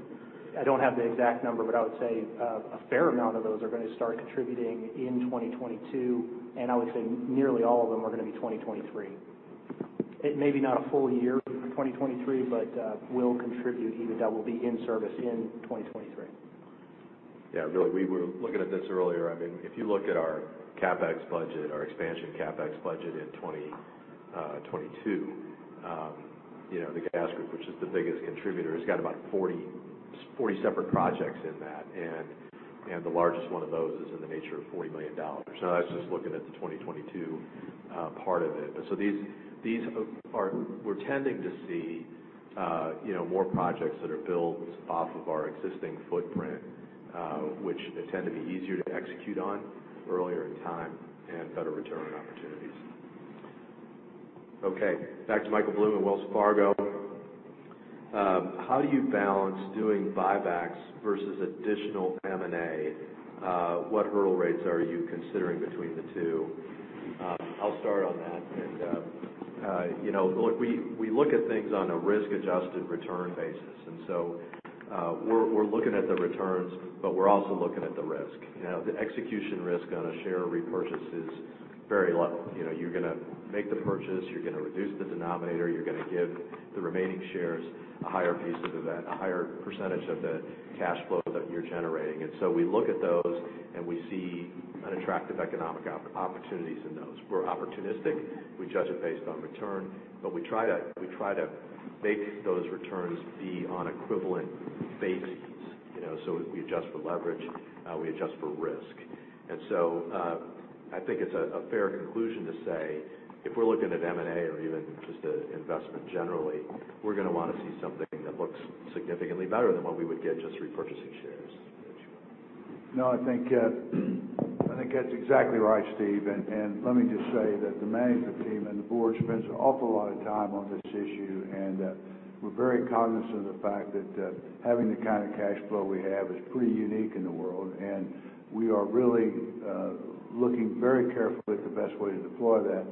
I don't have the exact number, but I would say a fair amount of those are gonna start contributing in 2022, and I would say nearly all of them are gonna be 2023. It may be not a full year in 2023, but will contribute. EBITDA will be in service in 2023. Yeah. Really, we were looking at this earlier. I mean, if you look at our CapEx budget, our expansion CapEx budget in 2022, you know, the gas group, which is the biggest contributor, has got about 40 separate projects in that, and the largest one of those is in the nature of $40 million. So that's just looking at the 2022 part of it. We're tending to see, you know, more projects that are built off of our existing footprint, which they tend to be easier to execute on earlier in time and better return on opportunities. Okay. Back to Michael Blum at Wells Fargo. How do you balance doing buybacks versus additional M&A? What hurdle rates are you considering between the two? I'll start on that. You know, look, we look at things on a risk-adjusted return basis. We're looking at the returns, but we're also looking at the risk. You know, the execution risk on a share repurchase is very low. You know, you're gonna make the purchase, you're gonna reduce the denominator, you're gonna give the remaining shares a higher percentage of the cash flow that you're generating. We look at those, and we see unattractive economic opportunities in those. We're opportunistic, we judge it based on return, but we try to make those returns be on equivalent bases. You know, we adjust for leverage, we adjust for risk. I think it's a fair conclusion to say, if we're looking at M&A or even just a investment generally, we're gonna wanna see something that looks significantly better than what we would get just repurchasing shares. No, I think that's exactly right, Steve. Let me just say that the management team and the board spends an awful lot of time on this issue. We're very cognizant of the fact that having the kind of cash flow we have is pretty unique in the world, and we are really looking very carefully at the best way to deploy that.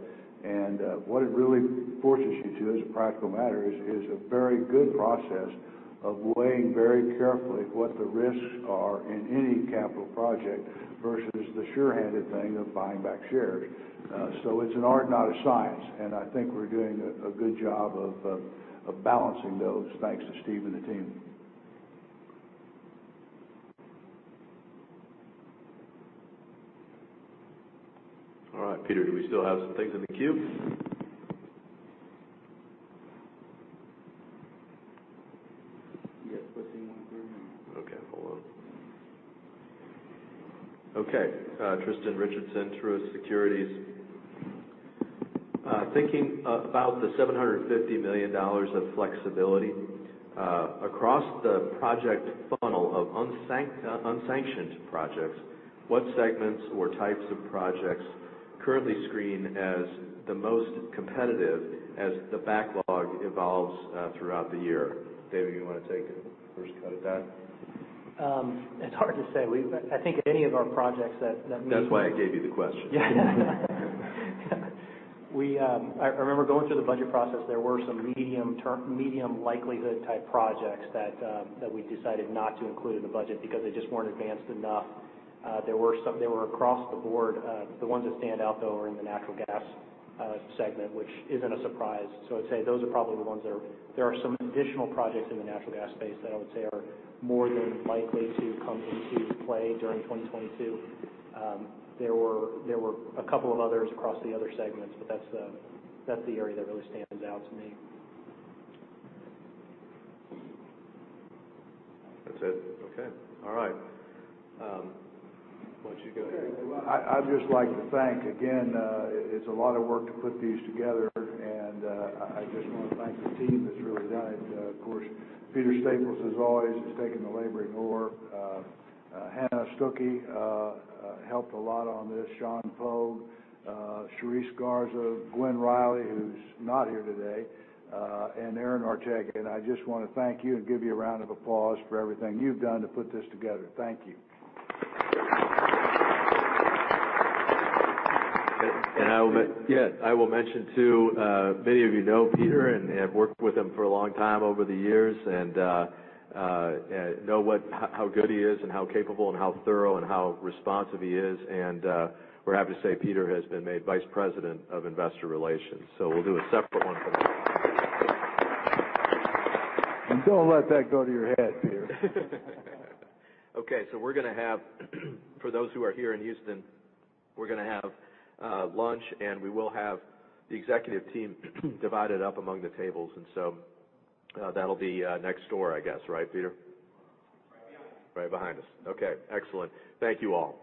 What it really forces you to, as a practical matter, is a very good process of weighing very carefully what the risks are in any capital project versus the sure-handed thing of buying back shares. It's an art, not a science, and I think we're doing a good job of balancing those thanks to Steve and the team. All right. Peter, do we still have some things in the queue? Yes, we'll see one here now. Okay, hold on. Okay, Tristan Richardson, Truist Securities. Thinking about the $750 million of flexibility across the project funnel of unsanctioned projects, what segments or types of projects currently screen as the most competitive as the backlog evolves throughout the year? David, you wanna take a first cut at that? It's hard to say. I think any of our projects that we- That's why I gave you the question. Yeah. We, I remember going through the budget process. There were some medium likelihood type projects that we decided not to include in the budget because they just weren't advanced enough. They were across the board. The ones that stand out, though, are in the Natural Gas segment, which isn't a surprise. I'd say those are probably the ones. There are some additional projects in the natural gas space that I would say are more than likely to come into play during 2022. There were a couple of others across the other segments, but that's the area that really stands out to me. That's it. Okay. All right. Why don't you go ahead? I'd just like to thank again. It's a lot of work to put these together, and I just wanna thank the team that's really done it. Of course, Peter Staples, as always, has taken the laboring oar. Hannah Stuckey helped a lot on this. Sean Pogue, Sharice Garza, Gwen Riley, who's not here today, and Aaron Ortega. I just wanna thank you and give you a round of applause for everything you've done to put this together. Thank you. I will mention, too, many of you know Peter and have worked with him for a long time over the years and know how good he is and how capable and how thorough and how responsive he is. We're happy to say Peter has been made Vice President of Investor Relations. We'll do a separate one for that. Don't let that go to your head, Peter. We're gonna have, for those who are here in Houston, lunch, and we will have the executive team divided up among the tables. That'll be next door, I guess. Right, Peter? Right behind. Right behind us. Okay, excellent. Thank you all.